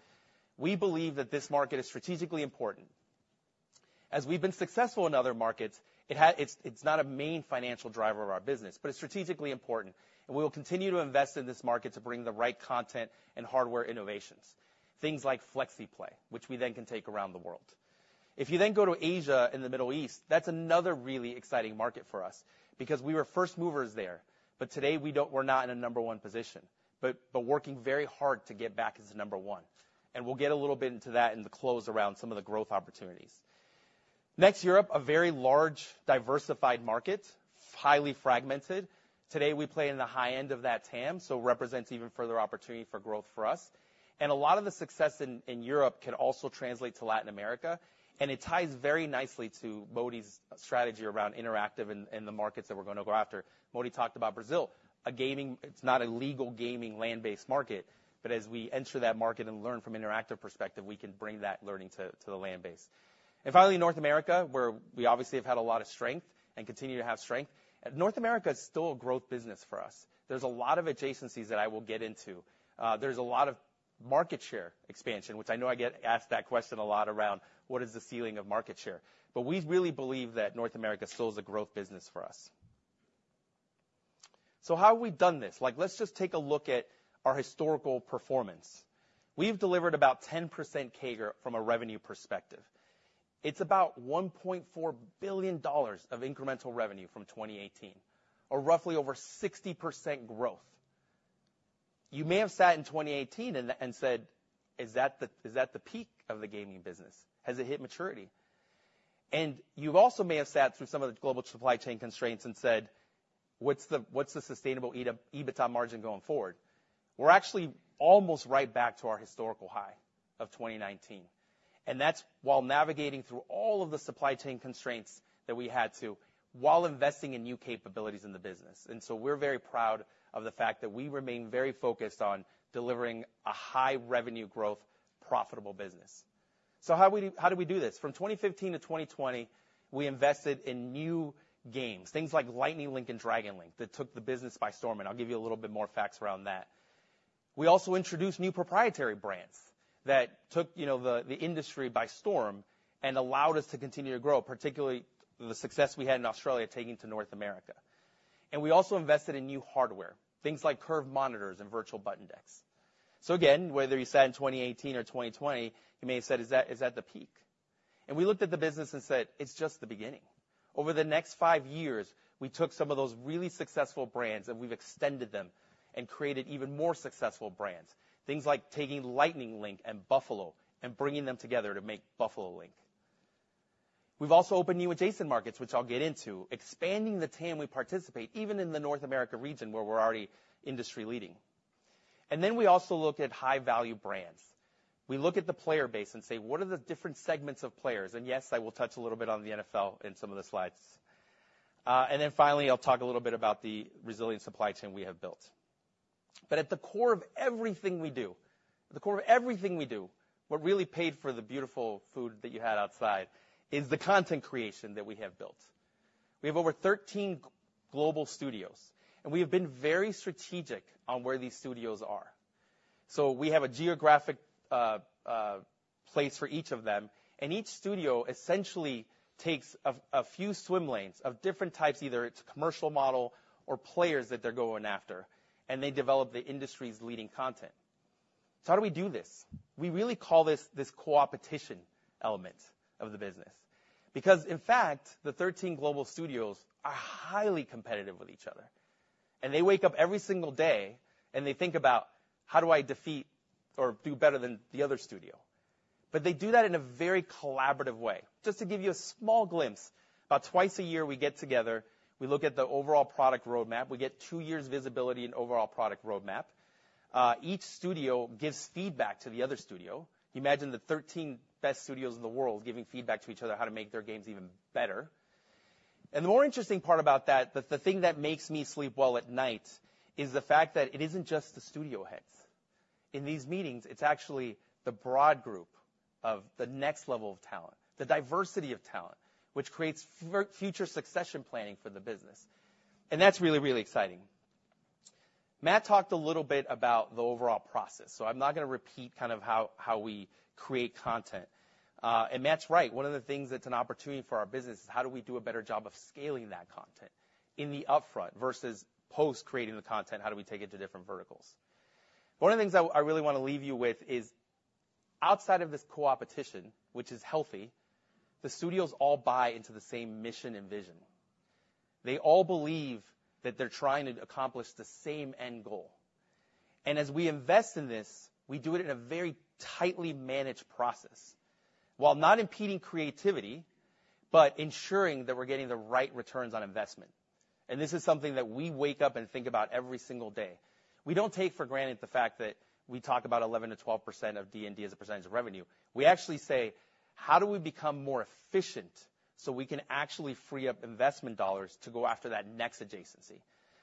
[SPEAKER 12] we believe that this market is strategically important. As we've been successful in other markets, it's, it's not a main financial driver of our business, but it's strategically important, and we will continue to invest in this market to bring the right content and hardware innovations. Things like FlexiPlay, which we then can take around the world. If you then go to Asia and the Middle East, that's another really exciting market for us because we were first movers there. But today, we're not in a number one position, but, but working very hard to get back as number one, and we'll get a little bit into that in the close around some of the growth opportunities. Next, Europe, a very large, diversified market, highly fragmented. Today, we play in the high end of that TAM, so represents even further opportunity for growth for us. A lot of the success in, in Europe can also translate to Latin America, and it ties very nicely to Moti's strategy around interactive and, and the markets that we're gonna go after. Moti talked about Brazil, a gaming It's not a legal gaming land-based market, but as we enter that market and learn from interactive perspective, we can bring that learning to, to the land-based. Finally, North America, where we obviously have had a lot of strength and continue to have strength. North America is still a growth business for us. There's a lot of adjacencies that I will get into. There's a lot of market share expansion, which I know I get asked that question a lot around, "What is the ceiling of market share?" But we really believe that North America still is a growth business for us. So how have we done this? Like, let's just take a look at our historical performance. We've delivered about 10% CAGR from a revenue perspective. It's about $1.4 billion of incremental revenue from 2018, or roughly over 60% growth. You may have sat in 2018 and said, "Is that the peak of the gaming business? Has it hit maturity?" And you also may have sat through some of the global supply chain constraints and said, "What's the, what's the sustainable EBITDA margin going forward?" We're actually almost right back to our historical high of 2019, and that's while navigating through all of the supply chain constraints that we had to, while investing in new capabilities in the business. And so we're very proud of the fact that we remain very focused on delivering a high revenue growth, profitable business. So how do we, how do we do this? From 2015-2020, we invested in new games, things like Lightning Link and Dragon Link, that took the business by storm, and I'll give you a little bit more facts around that. We also introduced new proprietary brands that took, you know, the, the industry by storm and allowed us to continue to grow, particularly the success we had in Australia, taking to North America. And we also invested in new hardware, things like curved monitors and virtual button decks. So again, whether you sat in 2018 or 2020, you may have said, "Is that, is that the peak?" And we looked at the business and said, "It's just the beginning." Over the next 5 years, we took some of those really successful brands, and we've extended them and created even more successful brands, things like taking Lightning Link and Buffalo and bringing them together to make Buffalo Link. We've also opened new adjacent markets, which I'll get into, expanding the TAM we participate, even in the North America region, where we're already industry leading. And then we also look at high-value brands. We look at the player base and say, "What are the different segments of players?" And yes, I will touch a little bit on the NFL in some of the slides. And then finally, I'll talk a little bit about the resilient supply chain we have built. But at the core of everything we do, at the core of everything we do, what really paid for the beautiful food that you had outside, is the content creation that we have built. We have over 13 global studios, and we have been very strategic on where these studios are. So we have a geographic place for each of them, and each studio essentially takes a few swim lanes of different types, either it's commercial model or players that they're going after, and they develop the industry's leading content. So how do we do this? We really call this, this coopetition element of the business. Because, in fact, the 13 global studios are highly competitive with each other, and they wake up every single day, and they think about, "How do I defeat or do better than the other studio?" But they do that in a very collaborative way. Just to give you a small glimpse, about twice a year we get together, we look at the overall product roadmap. We get two years visibility and overall product roadmap. Each studio gives feedback to the other studio. Imagine the 13 best studios in the world giving feedback to each other how to make their games even better. The more interesting part about that, the thing that makes me sleep well at night, is the fact that it isn't just the studio heads. In these meetings, it's actually the broad group of the next level of talent, the diversity of talent, which creates future succession planning for the business. That's really, really exciting. Matt talked a little bit about the overall process, so I'm not gonna repeat kind of how, how we create content. And Matt's right, one of the things that's an opportunity for our business is how do we do a better job of scaling that content in the upfront versus post creating the content, how do we take it to different verticals? One of the things I really want to leave you with is outside of this coopetition, which is healthy, the studios all buy into the same mission and vision. They all believe that they're trying to accomplish the same end goal, and as we invest in this, we do it in a very tightly managed process, while not impeding creativity, but ensuring that we're getting the right returns on investment. This is something that we wake up and think about every single day. We don't take for granted the fact that we talk about 11%-12% of D&D as a percentage of revenue. We actually say: How do we become more efficient so we can actually free up investment dollars to go after that next adjacency?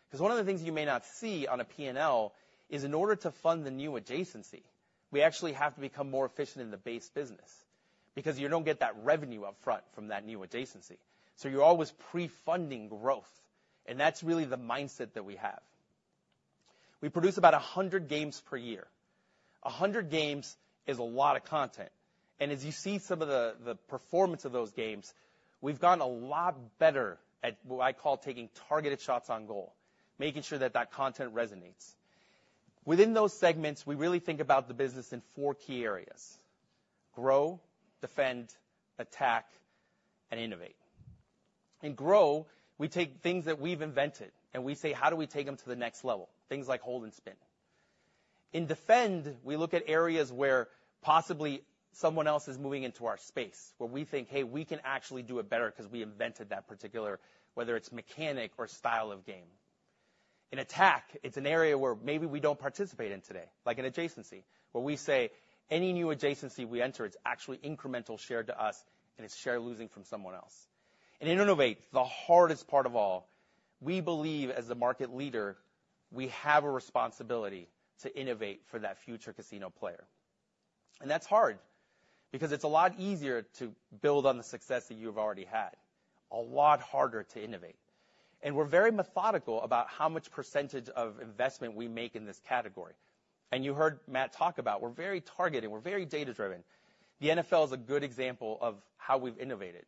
[SPEAKER 12] Because one of the things you may not see on a P&L is, in order to fund the new adjacency, we actually have to become more efficient in the base business, because you don't get that revenue upfront from that new adjacency. So you're always pre-funding growth, and that's really the mindset that we have. We produce about 100 games per year. 100 games is a lot of content, and as you see some of the performance of those games, we've gotten a lot better at what I call taking targeted shots on goal, making sure that that content resonates. Within those segments, we really think about the business in four key areas: grow, defend, attack, and innovate. In grow, we take things that we've invented, and we say, "How do we take them to the next level?" Things like hold-and-spin. In defend, we look at areas where possibly someone else is moving into our space, where we think, Hey, we can actually do it better because we invented that particular whether it's mechanic or style of game. In attack, it's an area where maybe we don't participate in today, like an adjacency, where we say any new adjacency we enter, it's actually incremental share to us, and it's share losing from someone else. And in innovate, the hardest part of all, we believe, as the market leader, we have a responsibility to innovate for that future casino player. And that's hard, because it's a lot easier to build on the success that you've already had, a lot harder to innovate. And we're very methodical about how much percentage of investment we make in this category. And you heard Matt talk about we're very targeted, we're very data-driven. The NFL is a good example of how we've innovated.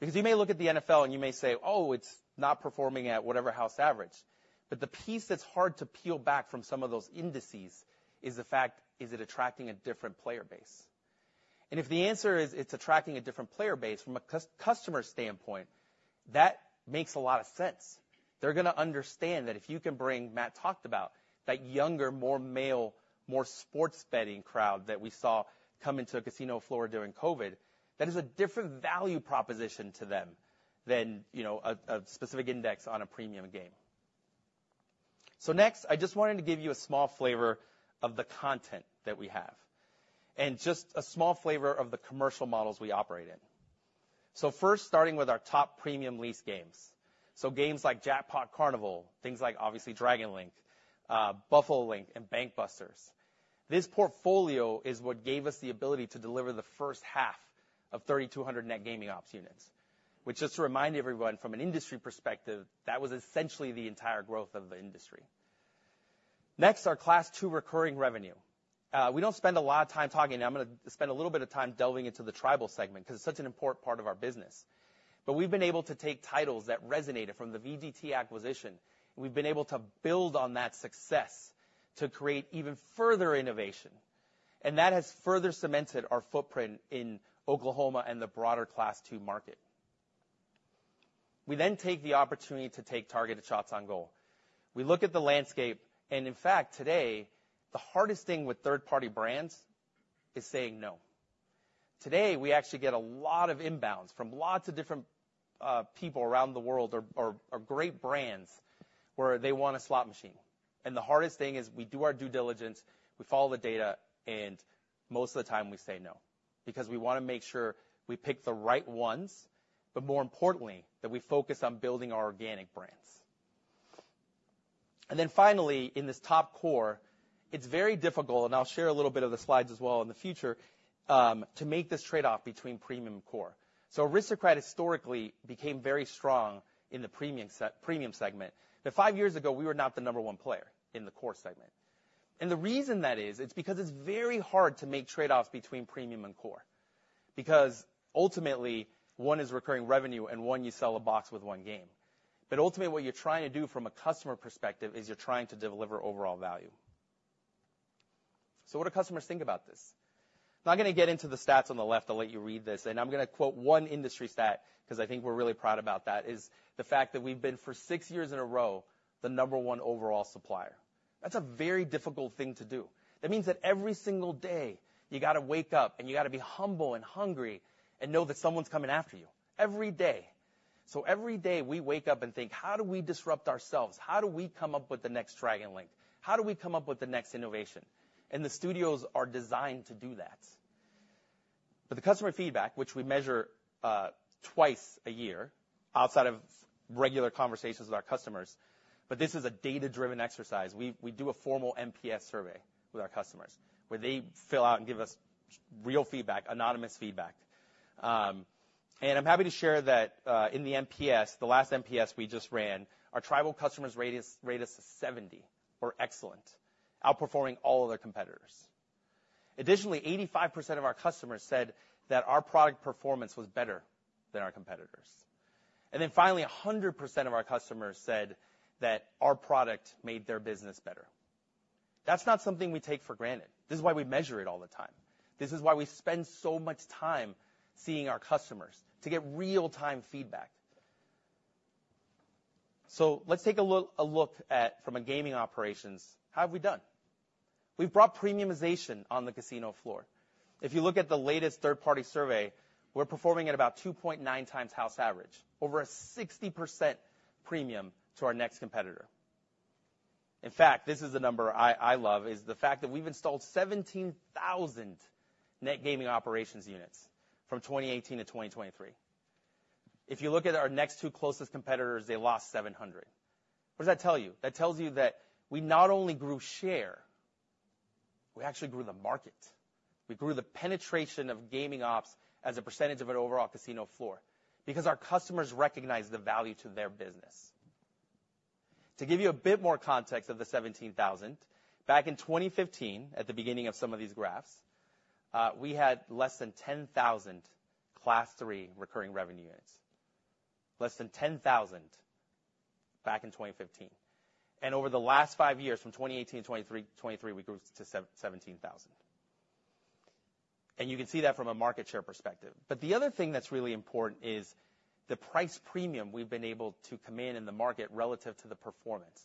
[SPEAKER 12] Because you may look at the NFL and you may say, "Oh, it's not performing at whatever house average." But the piece that's hard to peel back from some of those indices is the fact, is it attracting a different player base? And if the answer is it's attracting a different player base from a customer standpoint, that makes a lot of sense. They're gonna understand that if you can bring, Matt talked about, that younger, more male, more sports betting crowd that we saw come into a casino floor during COVID, that is a different value proposition to them than, you know, a, a specific index on a premium game. So next, I just wanted to give you a small flavor of the content that we have, and just a small flavor of the commercial models we operate in. So first, starting with our top premium lease games. So games like Jackpot Carnival, things like, obviously, Dragon Link, Buffalo Link, and Bank Busters. This portfolio is what gave us the ability to deliver the first half of 3,200 net gaming ops units, which just to remind everyone from an industry perspective, that was essentially the entire growth of the industry. Next, our Class II recurring revenue. We don't spend a lot of time talking, and I'm gonna spend a little bit of time delving into the tribal segment because it's such an important part of our business. But we've been able to take titles that resonated from the VGT acquisition, and we've been able to build on that success to create even further innovation, and that has further cemented our footprint in Oklahoma and the broader Class II market. We then take the opportunity to take targeted shots on goal. We look at the landscape, and in fact, today, the hardest thing with third-party brands is saying no. Today, we actually get a lot of inbounds from lots of different people around the world or great brands, where they want a slot machine. And the hardest thing is we do our due diligence, we follow the data, and most of the time we say no, because we want to make sure we pick the right ones, but more importantly, that we focus on building our organic brands. Then finally, in this top core, it's very difficult, and I'll share a little bit of the slides as well in the future, to make this trade-off between premium and core. So Aristocrat historically became very strong in the premium premium segment, but five years ago, we were not the number one player in the core segment. And the reason that is, it's because it's very hard to make trade-offs between premium and core. Because ultimately, one is recurring revenue, and one, you sell a box with one game. But ultimately, what you're trying to do from a customer perspective is you're trying to deliver overall value. So what do customers think about this? I'm not going to get into the stats on the left. I'll let you read this, and I'm going to quote one industry stat because I think we're really proud about that, is the fact that we've been, for 6 years in a row, the number 1 overall supplier. That's a very difficult thing to do. That means that every single day, you gotta wake up, and you gotta be humble and hungry, and know that someone's coming after you, every day. So every day, we wake up and think: How do we disrupt ourselves? How do we come up with the next Dragon Link? How do we come up with the next innovation? And the studios are designed to do that. But the customer feedback, which we measure, twice a year, outside of regular conversations with our customers, but this is a data-driven exercise. We do a formal NPS survey with our customers, where they fill out and give us real feedback, anonymous feedback. And I'm happy to share that, in the NPS, the last NPS we just ran, our tribal customers rate us a 70, or excellent, outperforming all other competitors. Additionally, 85% of our customers said that our product performance was better than our competitors. And then finally, 100% of our customers said that our product made their business better. That's not something we take for granted. This is why we measure it all the time. This is why we spend so much time seeing our customers, to get real-time feedback. So let's take a look at, from a gaming operations, how have we done? We've brought premiumization on the casino floor. If you look at the latest third-party survey, we're performing at about 2.9 times house average, over a 60% premium to our next competitor. In fact, this is the number I, I love, is the fact that we've installed 17,000 net gaming operations units from 2018-2023. If you look at our next two closest competitors, they lost 700. What does that tell you? That tells you that we not only grew share, we actually grew the market. We grew the penetration of gaming ops as a percentage of an overall casino floor because our customers recognize the value to their business. To give you a bit more context of the 17,000, back in 2015, at the beginning of some of these graphs, we had less than 10,000 Class III recurring revenue units. Less than 10,000 back in 2015. Over the last five years, from 2018-2023, we grew to 17,000. You can see that from a market share perspective. But the other thing that's really important is the price premium we've been able to command in the market relative to the performance.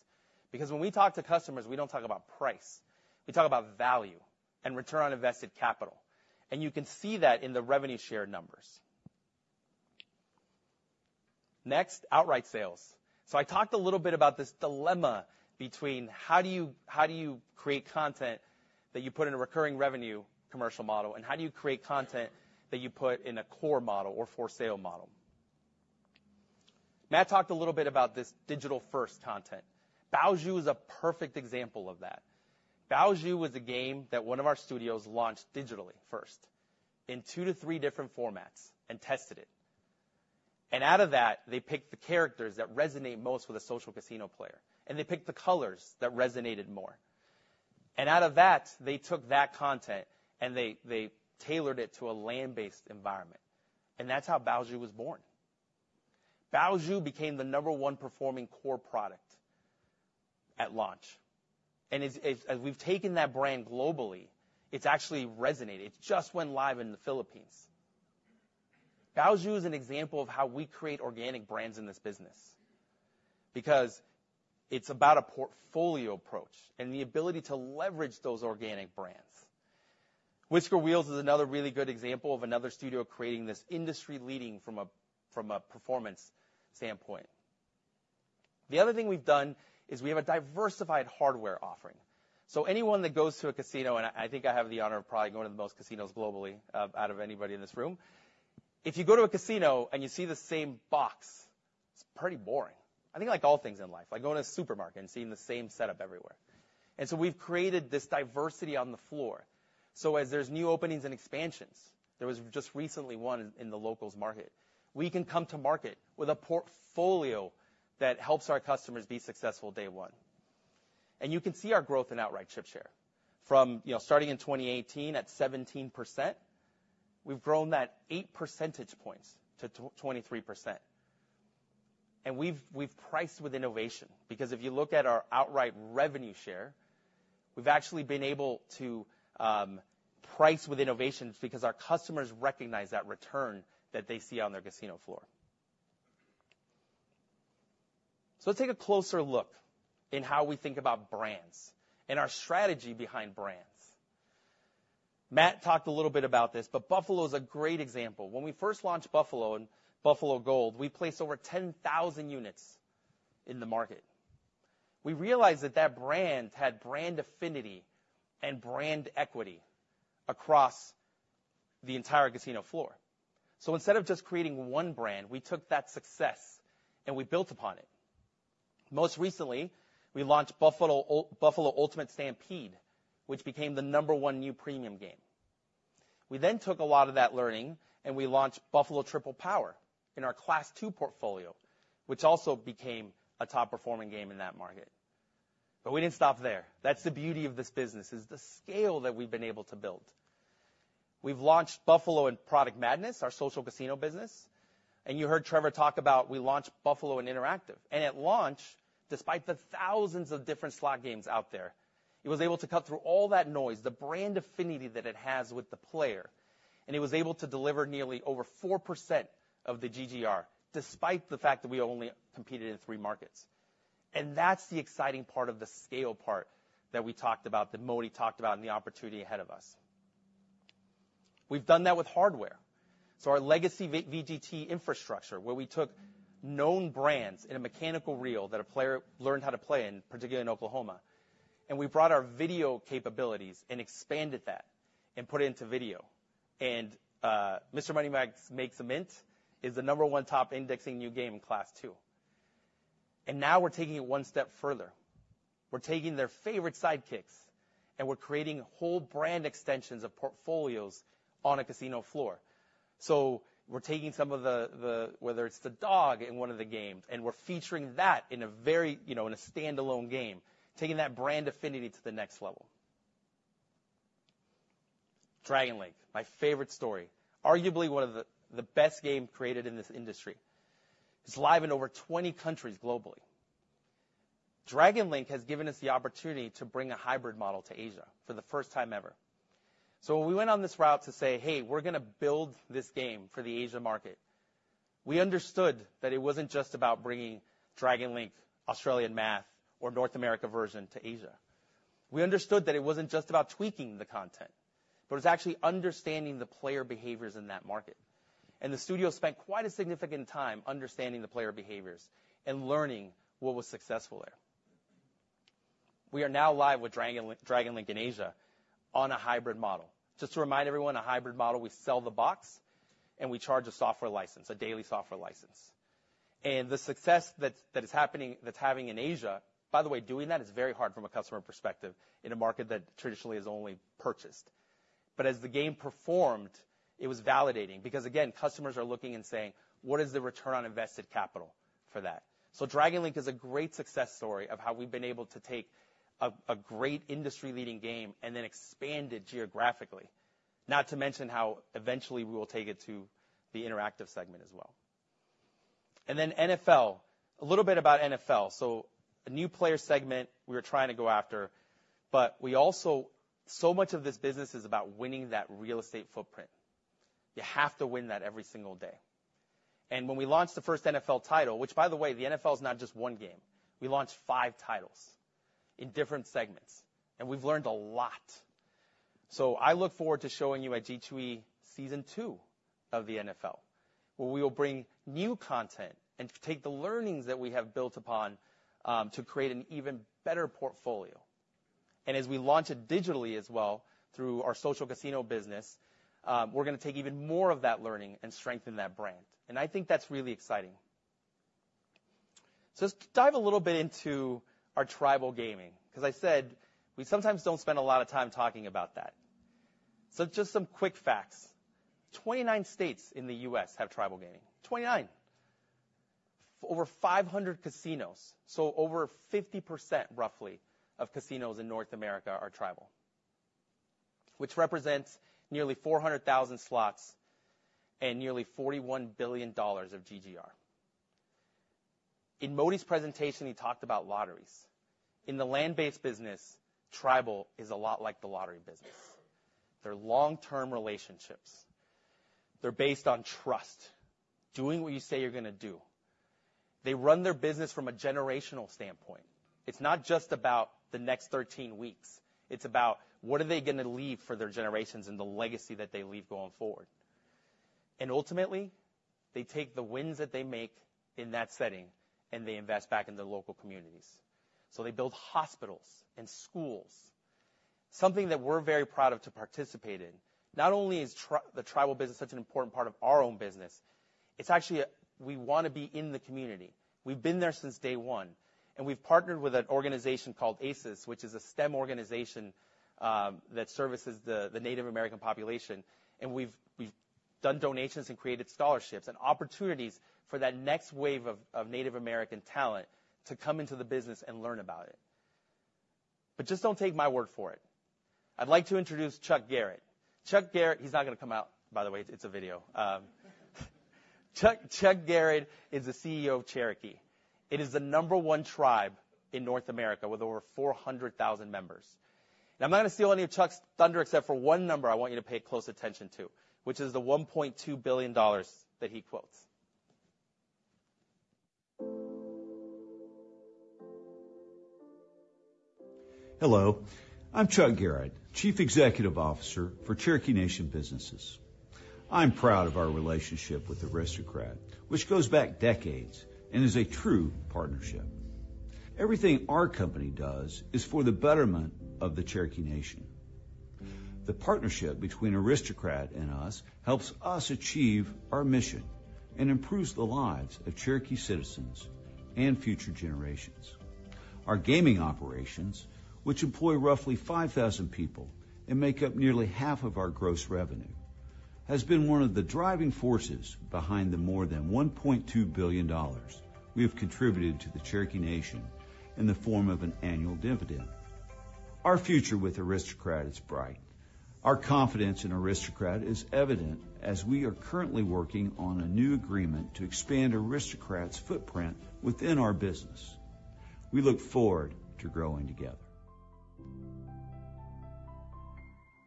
[SPEAKER 12] Because when we talk to customers, we don't talk about price, we talk about value and return on invested capital, and you can see that in the revenue share numbers. Next, outright sales. I talked a little bit about this dilemma between how do you create content that you put in a recurring revenue commercial model, and how do you create content that you put in a core model or for sale model? Matt talked a little bit about this digital-first content. Bao Zhu is a perfect example of that. Bao Zhu was a game that one of our studios launched digitally first in 2-3 different formats and tested it. Out of that, they picked the characters that resonate most with a social casino player, and they picked the colors that resonated more. Out of that, they took that content, and they tailored it to a land-based environment, and that's how Bao Zhu was born. Bao Zhu became the number 1 performing core product at launch, and as we've taken that brand globally, it's actually resonated. It just went live in the Philippines. Bao Zhu is an example of how we create organic brands in this business because it's about a portfolio approach and the ability to leverage those organic brands. Whisker Wheels is another really good example of another studio creating this industry leading from a performance standpoint. The other thing we've done is we have a diversified hardware offering. So anyone that goes to a casino, and I think I have the honor of probably going to the most casinos globally out of anybody in this room. If you go to a casino and you see the same box, it's pretty boring. I think like all things in life, like going to a supermarket and seeing the same setup everywhere. And so we've created this diversity on the floor. So as there's new openings and expansions, there was just recently one in the locals market. We can come to market with a portfolio that helps our customers be successful day one. And you can see our growth in outright chip share. From, you know, starting in 2018 at 17%, we've grown that eight percentage points to 23%. And we've, we've priced with innovation, because if you look at our outright revenue share, we've actually been able to price with innovations because our customers recognize that return that they see on their casino floor. So let's take a closer look in how we think about brands and our strategy behind brands. Matt talked a little bit about this, but Buffalo is a great example. When we first launched Buffalo and Buffalo Gold, we placed over 10,000 units in the market. We realized that that brand had brand affinity and brand equity across the entire casino floor. So instead of just creating one brand, we took that success, and we built upon it. Most recently, we launched Buffalo Ultimate Stampede, which became the number one new premium game. We then took a lot of that learning, and we launched Buffalo Triple Power in our Class II portfolio, which also became a top-performing game in that market. But we didn't stop there. That's the beauty of this business, is the scale that we've been able to build. We've launched Buffalo and Product Madness, our social casino business, and you heard Trevor talk about we launched Buffalo and Interactive. And at launch, despite the thousands of different slot games out there, it was able to cut through all that noise. The brand affinity that it has with the player and it was able to deliver nearly over 4% of the GGR, despite the fact that we only competed in three markets. And that's the exciting part of the scale part that we talked about, that Moti talked about, and the opportunity ahead of us. We've done that with hardware. So our legacy VGT infrastructure, where we took known brands in a mechanical reel that a player learned how to play in, particularly in Oklahoma, and we brought our video capabilities and expanded that and put it into video. And, Mr. Moneybags Makes a Mint is the number one top indexing new game in Class II. And now we're taking it one step further. We're taking their favorite sidekicks, and we're creating whole brand extensions of portfolios on a casino floor. So we're taking some of the, the—whether it's the dog in one of the games, and we're featuring that in a very, you know, in a standalone game, taking that brand affinity to the next level. Dragon Link, my favorite story, arguably one of the best game created in this industry. It's live in over 20 countries globally. Dragon Link has given us the opportunity to bring a hybrid model to Asia for the first time ever. So when we went on this route to say, "Hey, we're gonna build this game for the Asia market," we understood that it wasn't just about bringing Dragon Link, Australian math, or North America version to Asia. We understood that it wasn't just about tweaking the content, but it's actually understanding the player behaviors in that market. And the studio spent quite a significant time understanding the player behaviors and learning what was successful there. We are now live with Dragon Link, Dragon Link in Asia on a hybrid model. Just to remind everyone, a hybrid model, we sell the box, and we charge a software license, a daily software license. And the success that's having in Asia By the way, doing that is very hard from a customer perspective in a market that traditionally is only purchased. But as the game performed, it was validating because, again, customers are looking and saying, "What is the return on invested capital for that?" So Dragon Link is a great success story of how we've been able to take a great industry-leading game and then expand it geographically. Not to mention how eventually we will take it to the interactive segment as well. And then NFL, a little bit about NFL. So a new player segment we are trying to go after, but we also- so much of this business is about winning that real estate footprint. You have to win that every single day. And when we launched the first NFL title, which, by the way, the NFL is not just one game, we launched 5 titles in different segments, and we've learned a lot. So I look forward to showing you at G2E season two of the NFL, where we will bring new content and take the learnings that we have built upon to create an even better portfolio. And as we launch it digitally as well, through our social casino business, we're gonna take even more of that learning and strengthen that brand. And I think that's really exciting. So let's dive a little bit into our tribal gaming, because I said we sometimes don't spend a lot of time talking about that. So just some quick facts. 29 states in the U.S. have tribal gaming, 29, over 500 casinos. So over 50%, roughly, of casinos in North America are tribal, which represents nearly 400,000 slots and nearly $41 billion of GGR. In Moti's presentation, he talked about lotteries. In the land-based business, tribal is a lot like the lottery business. They're long-term relationships. They're based on trust, doing what you say you're gonna do. They run their business from a generational standpoint. It's not just about the next 13 weeks. It's about what are they gonna leave for their generations and the legacy that they leave going forward. And ultimately, they take the wins that they make in that setting, and they invest back in their local communities. So they build hospitals and schools, something that we're very proud of to participate in. Not only is tribal business such an important part of our own business, it's actually, we wanna be in the community. We've been there since day one, and we've partnered with an organization called AISES, which is a STEM organization that services the Native American population, and we've done donations and created scholarships and opportunities for that next wave of Native American talent to come into the business and learn about it. But just don't take my word for it. I'd like to introduce Chuck Garrett. Chuck Garrett - he's not gonna come out, by the way, it's a video. Chuck Garrett is the CEO of Cherokee Nation Businesses. It is the number one tribe in North America with over 400,000 members. Now, I'm not going to steal any of Chuck's thunder, except for one number I want you to pay close attention to, which is the $1.2 billion that he quotes.
[SPEAKER 13] Hello, I'm Chuck Garrett, Chief Executive Officer for Cherokee Nation Businesses. I'm proud of our relationship with Aristocrat, which goes back decades and is a true partnership. Everything our company does is for the betterment of the Cherokee Nation. The partnership between Aristocrat and us helps us achieve our mission and improves the lives of Cherokee citizens and future generations. Our gaming operations, which employ roughly 5,000 people and make up nearly half of our gross revenue, has been one of the driving forces behind the more than $1.2 billion we have contributed to the Cherokee Nation in the form of an annual dividend. Our future with Aristocrat is bright. Our confidence in Aristocrat is evident, as we are currently working on a new agreement to expand Aristocrat's footprint within our business. We look forward to growing together.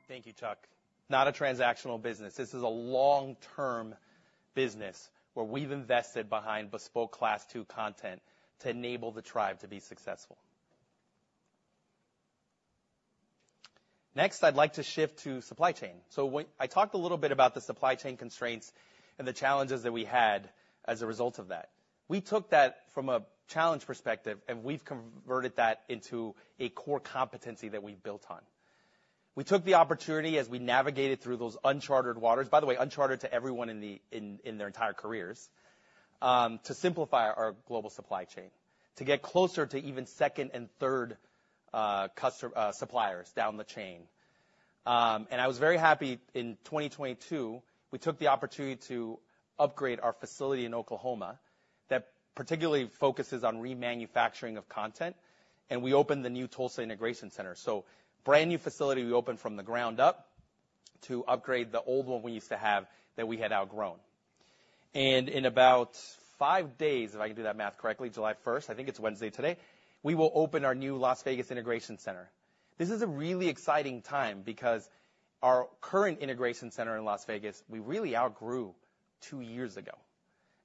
[SPEAKER 13] Thank you, Chuck. Not a transactional business. This is a long-term business where we've invested behind bespoke Class II content to enable the tribe to be successful. Next, I'd like to shift to supply chain. So when I talked a little bit about the supply chain constraints and the challenges that we had as a result of that. We took that from a challenge perspective, and we've converted that into a core competency that we've built on. We took the opportunity as we navigated through those uncharted waters, by the way, uncharted to everyone in their entire careers, to simplify our global supply chain, to get closer to even second and third customer suppliers down the chain. I was very happy in 2022, we took the opportunity to upgrade our facility in Oklahoma that particularly focuses on remanufacturing of content, and we opened the new Tulsa Integration Center. So brand new facility we opened from the ground up to upgrade the old one we used to have that we had outgrown. In about 5 days, if I can do that math correctly, July 1st, I think it's Wednesday today, we will open our new Las Vegas Integration Center. This is a really exciting time because our current integration center in Las Vegas, we really outgrew 2 years ago,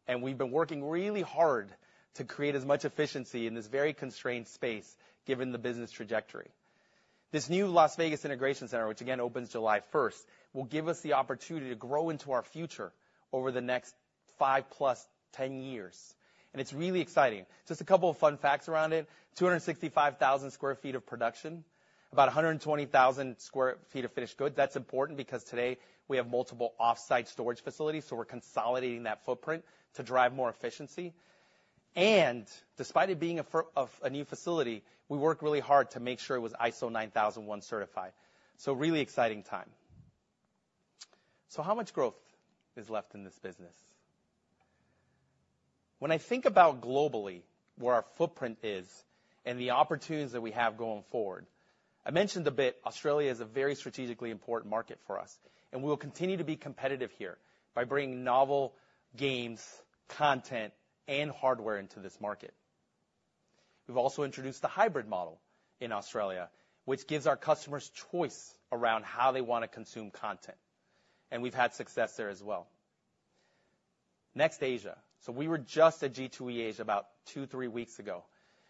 [SPEAKER 13] and we've been working really hard to create as much efficiency in this very constrained space, given the business trajectory. This new Las Vegas Integration Center, which again opens July 1st, will give us the opportunity to grow into our future over the next 5 + 10 years. It's really exciting. Just a couple of fun facts around it, 265,000 sq ft of production, about 120,000 sq ft of finished goods. That's important because today we have multiple off-site storage facilities, so we're consolidating that footprint to drive more efficiency. Despite it being a new facility, we worked really hard to make sure it was ISO 9001 certified. So really exciting time. So how much growth is left in this business? When I think about globally, where our footprint is and the opportunities that we have going forward, I mentioned a bit. Australia is a very strategically important market for us, and we will continue to be competitive here by bringing novel games, content, and hardware into this market. We've also introduced the hybrid model in Australia, which gives our customers choice around how they want to consume content, and we've had success there as well. Next, Asia. So we were just at G2E Asia about 2-3 weeks ago,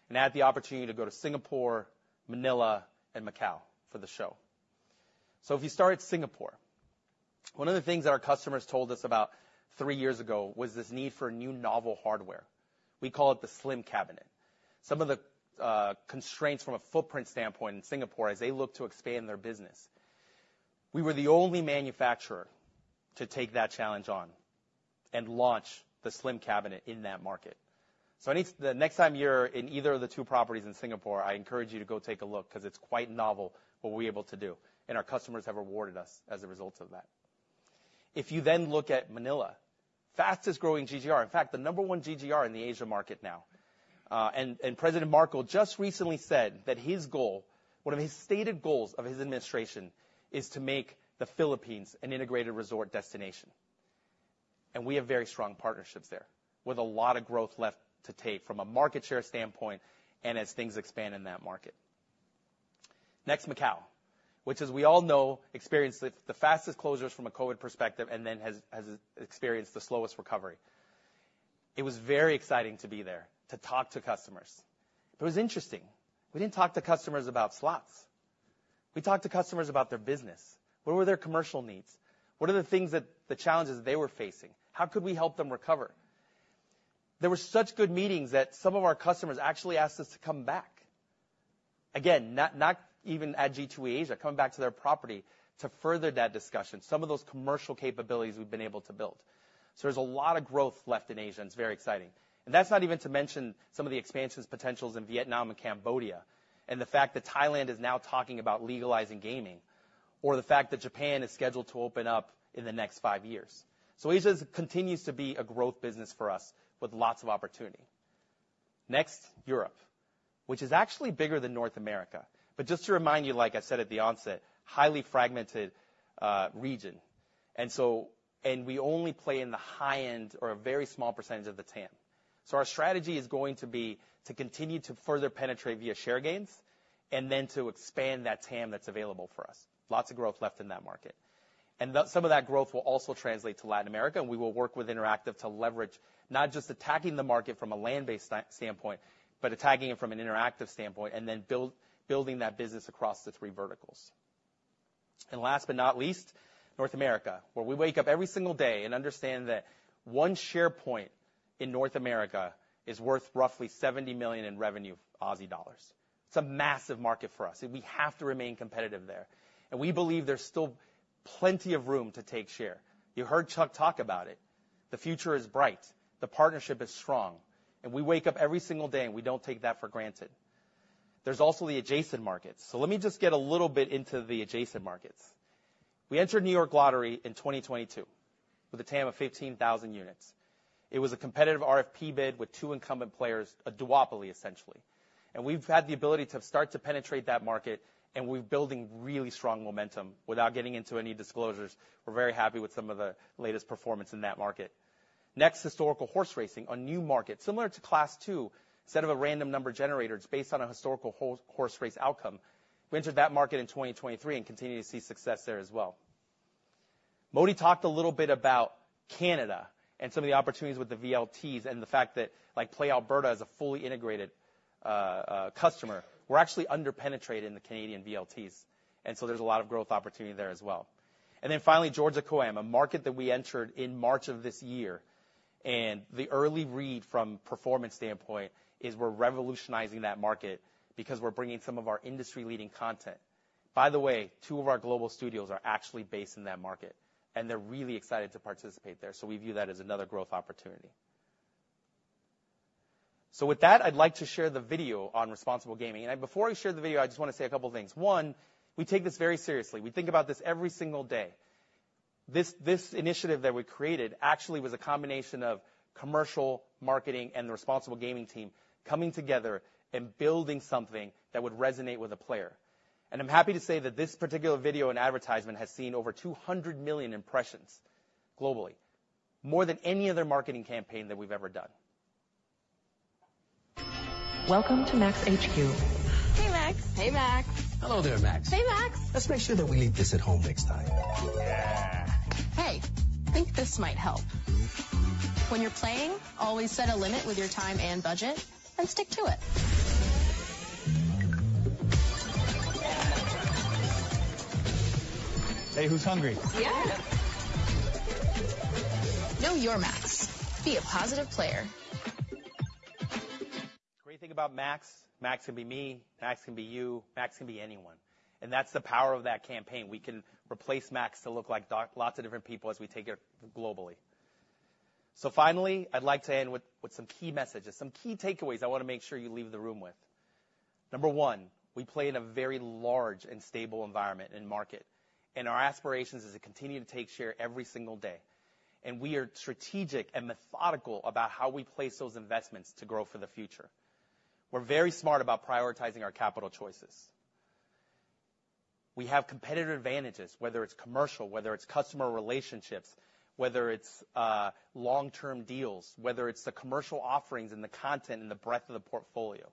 [SPEAKER 13] and had the opportunity to go to Singapore, Manila, and Macau for the show. So if you start at Singapore, one of the things that our customers told us about 3 years ago was this need for new novel hardware. We call it the slim cabinet. Some of the constraints from a footprint standpoint in Singapore as they look to expand their business, we were the only manufacturer to take that challenge on and launch the slim cabinet in that market. So, the next time you're in either of the two properties in Singapore, I encourage you to go take a look, because it's quite novel what we're able to do, and our customers have rewarded us as a result of that. If you then look at Manila, fastest-growing GGR, in fact, the number one GGR in the Asia market now. And President Marcos just recently said that his goal, one of his stated goals of his administration, is to make the Philippines an integrated resort destination. We have very strong partnerships there, with a lot of growth left to take from a market share standpoint and as things expand in that market. Next, Macau, which, as we all know, experienced the fastest closures from a COVID perspective, and then has experienced the slowest recovery. It was very exciting to be there to talk to customers. It was interesting. We didn't talk to customers about slots. We talked to customers about their business. What were their commercial needs? What are the challenges they were facing? How could we help them recover? There were such good meetings that some of our customers actually asked us to come back. Again, not even at G2E Asia, coming back to their property to further that discussion, some of those commercial capabilities we've been able to build. So there's a lot of growth left in Asia, and it's very exciting. And that's not even to mention some of the expansions potentials in Vietnam and Cambodia, and the fact that Thailand is now talking about legalizing gaming, or the fact that Japan is scheduled to open up in the next five years. So Asia continues to be a growth business for us with lots of opportunity. Next, Europe, which is actually bigger than North America. But just to remind you, like I said at the onset, highly fragmented, region. And so we only play in the high end or a very small percentage of the TAM. So our strategy is going to be to continue to further penetrate via share gains and then to expand that TAM that's available for us. Lots of growth left in that market. And that some of that growth will also translate to Latin America, and we will work with Interactive to leverage not just attacking the market from a land-based standpoint, but attacking it from an interactive standpoint, and then building that business across the three verticals. And last but not least, North America, where we wake up every single day and understand that one share point in North America is worth roughly 70 million in revenue. It's a massive market for us, and we have to remain competitive there, and we believe there's still plenty of room to take share. You heard Chuck talk about it. The future is bright, the partnership is strong, and we wake up every single day, and we don't take that for granted. There's also the adjacent markets. So let me just get a little bit into the adjacent markets. We entered New York Lottery in 2022 with a TAM of 15,000 units. It was a competitive RFP bid with two incumbent players, a duopoly, essentially. We've had the ability to start to penetrate that market, and we're building really strong momentum. Without getting into any disclosures, we're very happy with some of the latest performance in that market. Next, historical horse racing, a new market similar to Class II. Instead of a random number generator, it's based on a historical horse, horse race outcome. We entered that market in 2023, and continue to see success there as well. Moti talked a little bit about Canada and some of the opportunities with the VLTs, and the fact that, like, PlayAlberta is a fully integrated customer. We're actually under-penetrated in the Canadian VLTs, and so there's a lot of growth opportunity there as well. And then finally, Georgia COAM, a market that we entered in March of this year, and the early read from performance standpoint is we're revolutionizing that market because we're bringing some of our industry-leading content. By the way, two of our global studios are actually based in that market, and they're really excited to participate there, so we view that as another growth opportunity. So with that, I'd like to share the video on responsible gaming, and before I share the video, I just want to say a couple of things. One, we take this very seriously. We think about this every single day. This, this initiative that we created actually was a combination of commercial, marketing, and the responsible gaming team coming together and building something that would resonate with a player. I'm happy to say that this particular video and advertisement has seen over 200 million impressions globally, more than any other marketing campaign that we've ever done. Welcome to Max HQ. Hey, Max. Hey, Max. Hello there, Max. Hey, Max! Let's make sure that we eat this at home next time. Yeah! Hey, I think this might help. When you're playing, always set a limit with your time and budget, and stick to it. Hey, who's hungry? Yeah. Yeah. Know Your Max. Be a positive player.
[SPEAKER 12] Great thing about Max, Max can be me, Max can be you, Max can be anyone, and that's the power of that campaign. We can replace Max to look like dark, lots of different people as we take it globally. So finally, I'd like to end with some key messages, some key takeaways I wanna make sure you leave the room with. Number one, we play in a very large and stable environment and market, and our aspirations is to continue to take share every single day, and we are strategic and methodical about how we place those investments to grow for the future. We're very smart about prioritizing our capital choices. We have competitive advantages, whether it's commercial, whether it's customer relationships, whether it's long-term deals, whether it's the commercial offerings and the content and the breadth of the portfolio.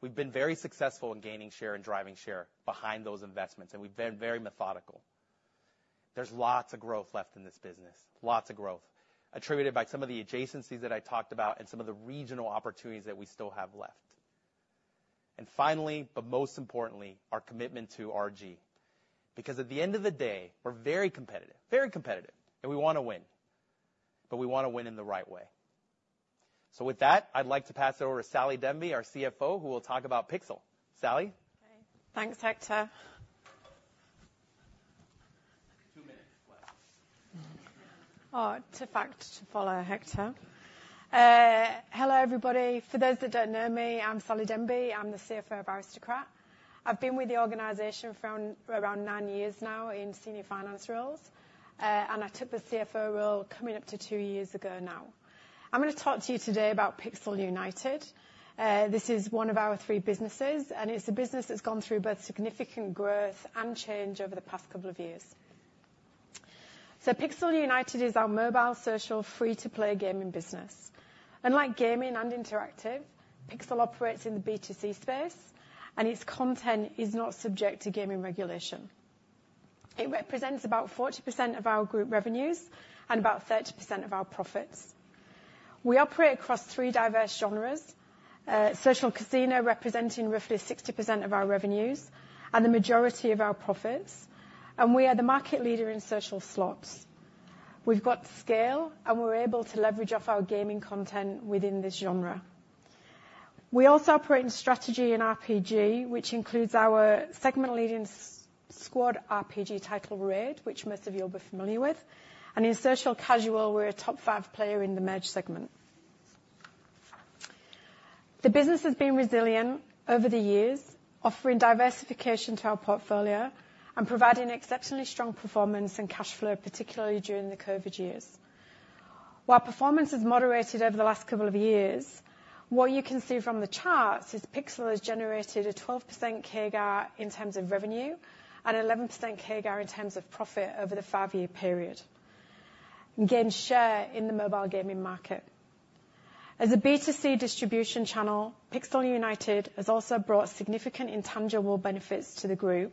[SPEAKER 12] We've been very successful in gaining share and driving share behind those investments, and we've been very methodical. There's lots of growth left in this business, lots of growth, attributed by some of the adjacencies that I talked about and some of the regional opportunities that we still have left. And finally, but most importantly, our commitment to RG, because at the end of the day, we're very competitive, very competitive, and we wanna win, but we wanna win in the right way. So with that, I'd like to pass it over to Sally Demby, our CFO, who will talk about Pixel. Sally?
[SPEAKER 14] Hey. Thanks, Hector.
[SPEAKER 12] Two minutes left.
[SPEAKER 14] Oh, tough act to follow, Hector. Hello, everybody. For those that don't know me, I'm Sally Demby. I'm the CFO of Aristocrat. I've been with the organization for around, around nine years now in senior finance roles, and I took the CFO role coming up to two years ago now. I'm gonna talk to you today about Pixel United. This is one of our three businesses, and it's a business that's gone through both significant growth and change over the past couple of years. So Pixel United is our mobile, social, free-to-play gaming business. Like gaming and interactive, Pixel operates in the B2C space, and its content is not subject to gaming regulation. It represents about 40% of our group revenues and about 30% of our profits. We operate across three diverse genres, social casino representing roughly 60% of our revenues and the majority of our profits, and we are the market leader in social slots. We've got scale, and we're able to leverage off our gaming content within this genre. We also operate in strategy and RPG, which includes our segment-leading squad RPG title, Raid, which most of you will be familiar with, and in social casual, we're a top five player in the merge segment. The business has been resilient over the years, offering diversification to our portfolio and providing exceptionally strong performance and cash flow, particularly during the COVID years. While performance has moderated over the last couple of years, what you can see from the charts is Pixel has generated a 12% CAGR in terms of revenue and 11% CAGR in terms of profit over the five-year period, and gained share in the mobile gaming market. As a B2C distribution channel, Pixel United has also brought significant intangible benefits to the group,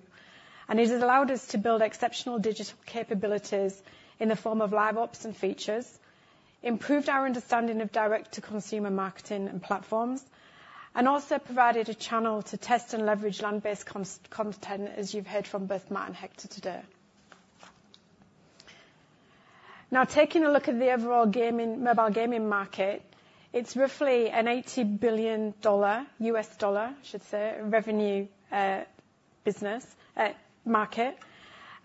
[SPEAKER 14] and it has allowed us to build exceptional digital capabilities in the form of LiveOps and features, improved our understanding of direct-to-consumer marketing and platforms, and also provided a channel to test and leverage land-based concepts, content, as you've heard from both Matt and Hector today. Now, taking a look at the overall gaming, mobile gaming market, it's roughly an $80 billion U.S. dollar, I should say, revenue business market,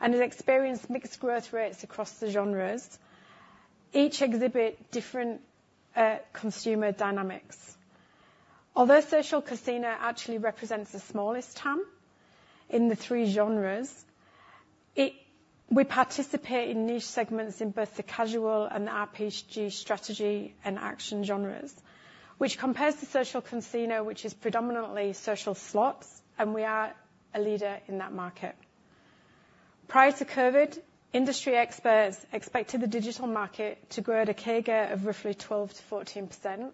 [SPEAKER 14] and it experienced mixed growth rates across the genres, each exhibit different consumer dynamics. Although social casino actually represents the smallest TAM in the three genres, it—we participate in niche segments in both the casual and RPG strategy and action genres, which compares to social casino, which is predominantly social slots, and we are a leader in that market. Prior to COVID, industry experts expected the digital market to grow at a CAGR of roughly 12%-14%.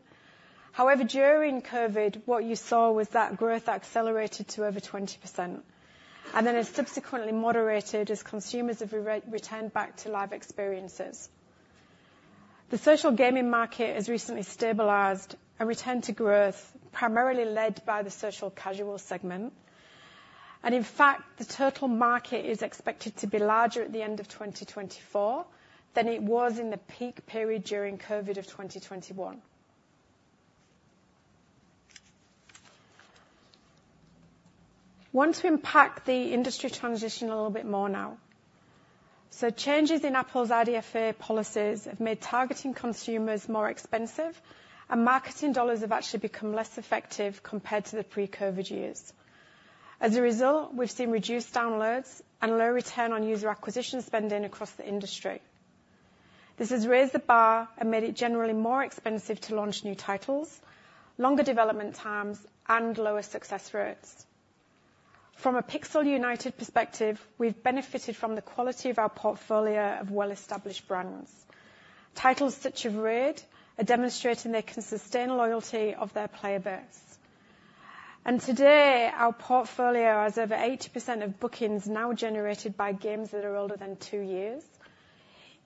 [SPEAKER 14] However, during COVID, what you saw was that growth accelerated to over 20%, and then it subsequently moderated as consumers have returned back to live experiences. The social gaming market has recently stabilized and returned to growth, primarily led by the social casual segment. In fact, the total market is expected to be larger at the end of 2024 than it was in the peak period during COVID of 2021. Want to unpack the industry transition a little bit more now. Changes in Apple's IDFA policies have made targeting consumers more expensive, and marketing dollars have actually become less effective compared to the pre-COVID years. As a result, we've seen reduced downloads and low return on user acquisition spending across the industry. This has raised the bar and made it generally more expensive to launch new titles, longer development times, and lower success rates. From a Pixel United perspective, we've benefited from the quality of our portfolio of well-established brands. Titles such as RAID are demonstrating they can sustain loyalty of their player base. Today, our portfolio has over 80% of bookings now generated by games that are older than 2 years.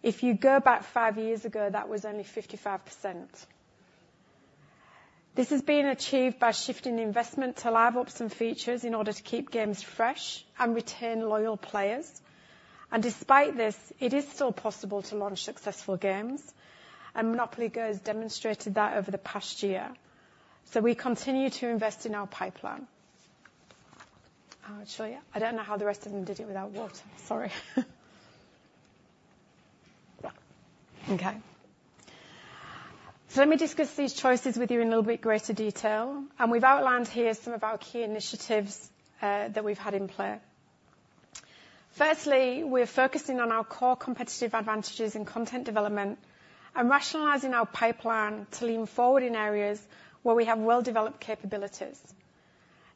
[SPEAKER 14] If you go back 5 years ago, that was only 55%. This has been achieved by shifting investment to LiveOps and features in order to keep games fresh and retain loyal players. Despite this, it is still possible to launch successful games, and Monopoly GO! has demonstrated that over the past year. So we continue to invest in our pipeline. I'll show you. I don't know how the rest of them did it without water. Sorry. Okay. So let me discuss these choices with you in a little bit greater detail, and we've outlined here some of our key initiatives that we've had in play. Firstly, we're focusing on our core competitive advantages in content development and rationalizing our pipeline to lean forward in areas where we have well-developed capabilities.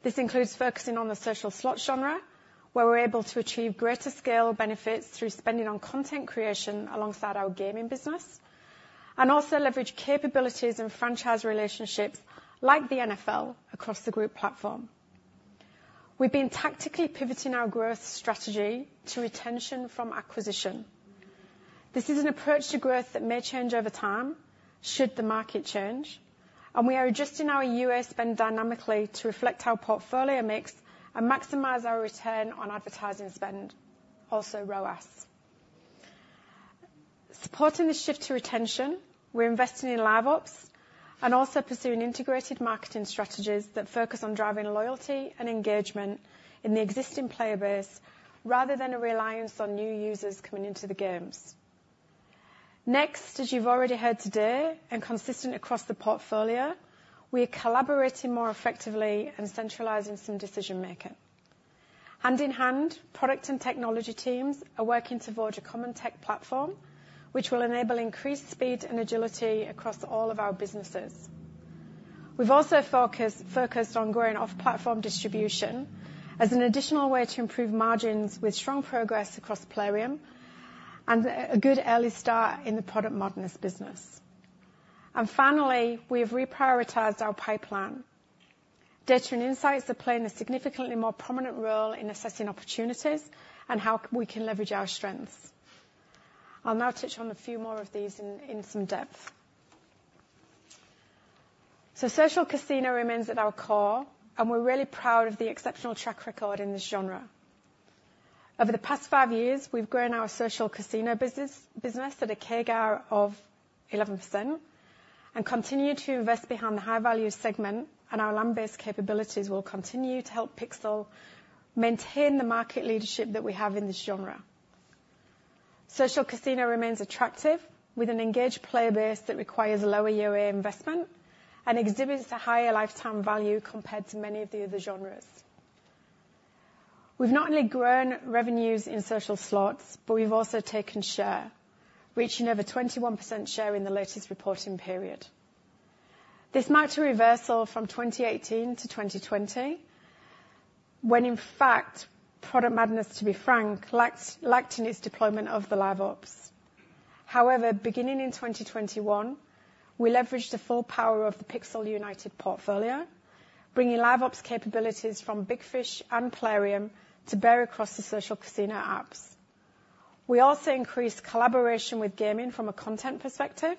[SPEAKER 14] This includes focusing on the social slot genre, where we're able to achieve greater scale benefits through spending on content creation alongside our gaming business, and also leverage capabilities and franchise relationships, like the NFL, across the group platform. We've been tactically pivoting our growth strategy to retention from acquisition. This is an approach to growth that may change over time should the market change, and we are adjusting our UA spend dynamically to reflect our portfolio mix and maximize our return on advertising spend, also ROAS. Supporting the shift to retention, we're investing in LiveOps and also pursuing integrated marketing strategies that focus on driving loyalty and engagement in the existing player base, rather than a reliance on new users coming into the games. Next, as you've already heard today, and consistent across the portfolio, we are collaborating more effectively and centralizing some decision-making. Hand in hand, product and technology teams are working towards a common tech platform, which will enable increased speed and agility across all of our businesses. We've also focused on growing off-platform distribution as an additional way to improve margins with strong progress across Plarium and a good early start in the Product Madness business. And finally, we have reprioritized our pipeline. Data and insights are playing a significantly more prominent role in assessing opportunities and how we can leverage our strengths. I'll now touch on a few more of these in some depth. Social Casino remains at our core, and we're really proud of the exceptional track record in this genre. Over the past 5 years, we've grown our Social Casino business at a CAGR of 11% and continue to invest behind the high-value segment, and our land-based capabilities will continue to help Pixel maintain the market leadership that we have in this genre. Social Casino remains attractive, with an engaged player base that requires lower UA investment and exhibits a higher lifetime value compared to many of the other genres. We've not only grown revenues in social slots, but we've also taken share, reaching over 21% share in the latest reporting period. This marked a reversal from 2018-2020, when, in fact, Product Madness, to be frank, lacked, lacked in its deployment of the LiveOps. However, beginning in 2021, we leveraged the full power of the Pixel United portfolio, bringing LiveOps capabilities from Big Fish and Plarium to bear across the Social Casino apps. We also increased collaboration with gaming from a content perspective,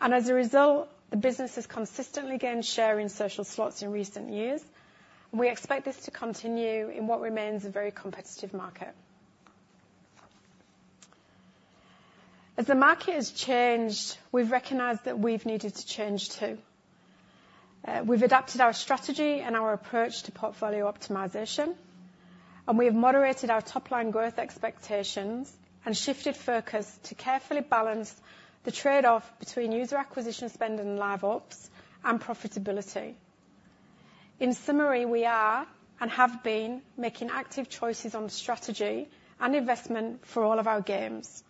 [SPEAKER 14] and as a result, the business has consistently gained share in social slots in recent years. We expect this to continue in what remains a very competitive market. As the market has changed, we've recognized that we've needed to change, too. We've adapted our strategy and our approach to portfolio optimization, and we have moderated our top-line growth expectations and shifted focus to carefully balance the trade-off between user acquisition spending and LiveOps and profitability. In summary, we are, and have been, making active choices on strategy and investment for all of our games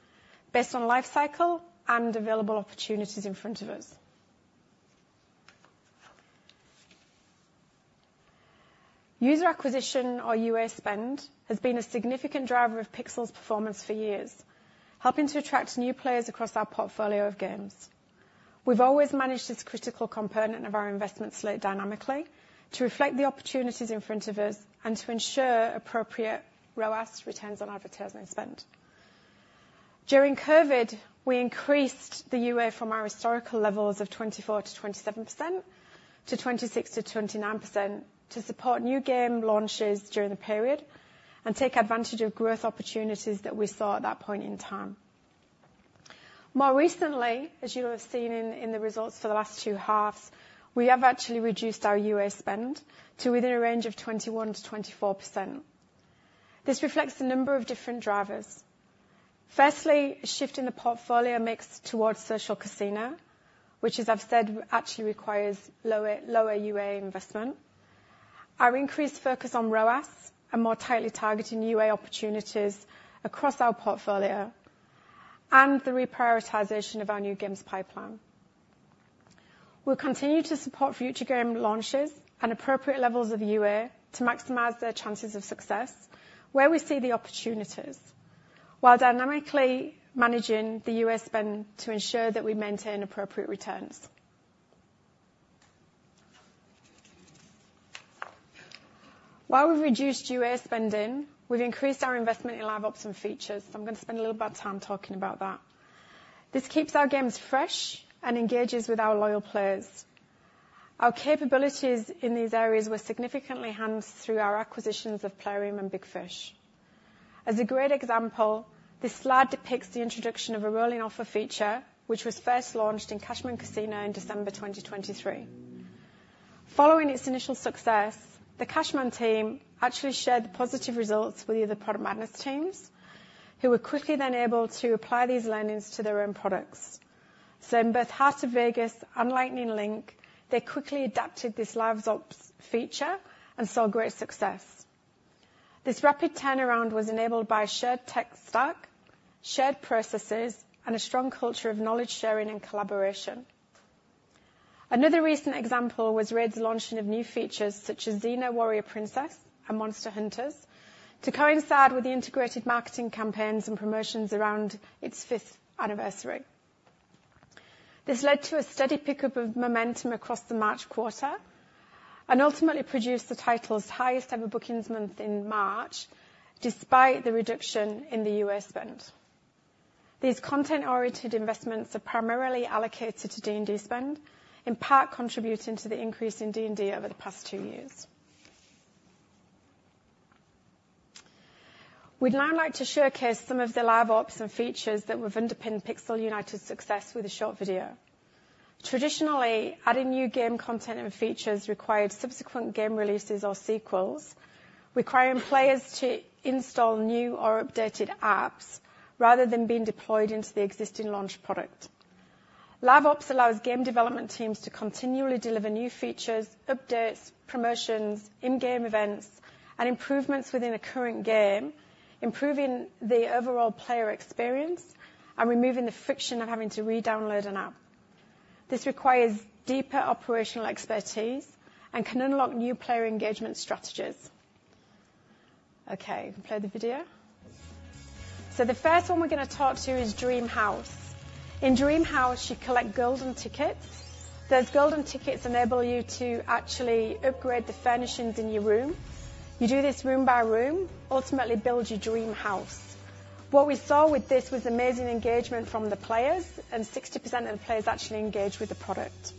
[SPEAKER 14] based on lifecycle and available opportunities in front of us. User acquisition, or UA spend, has been a significant driver of Pixel's performance for years, helping to attract new players across our portfolio of games. We've always managed this critical component of our investment slate dynamically to reflect the opportunities in front of us and to ensure appropriate ROAS, returns on advertisement spend. During COVID, we increased the UA from our historical levels of 24%-27% to 26%-29% to support new game launches during the period and take advantage of growth opportunities that we saw at that point in time. More recently, as you have seen in the results for the last two halves, we have actually reduced our UA spend to within a range of 21%-24%. This reflects a number of different drivers. Firstly, a shift in the portfolio mix towards social casino, which, as I've said, actually requires lower UA investment, our increased focus on ROAS and more tightly targeting UA opportunities across our portfolio, and the reprioritization of our new games pipeline. We'll continue to support future game launches and appropriate levels of UA to maximize their chances of success where we see the opportunities, while dynamically managing the UA spend to ensure that we maintain appropriate returns. While we've reduced UA spending, we've increased our investment in LiveOps and features, so I'm going to spend a little bit of time talking about that. This keeps our games fresh and engages with our loyal players. Our capabilities in these areas were significantly enhanced through our acquisitions of Plarium and Big Fish. As a great example, this slide depicts the introduction of a rolling offer feature, which was first launched in Cashman Casino in December 2023. Following its initial success, the Cashman team actually shared the positive results with the other Product Madness teams, who were quickly then able to apply these learnings to their own products. So in both Heart of Vegas and Lightning Link, they quickly adapted this LiveOps feature and saw great success. This rapid turnaround was enabled by a shared tech stack, shared processes, and a strong culture of knowledge sharing and collaboration. Another recent example was RAID's launching of new features such as Xena: Warrior Princess and Monster Hunters to coincide with the integrated marketing campaigns and promotions around its fifth anniversary. This led to a steady pickup of momentum across the March quarter and ultimately produced the title's highest ever bookings month in March, despite the reduction in the UA spend. These content-oriented investments are primarily allocated to D&D spend, in part contributing to the increase in D&D over the past two years. We'd now like to showcase some of the LiveOps and features that have underpinned Pixel United's success with a short video. Traditionally, adding new game content and features required subsequent game releases or sequels, requiring players to install new or updated apps rather than being deployed into the existing launch product. LiveOps allows game development teams to continually deliver new features, updates, promotions, in-game events, and improvements within a current game, improving the overall player experience and removing the friction of having to redownload an app. This requires deeper operational expertise and can unlock new player engagement strategies. Okay, play the video. So the first one we're gonna talk to you is Dream House. In Dream House, you collect golden tickets. Those golden tickets enable you to actually upgrade the furnishings in your room. You do this room by room, ultimately build your dream house. What we saw with this was amazing engagement from the players, and 60% of the players actually engaged with the product.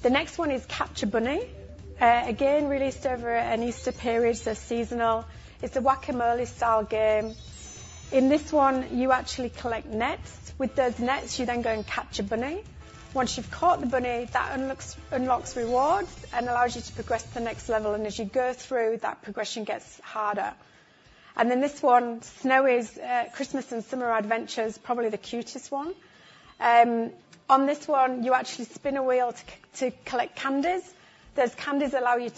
[SPEAKER 14] The next one is Capture Bunny. Again, released over an Easter period, so seasonal. It's a Whac-A-Mole-style game. In this one, you actually collect nets. With those nets, you then go and catch a bunny. Once you've caught the bunny, that unlocks rewards and allows you to progress to the next level, and as you go through, that progression gets harder. Then this one, Snowy's Christmas and Summer Adventures, probably the cutest one. On this one, you actually spin a wheel to collect candies. Those candies allow you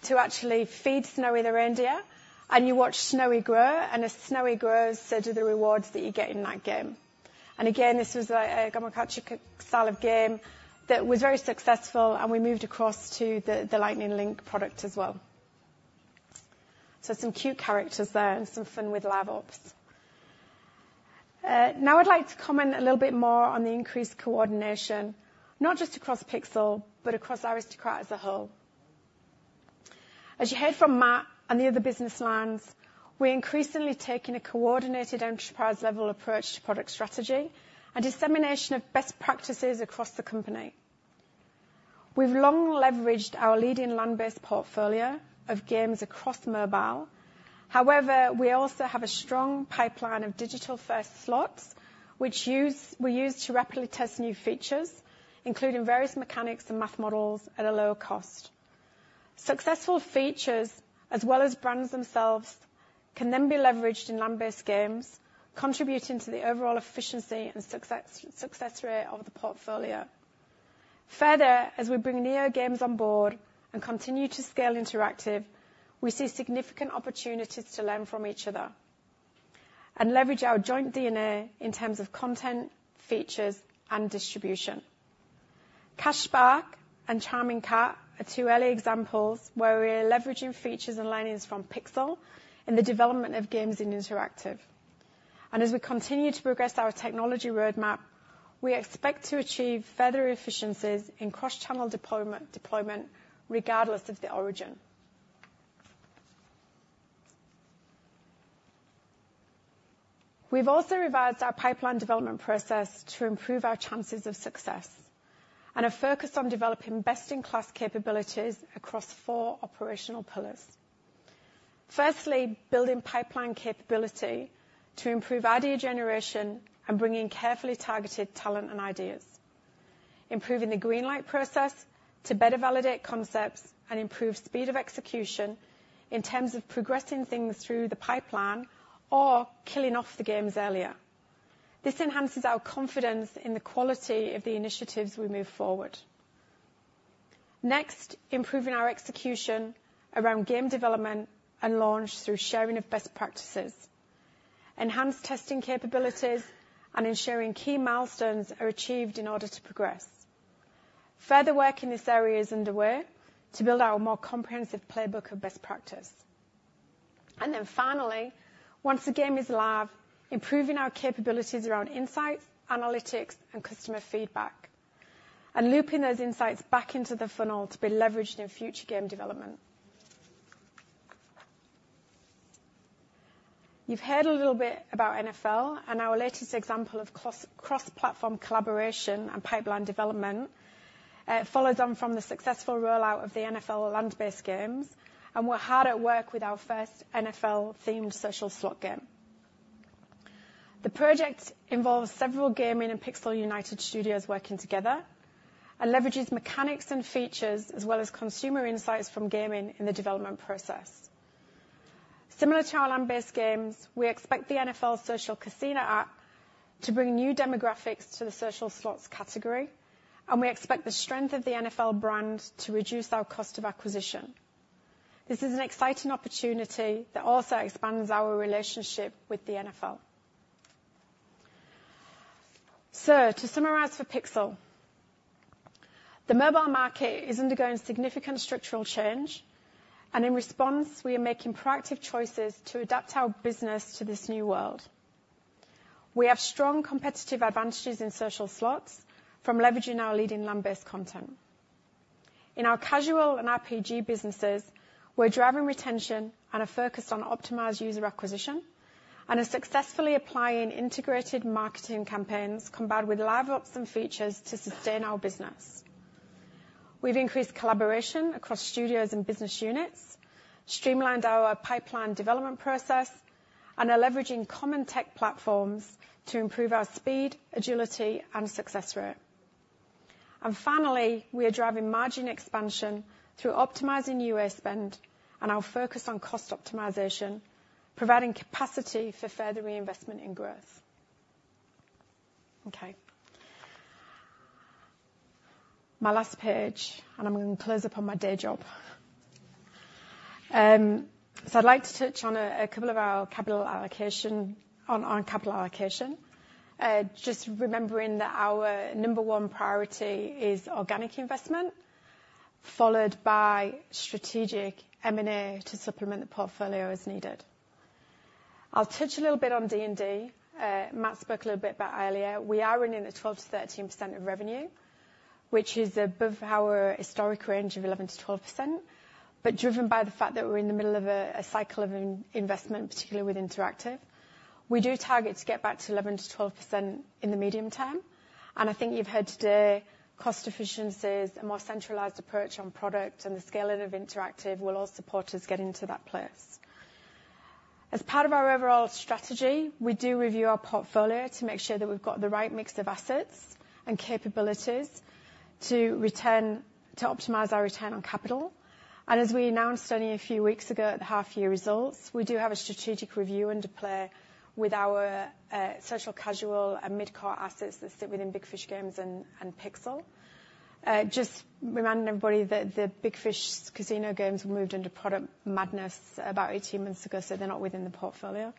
[SPEAKER 14] to actually feed Snowy the reindeer, and you watch Snowy grow, and as Snowy grows, so do the rewards that you get in that game. And again, this was like a gacha style of game that was very successful, and we moved across to the Lightning Link product as well. So some cute characters there and some fun with LiveOps. Now I'd like to comment a little bit more on the increased coordination, not just across Pixel, but across Aristocrat as a whole. As you heard from Matt and the other business lines, we're increasingly taking a coordinated, enterprise-level approach to product strategy and dissemination of best practices across the company. We've long leveraged our leading land-based portfolio of games across mobile. However, we also have a strong pipeline of digital-first slots, which we use to rapidly test new features, including various mechanics and math models at a lower cost. Successful features, as well as brands themselves, can then be leveraged in land-based games, contributing to the overall efficiency and success, success rate of the portfolio. Further, as we bring NeoGames on board and continue to scale Interactive, we see significant opportunities to learn from each other. And leverage our joint DNA in terms of content, features, and distribution. Cash Spark and Charming Cat are two early examples where we are leveraging features and learnings from Pixel in the development of games in Interactive. And as we continue to progress our technology roadmap, we expect to achieve further efficiencies in cross-channel deployment, regardless of the origin. We've also revised our pipeline development process to improve our chances of success, and are focused on developing best-in-class capabilities across four operational pillars. Firstly, building pipeline capability to improve idea generation and bringing carefully targeted talent and ideas. Improving the greenlight process to better validate concepts and improve speed of execution in terms of progressing things through the pipeline or killing off the games earlier. This enhances our confidence in the quality of the initiatives we move forward. Next, improving our execution around game development and launch through sharing of best practices, enhanced testing capabilities, and ensuring key milestones are achieved in order to progress. Further work in this area is underway to build our more comprehensive playbook of best practice. And then finally, once the game is live, improving our capabilities around insights, analytics, and customer feedback, and looping those insights back into the funnel to be leveraged in future game development. You've heard a little bit about NFL and our latest example of cross, cross-platform collaboration and pipeline development. It follows on from the successful rollout of the NFL land-based games, and we're hard at work with our first NFL-themed social slot game. The project involves several gaming and Pixel United studios working together and leverages mechanics and features as well as consumer insights from gaming in the development process. Similar to our land-based games, we expect the NFL Social Casino app to bring new demographics to the social slots category, and we expect the strength of the NFL brand to reduce our cost of acquisition. This is an exciting opportunity that also expands our relationship with the NFL. To summarize for Pixel, the mobile market is undergoing significant structural change, and in response, we are making proactive choices to adapt our business to this new world. We have strong competitive advantages in social slots from leveraging our leading land-based content. In our casual and RPG businesses, we're driving retention and are focused on optimized user acquisition, and are successfully applying integrated marketing campaigns combined with LiveOps and features to sustain our business. We've increased collaboration across studios and business units, streamlined our pipeline development process, and are leveraging common tech platforms to improve our speed, agility, and success rate. And finally, we are driving margin expansion through optimizing UA spend and our focus on cost optimization, providing capacity for further reinvestment in growth. Okay. My last page, and I'm going to close up on my day job. So I'd like to touch on a couple of our capital allocation on capital allocation. Just remembering that our number one priority is organic investment, followed by strategic M&A to supplement the portfolio as needed. I'll touch a little bit on D&D. Matt spoke a little bit about it earlier. We are running at 12%-13% of revenue, which is above our historic range of 11%-12%, but driven by the fact that we're in the middle of a cycle of investment, particularly with Interactive. We do target to get back to 11%-12% in the medium term, and I think you've heard today, cost efficiencies, a more centralized approach on product, and the scaling of Interactive will all support us getting to that place. As part of our overall strategy, we do review our portfolio to make sure that we've got the right mix of assets and capabilities to optimize our return on capital. As we announced only a few weeks ago at the half-year results, we do have a strategic review into play with our social, casual, and mid-core assets that sit within Big Fish Games and, and Pixel. Just reminding everybody that the Big Fish Casino games were moved into Product Madness about 18 months ago, so they're not within the portfolio.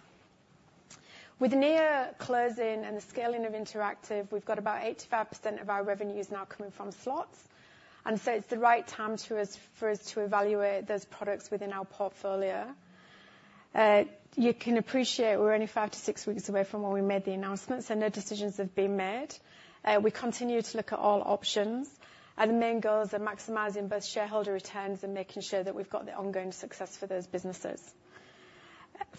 [SPEAKER 14] With near closing and the scaling of Interactive, we've got about 85% of our revenues now coming from slots, and so it's the right time for us to evaluate those products within our portfolio. You can appreciate we're only 5-6 weeks away from when we made the announcement, so no decisions have been made. We continue to look at all options, and the main goals are maximizing both shareholder returns and making sure that we've got the ongoing success for those businesses.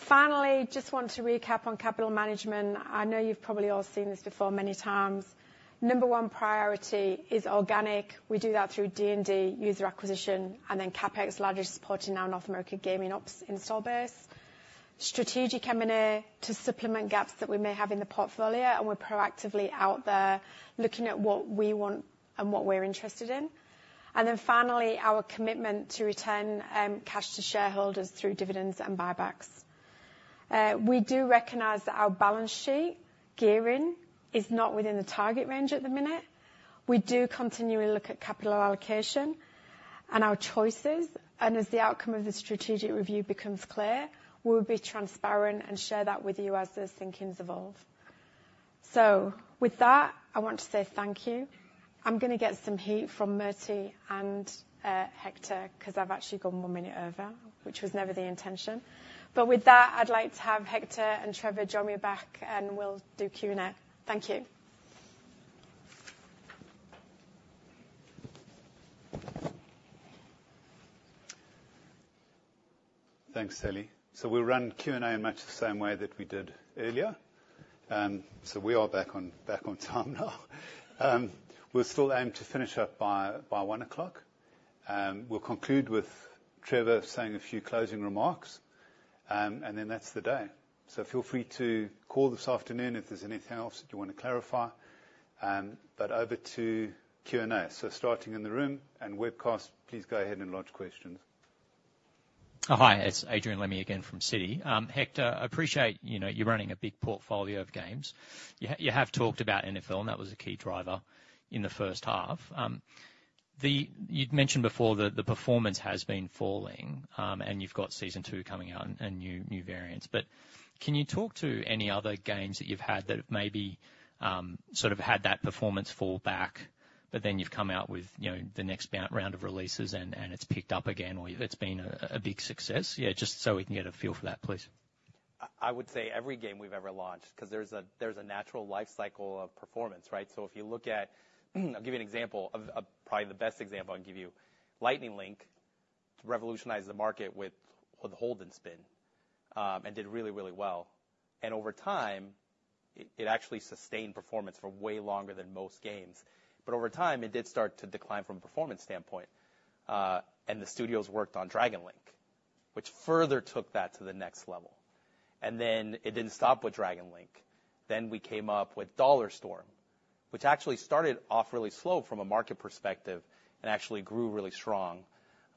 [SPEAKER 14] Finally, just want to recap on capital management. I know you've probably all seen this before many times. Number one priority is organic. We do that through D&D user acquisition, and then CapEx, largely supporting our North American gaming ops install base. Strategic M&A to supplement gaps that we may have in the portfolio, and we're proactively out there looking at what we want and what we're interested in. And then finally, our commitment to return cash to shareholders through dividends and buybacks. We do recognize that our balance sheet gearing is not within the target range at the minute- We do continually look at capital allocation and our choices, and as the outcome of the strategic review becomes clear, we'll be transparent and share that with you as those thinkings evolve. So with that, I want to say thank you. I'm going to get some heat from Moti and Hector, because I've actually gone 1 minute over, which was never the intention. But with that, I'd like to have Hector and Trevor join me back, and we'll do Q&A. Thank you.
[SPEAKER 1] Thanks, Sally. So we'll run Q&A in much the same way that we did earlier. So we are back on time now. We'll still aim to finish up by 1:00 P.M. We'll conclude with Trevor saying a few closing remarks. And then that's the day. So feel free to call this afternoon if there's anything else that you want to clarify. But over to Q&A. So starting in the room and webcast, please go ahead and launch questions.
[SPEAKER 7] Hi, it's Adrian Lemme again from Citi. Hector, I appreciate, you know, you're running a big portfolio of games. You have talked about NFL, and that was a key driver in the first half. You'd mentioned before that the performance has been falling, and you've got season two coming out and new variants. But can you talk to any other games that you've had that have maybe sort of had that performance fall back, but then you've come out with, you know, the next round of releases and it's picked up again, or it's been a big success? Yeah, just so we can get a feel for that, please.
[SPEAKER 12] I would say every game we've ever launched, because there's a natural life cycle of performance, right? So if you look at, I'll give you an example of probably the best example I can give you. Lightning Link revolutionized the market with the hold-and-spin and did really, really well. And over time, it actually sustained performance for way longer than most games. But over time, it did start to decline from a performance standpoint, and the studios worked on Dragon Link, which further took that to the next level. And then it didn't stop with Dragon Link. Then we came up with Dollar Storm, which actually started off really slow from a market perspective and actually grew really strong.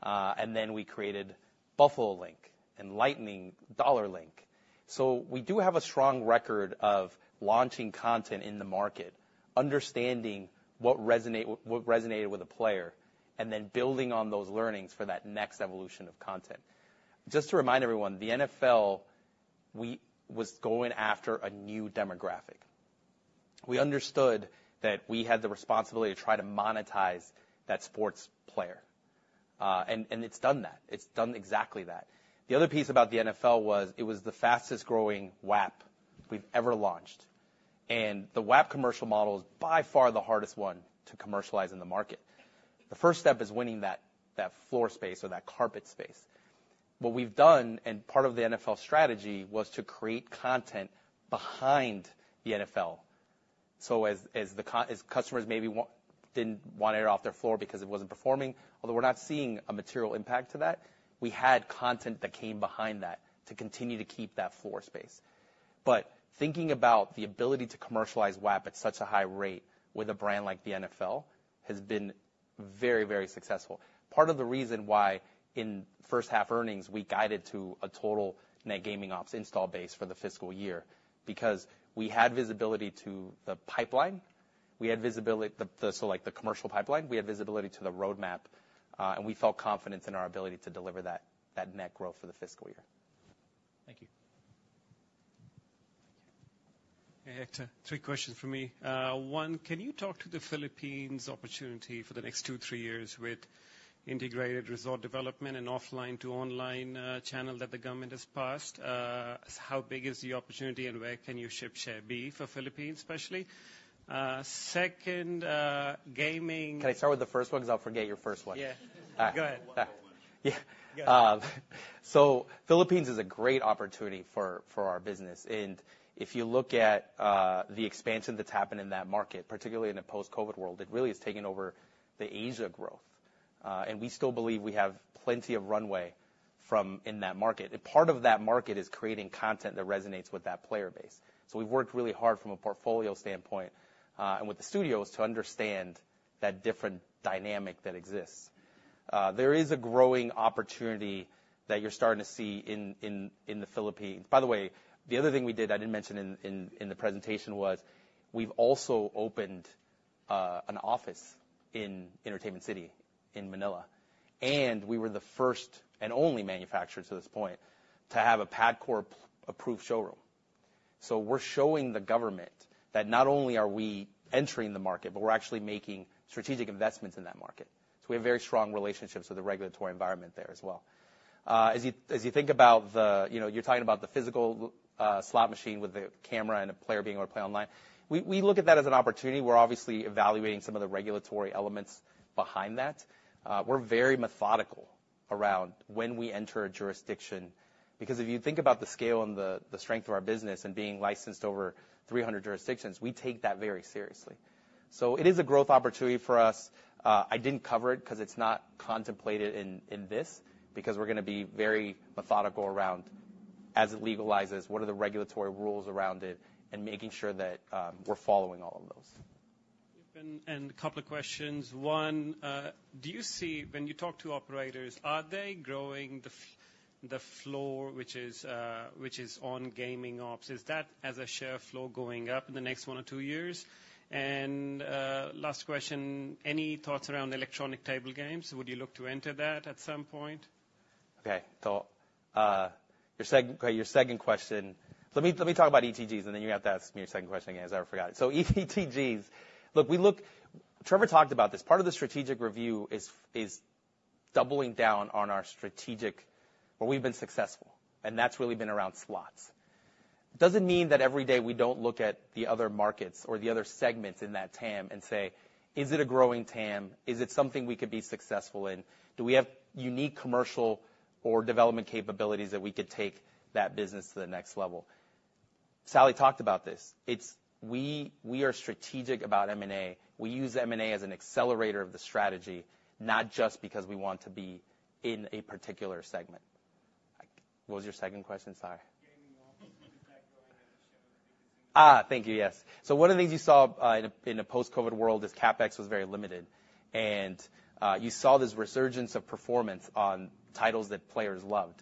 [SPEAKER 12] And then we created Buffalo Link and Lightning Dollar Link. So we do have a strong record of launching content in the market, understanding what resonate, what resonated with the player, and then building on those learnings for that next evolution of content. Just to remind everyone, the NFL was going after a new demographic. We understood that we had the responsibility to try to monetize that sports player, and it's done that. It's done exactly that. The other piece about the NFL was, it was the fastest-growing WAP we've ever launched, and the WAP commercial model is by far the hardest one to commercialize in the market. The first step is winning that floor space or that carpet space. What we've done, and part of the NFL strategy, was to create content behind the NFL. So as customers maybe didn't want it off their floor because it wasn't performing, although we're not seeing a material impact to that. We had content that came behind that to continue to keep that floor space. But thinking about the ability to commercialize WAP at such a high rate with a brand like the NFL has been very, very successful. Part of the reason why in first half earnings we guided to a total net gaming ops install base for the fiscal year, because we had visibility to the pipeline, we had visibility to the commercial pipeline, we had visibility to the roadmap, and we felt confidence in our ability to deliver that net growth for the fiscal year.
[SPEAKER 7] Thank you.
[SPEAKER 9] Hey, Hector. Three questions for me. One, can you talk to the Philippines opportunity for the next 2-3 years with integrated resort development and offline to online channel that the government has passed? How big is the opportunity and where can your market share be for Philippines, especially? Second, gaming-
[SPEAKER 12] Can I start with the first one? Because I'll forget your first one.
[SPEAKER 9] Yeah. Go ahead.
[SPEAKER 12] Uh, yeah.
[SPEAKER 9] Go ahead.
[SPEAKER 12] So Philippines is a great opportunity for our business. And if you look at the expansion that's happened in that market, particularly in a post-COVID world, it really has taken over the Asia growth. And we still believe we have plenty of runway in that market. And part of that market is creating content that resonates with that player base. So we've worked really hard from a portfolio standpoint and with the studios to understand that different dynamic that exists. There is a growing opportunity that you're starting to see in the Philippines. By the way, the other thing we did, I didn't mention in the presentation, was we've also opened an office in Entertainment City in Manila, and we were the first and only manufacturer to this point to have a PAGCOR-approved showroom. So we're showing the government that not only are we entering the market, but we're actually making strategic investments in that market. So we have very strong relationships with the regulatory environment there as well. As you think about the You know, you're talking about the physical slot machine with the camera and a player being able to play online. We look at that as an opportunity. We're obviously evaluating some of the regulatory elements behind that. We're very methodical around when we enter a jurisdiction, because if you think about the scale and the strength of our business and being licensed over 300 jurisdictions, we take that very seriously. So it is a growth opportunity for us. I didn't cover it because it's not contemplated in this, because we're going to be very methodical around as it legalizes, what are the regulatory rules around it, and making sure that we're following all of those.
[SPEAKER 10] A couple of questions. One, do you see, when you talk to operators, are they growing the floor, which is, which is on gaming ops? Is that as a share floor going up in the next one or two years? And last question, any thoughts around electronic table games? Would you look to enter that at some point?
[SPEAKER 12] Okay, so, your second, okay, your second question, let me, let me talk about ETGs, and then you're gonna have to ask me your second question again, because I forgot it. So ETGs, look, we look. Trevor talked about this. Part of the strategic review is doubling down on our strategic, where we've been successful, and that's really been around slots. It doesn't mean that every day we don't look at the other markets or the other segments in that TAM and say: Is it a growing TAM? Is it something we could be successful in? Do we have unique commercial or development capabilities that we could take that business to the next level? Sally talked about this. It's we, we are strategic about M&A. We use M&A as an accelerator of the strategy, not just because we want to be in a particular segment. Like, what was your second question? Sorry.
[SPEAKER 14] Gaming ops impact growing and the share of the-
[SPEAKER 12] Ah, thank you. Yes. So one of the things you saw in a post-COVID world is CapEx was very limited, and you saw this resurgence of performance on titles that players loved.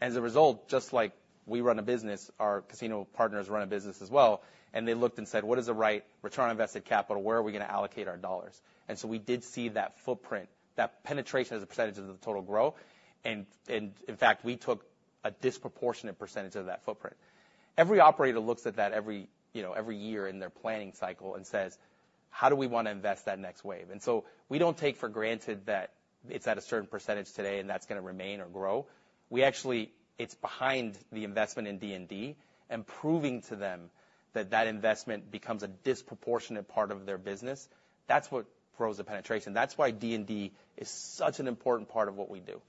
[SPEAKER 12] As a result, just like we run a business, our casino partners run a business as well, and they looked and said: What is the right return on invested capital? Where are we going to allocate our dollars? And so we did see that footprint, that penetration as a percentage of the total growth, and in fact, we took a disproportionate percentage of that footprint. Every operator looks at that every, you know, every year in their planning cycle and says: How do we want to invest that next wave? And so we don't take for granted that it's at a certain percentage today, and that's going to remain or grow. We actually. It's behind the investment in D&D and proving to them that that investment becomes a disproportionate part of their business. That's what grows the penetration. That's why D&D is such an important part of what we do.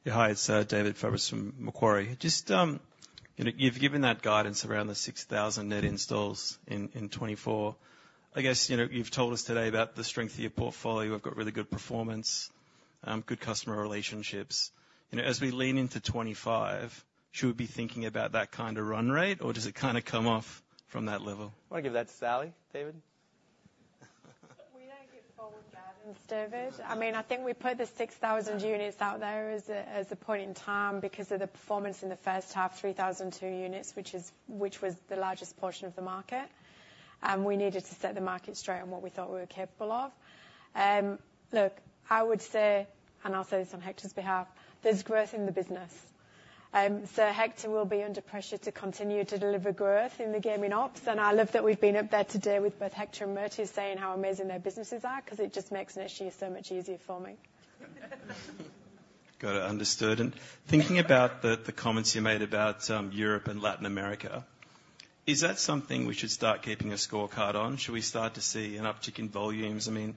[SPEAKER 12] Just a question over here.
[SPEAKER 6] Yeah, hi, it's David Fabris from Macquarie. Just you know, you've given that guidance around the 6,000 net installs in 2024. I guess, you know, you've told us today about the strength of your portfolio, you've got really good performance, good customer relationships. You know, as we lean into 2025, should we be thinking about that kind of run rate, or does it kind of come off from that level?
[SPEAKER 12] I'm going to give that to Sally, David.
[SPEAKER 14] We don't give forward guidance, David. I mean, I think we put the 6,000 units out there as a point in time because of the performance in the first half, 3,002 units, which was the largest portion of the market, and we needed to set the market straight on what we thought we were capable of. Look, I would say, and I'll say this on Hector's behalf, there's growth in the business. So Hector will be under pressure to continue to deliver growth in the gaming ops, and I love that we've been up there today with both Hector and Moti saying how amazing their businesses are, because it just makes initiatives so much easier for me.
[SPEAKER 6] Got it, understood. And thinking about the comments you made about Europe and Latin America, is that something we should start keeping a scorecard on? Should we start to see an uptick in volumes? I mean,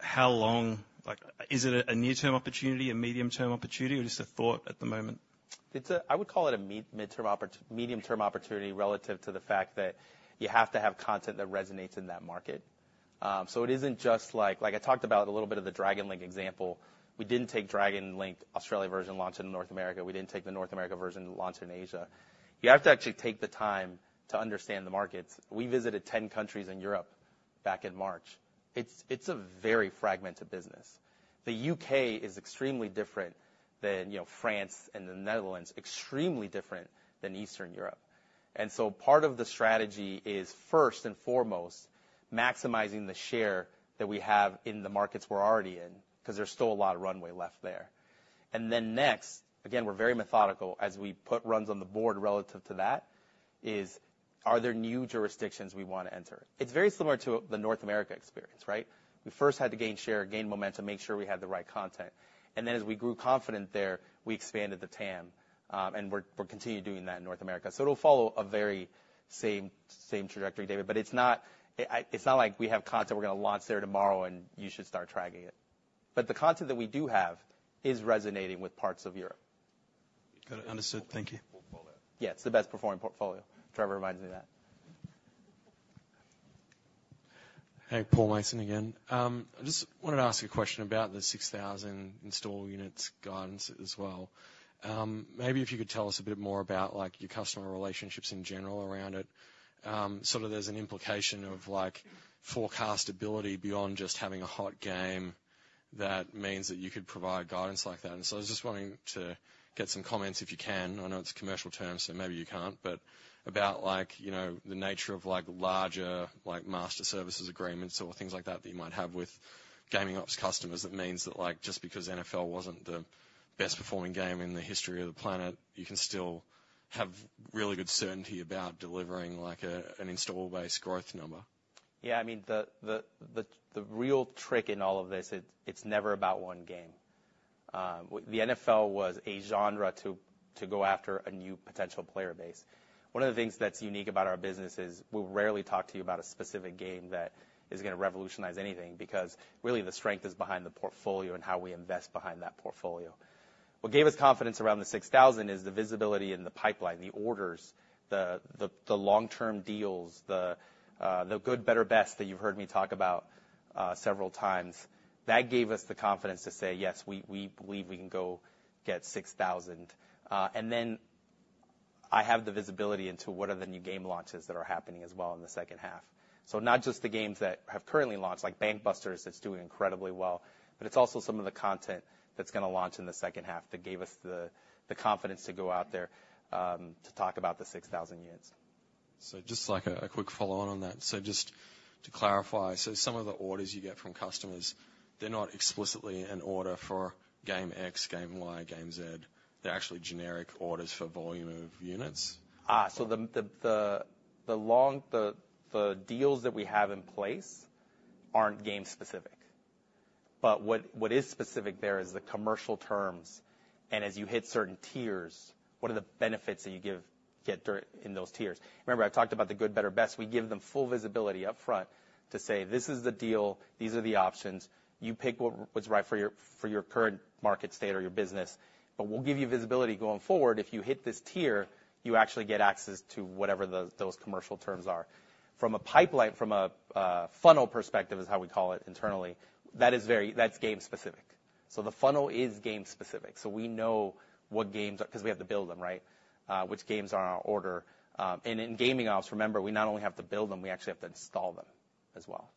[SPEAKER 6] how long Like, is it a near-term opportunity, a medium-term opportunity, or just a thought at the moment?
[SPEAKER 12] It's a medium-term opportunity relative to the fact that you have to have content that resonates in that market. So it isn't just like—like I talked about a little bit of the Dragon Link example, we didn't take Dragon Link Australia version, launch it in North America. We didn't take the North America version and launch in Asia. You have to actually take the time to understand the markets. We visited 10 countries in Europe back in March. It's a very fragmented business. The UK is extremely different than, you know, France and the Netherlands, extremely different than Eastern Europe. So part of the strategy is, first and foremost, maximizing the share that we have in the markets we're already in, because there's still a lot of runway left there. And then next, again, we're very methodical as we put runs on the board relative to that, are there new jurisdictions we want to enter? It's very similar to the North America experience, right? We first had to gain share, gain momentum, make sure we had the right content. And then as we grew confident there, we expanded the TAM, and we're continuing doing that in North America. So it'll follow a very same, same trajectory, David, but it's not like we have content we're going to launch there tomorrow, and you should start tracking it. But the content that we do have is resonating with parts of Europe.
[SPEAKER 6] Got it. Understood. Thank you.
[SPEAKER 12] Portfolio. Yes, it's the best performing portfolio. Trevor reminds me of that.
[SPEAKER 11] Hey, Paul Mason again. I just wanted to ask a question about the 6,000 install units guidance as well. Maybe if you could tell us a bit more about, like, your customer relationships in general around it. Sort of there's an implication of, like, forecastability beyond just having a hot game that means that you could provide guidance like that. And so I was just wanting to get some comments, if you can. I know it's commercial terms, so maybe you can't, but about like, you know, the nature of like larger, like master services agreements or things like that, that you might have with gaming ops customers that means that, like, just because NFL wasn't the best performing game in the history of the planet, you can still have really good certainty about delivering, like, an install-based growth number.
[SPEAKER 12] Yeah, I mean, the real trick in all of this, it's never about one game. The NFL was a genre to go after a new potential player base. One of the things that's unique about our business is we'll rarely talk to you about a specific game that is going to revolutionize anything, because really, the strength is behind the portfolio and how we invest behind that portfolio. What gave us confidence around the 6,000 is the visibility in the pipeline, the orders, the long-term deals, the good, better, best that you've heard me talk about several times. That gave us the confidence to say, "Yes, we believe we can go get 6,000." And then I have the visibility into what are the new game launches that are happening as well in the second half. So not just the games that have currently launched, like Bank Busters, that's doing incredibly well, but it's also some of the content that's going to launch in the second half that gave us the confidence to go out there to talk about the 6,000 units.
[SPEAKER 11] So just like a quick follow-on on that. So just to clarify, some of the orders you get from customers, they're not explicitly an order for game X, game Y, game Z, they're actually generic orders for volume of units?
[SPEAKER 12] Ah, so the long-term deals that we have in place aren't game specific. But what is specific there is the commercial terms, and as you hit certain tiers, what are the benefits that you get during those tiers? Remember, I've talked about the good, better, best. We give them full visibility up front to say, "This is the deal. These are the options. You pick what's right for your current market state or your business. But we'll give you visibility going forward. If you hit this tier, you actually get access to whatever those commercial terms are." From a pipeline, from a funnel perspective, is how we call it internally. That's game specific. So the funnel is game specific. So we know what games Because we have to build them, right? Which games are on order? In gaming ops, remember, we not only have to build them, we actually have to install them as well.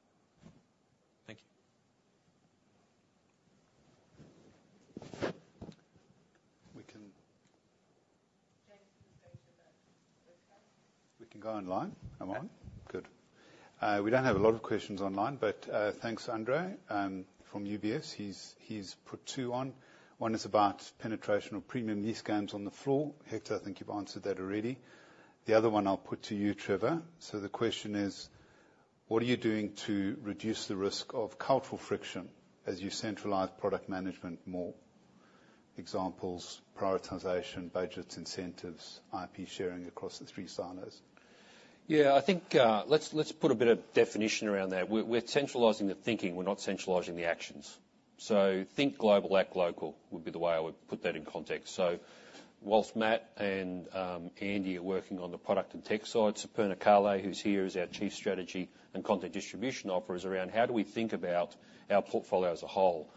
[SPEAKER 11] Thank you.
[SPEAKER 1] We can-
[SPEAKER 12] James, go to the next question.
[SPEAKER 1] We can go online. Am I on? Good. We don't have a lot of questions online, but, thanks, Andre. From UBS, he's put two on. One is about penetration of premium lease games on the floor. Hector, I think you've answered that already. The other one I'll put to you, Trevor. So the question is: What are you doing to reduce the risk of cultural friction as you centralize product management more? Examples, prioritization, budgets, incentives, IP sharing across the three silos.
[SPEAKER 2] Yeah, I think, let's put a bit of definition around that. We're centralizing the thinking, we're not centralizing the actions. So think global, act local, would be the way I would put that in context. So whilst Matt and Andy are working on the product and tech side, Superna Kalle, who's here, is our Chief Strategy and Content Distribution Officer, is around how do we think about our portfolio as a whole.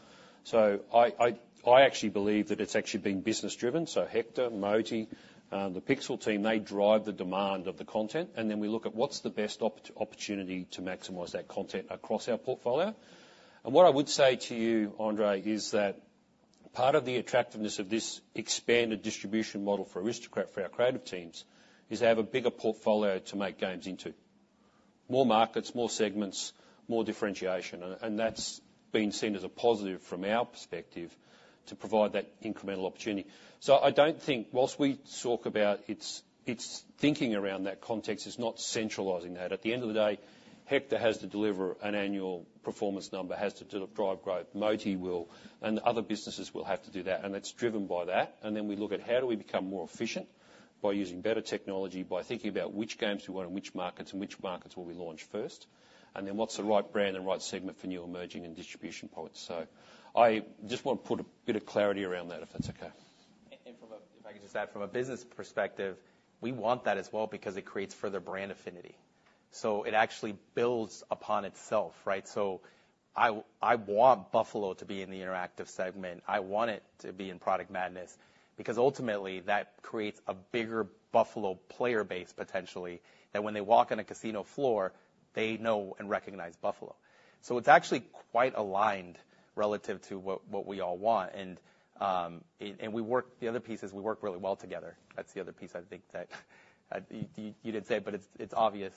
[SPEAKER 2] So I actually believe that it's actually being business driven. So Hector, Moti, the Pixel team, they drive the demand of the content, and then we look at what's the best opportunity to maximize that content across our portfolio. And what I would say to you, Andre, is that part of the attractiveness of this expanded distribution model for Aristocrat, for our creative teams, is to have a bigger portfolio to make games into more markets, more segments, more differentiation. And, and that's been seen as a positive from our perspective, to provide that incremental opportunity. So I don't think, while we talk about its, its thinking around that context, it's not centralizing that. At the end of the day, Hector has to deliver an annual performance number, has to drive growth. Moti will, and the other businesses will have to do that, and it's driven by that. And then we look at how do we become more efficient? By using better technology, by thinking about which games we want in which markets, and which markets will we launch first, and then what's the right brand and right segment for new, emerging, and distribution points. So I just want to put a bit of clarity around that, if that's okay.
[SPEAKER 12] If I could just add, from a business perspective, we want that as well, because it creates further brand affinity. So it actually builds upon itself, right? So I want Buffalo to be in the interactive segment. I want it to be in Product Madness, because ultimately, that creates a bigger Buffalo player base, potentially, that when they walk on a casino floor, they know and recognize Buffalo. So it's actually quite aligned relative to what we all want. The other piece is we work really well together. That's the other piece I think that you didn't say, but it's obvious.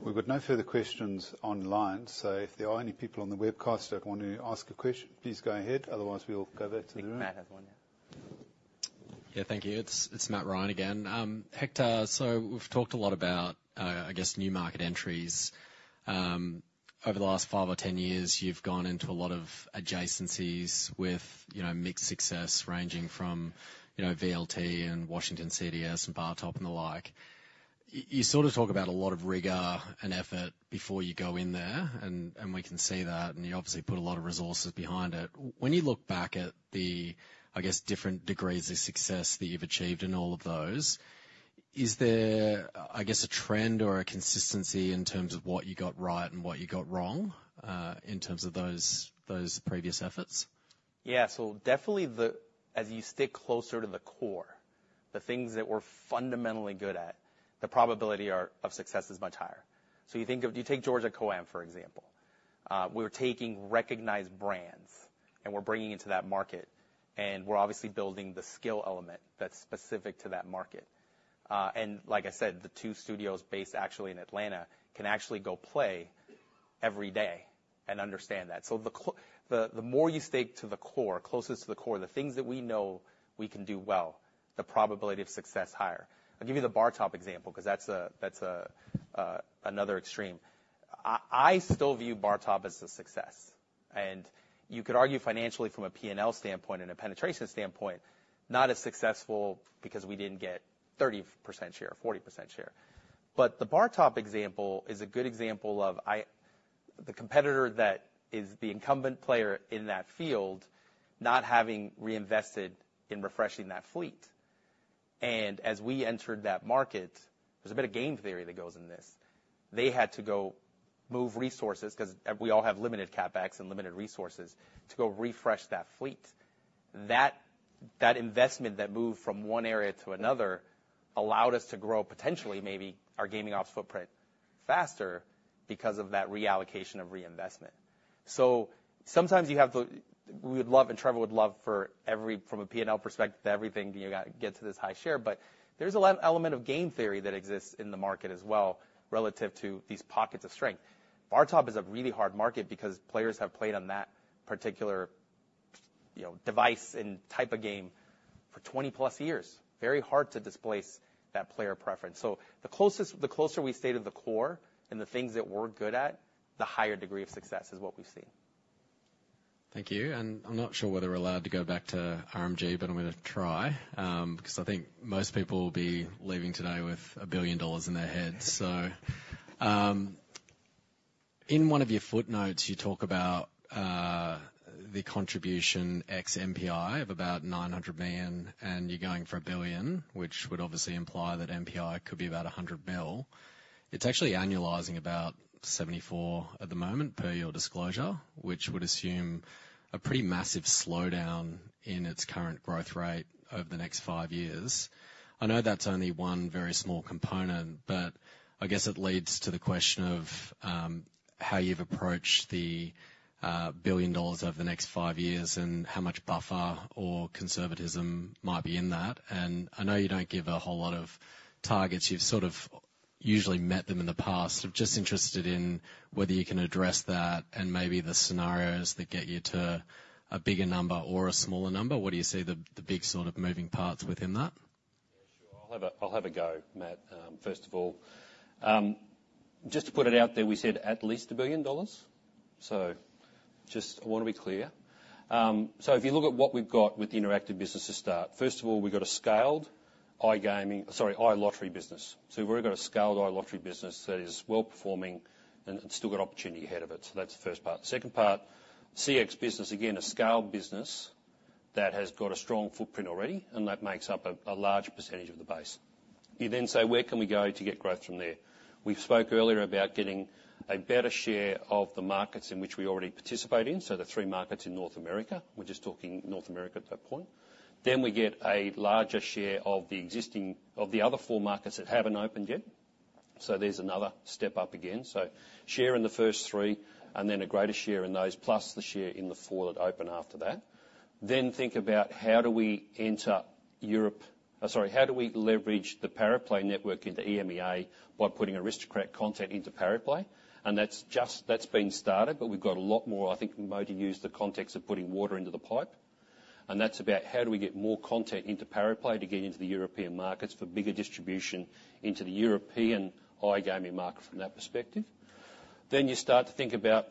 [SPEAKER 1] We've got no further questions online, so if there are any people on the webcast that want to ask a question, please go ahead. Otherwise, we'll go back to the room.
[SPEAKER 12] I think Matt has one, yeah.
[SPEAKER 5] Yeah, thank you. It's Matt Ryan again. Hector, so we've talked a lot about, I guess, new market entries. Over the last five or 10 years, you've gone into a lot of adjacencies with, you know, mixed success, ranging from, you know, VLT and Washington CDS and Bar Top and the like. You sort of talk about a lot of rigor and effort before you go in there, and we can see that, and you obviously put a lot of resources behind it. When you look back at the, I guess, different degrees of success that you've achieved in all of those, is there, I guess, a trend or a consistency in terms of what you got right and what you got wrong, in terms of those previous efforts?
[SPEAKER 12] Yeah. So definitely, as you stick closer to the core, the things that we're fundamentally good at, the probability of success is much higher. So you take Georgia COAM, for example. We're taking recognized brands, and we're bringing them into that market, and we're obviously building the skill element that's specific to that market. And like I said, the two studios based actually in Atlanta can actually go play every day and understand that. So the more you stick to the core, closest to the core, the things that we know we can do well, the probability of success higher. I'll give you the bar-top example, 'cause that's another extreme. I still view Bar Top as a success, and you could argue financially from a P&L standpoint and a penetration standpoint, not as successful because we didn't get 30% share or 40% share. But the Bar Top example is a good example of the competitor that is the incumbent player in that field not having reinvested in refreshing that fleet. And as we entered that market, there's a bit of game theory that goes in this. They had to go move resources, 'cause we all have limited CapEx and limited resources, to go refresh that fleet. That investment that moved from one area to another allowed us to grow, potentially, maybe our gaming ops footprint faster because of that reallocation of reinvestment. So sometimes you have the—we would love, and Trevor would love for every, from a PNL perspective, everything, you know, get to this high share, but there's an element of game theory that exists in the market as well, relative to these pockets of strength. Bar Top is a really hard market because players have played on that particular, you know, device and type of game for 20+ years. Very hard to displace that player preference. So the closest—the closer we stay to the core and the things that we're good at, the higher degree of success is what we've seen.
[SPEAKER 5] Thank you. I'm not sure whether we're allowed to go back to RMG, but I'm gonna try, because I think most people will be leaving today with $1 billion dollars in their heads. So, in one of your footnotes, you talk about the contribution ex NPI of about $900 million, and you're going for a billion, which would obviously imply that NPI could be about $100 million. It's actually annualizing about $74 million at the moment, per your disclosure, which would assume a pretty massive slowdown in its current growth rate over the next 5 years. I know that's only one very small component, but I guess it leads to the question of how you've approached the billion dollars over the next 5 years and how much buffer or conservatism might be in that. I know you don't give a whole lot of targets. You've sort of usually met them in the past. I'm just interested in whether you can address that and maybe the scenarios that get you to a bigger number or a smaller number. What do you see the big sort of moving parts within that?
[SPEAKER 2] Yeah, sure. I'll have a, I'll have a go, Matt. First of all, just to put it out there, we said at least $1 billion. So just I wanna be clear. So if you look at what we've got with the interactive business to start, first of all, we've got a scaled iGaming, sorry, iLottery business. So we've already got a scaled iLottery business that is well-performing and, and still got opportunity ahead of it. So that's the first part. Second part, CX business, again, a scaled business that has got a strong footprint already, and that makes up a, a large percentage of the base. You then say, where can we go to get growth from there? We've spoke earlier about getting a better share of the markets in which we already participate in, so the three markets in North America. We're just talking North America at that point. Then we get a larger share of the existing-- of the other four markets that haven't opened yet. So there's another step up again. So share in the first three, and then a greater share in those, plus the share in the four that open after that. Then think about how do we enter Europe sorry, how do we leverage the Pariplay network into EMEA by putting Aristocrat content into Pariplay? And that's just, that's been started, but we've got a lot more. I think we might have used the context of putting water into the pipe, and that's about how do we get more content into Pariplay to get into the European markets for bigger distribution into the European iGaming market from that perspective. Then you start to think about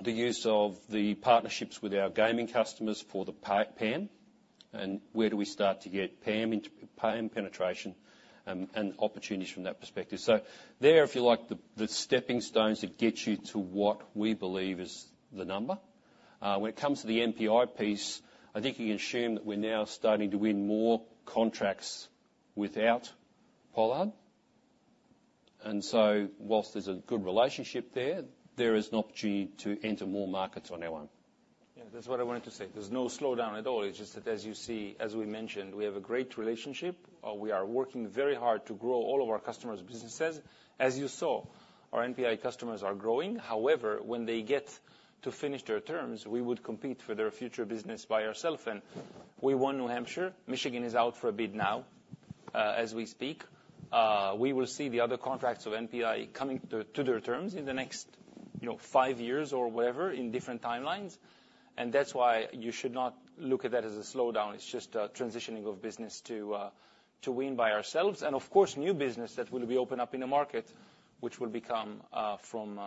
[SPEAKER 2] the use of the partnerships with our gaming customers for the PAM, and where do we start to get PAM penetration and opportunities from that perspective. So there, if you like, the stepping stones that get you to what we believe is the number. When it comes to the NPI piece, I think you can assume that we're now starting to win more contracts without Pollard. And so whilst there's a good relationship there, there is an opportunity to enter more markets on our own.
[SPEAKER 12] Yeah, that's what I wanted to say. There's no slowdown at all. It's just that, as you see, as we mentioned, we have a great relationship. We are working very hard to grow all of our customers' businesses. As you saw, our NPI customers are growing. However, when they get to finish their terms, we would compete for their future business by ourself, and we won New Hampshire. Michigan is out for a bid now, as we speak. We will see the other contracts of NPI coming to, to their terms in the next, you know, five years or whatever, in different timelines. And that's why you should not look at that as a slowdown. It's just a transitioning of business to, to win by ourselves, and of course, new business that will be open up in the market, which will become, from,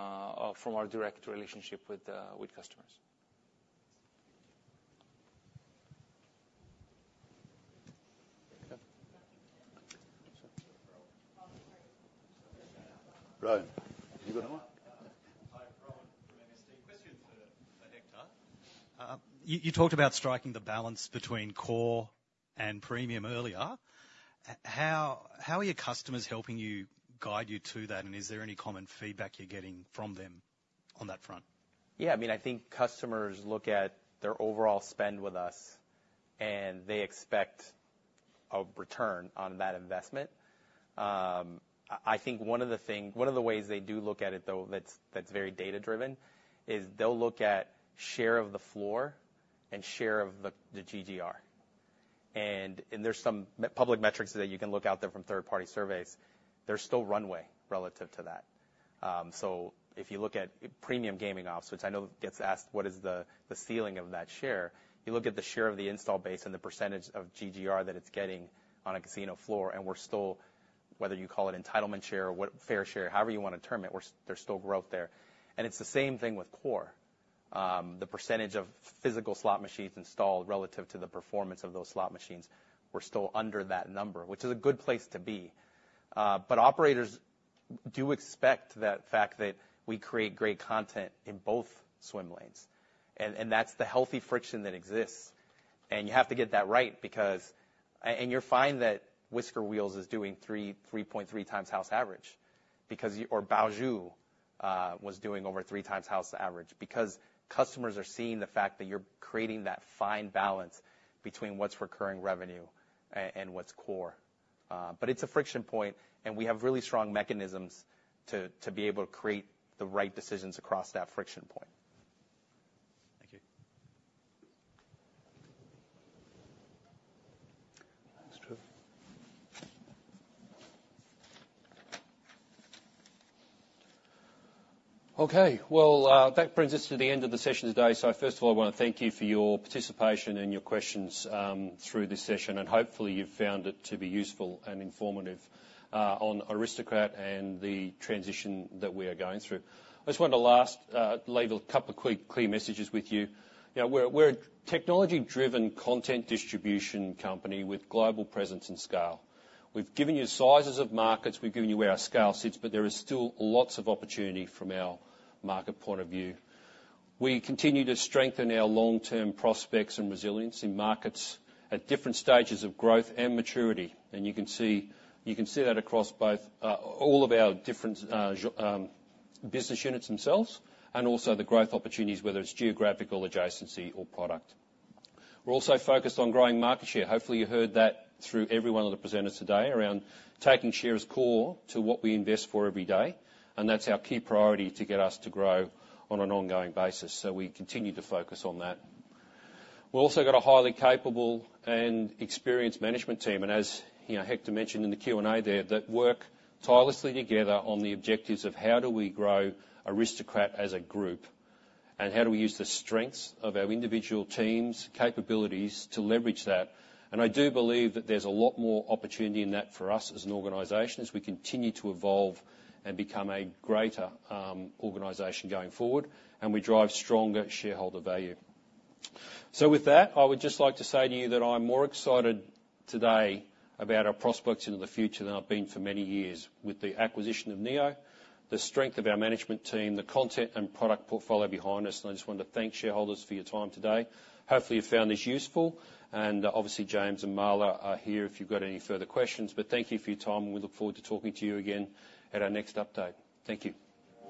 [SPEAKER 12] from our direct relationship with, with customers.
[SPEAKER 2] Okay. Rohan, have you got one?
[SPEAKER 15] Hi, Rohan from MST. Question for Hector. You talked about striking the balance between core and premium earlier. How are your customers helping guide you to that, and is there any common feedback you're getting from them on that front?
[SPEAKER 12] Yeah, I mean, I think customers look at their overall spend with us, and they expect a return on that investment. I think one of the ways they do look at it, though, that's very data-driven, is they'll look at share of the floor and share of the GGR. And there's some public metrics that you can look out there from third-party surveys. There's still runway relative to that. So if you look at premium gaming offerings, which I know gets asked, what is the ceiling of that share? You look at the share of the install base and the percentage of GGR that it's getting on a casino floor, and we're still, whether you call it entitlement share or what—fair share, however you want to term it, we're, there's still growth there. And it's the same thing with core. The percentage of physical slot machines installed relative to the performance of those slot machines, we're still under that number, which is a good place to be. But operators do expect the fact that we create great content in both swim lanes, and, and that's the healthy friction that exists. And you have to get that right because And you'll find that Whisker Wheels is doing 3.3 times house average because or Bao Zhu was doing over 3 times house average because customers are seeing the fact that you're creating that fine balance between what's recurring revenue and what's core. But it's a friction point, and we have really strong mechanisms to be able to create the right decisions across that friction point.
[SPEAKER 15] Thank you.
[SPEAKER 1] Thanks, Trevor.
[SPEAKER 2] Okay, well, that brings us to the end of the session today. So first of all, I wanna thank you for your participation and your questions through this session, and hopefully, you've found it to be useful and informative on Aristocrat and the transition that we are going through. I just wanted to last leave a couple of quick clear messages with you. You know, we're, we're a technology-driven content distribution company with global presence and scale. We've given you sizes of markets, we've given you where our scale sits, but there is still lots of opportunity from our market point of view. We continue to strengthen our long-term prospects and resilience in markets at different stages of growth and maturity, and you can see that across both all of our different business units themselves and also the growth opportunities, whether it's geographical, adjacency or product. We're also focused on growing market share. Hopefully, you heard that through every one of the presenters today around taking share as core to what we invest for every day, and that's our key priority to get us to grow on an ongoing basis. So we continue to focus on that. We've also got a highly capable and experienced management team, and as you know, Hector mentioned in the Q&A there, that work tirelessly together on the objectives of how do we grow Aristocrat as a group, and how do we use the strengths of our individual teams' capabilities to leverage that? And I do believe that there's a lot more opportunity in that for us as an organization, as we continue to evolve and become a greater organization going forward, and we drive stronger shareholder value. So with that, I would just like to say to you that I'm more excited today about our prospects into the future than I've been for many years, with the acquisition of Neo, the strength of our management team, the content and product portfolio behind us, and I just want to thank shareholders for your time today. Hopefully, you found this useful, and obviously, James and Marla are here if you've got any further questions. But thank you for your time, and we look forward to talking to you again at our next update. Thank you.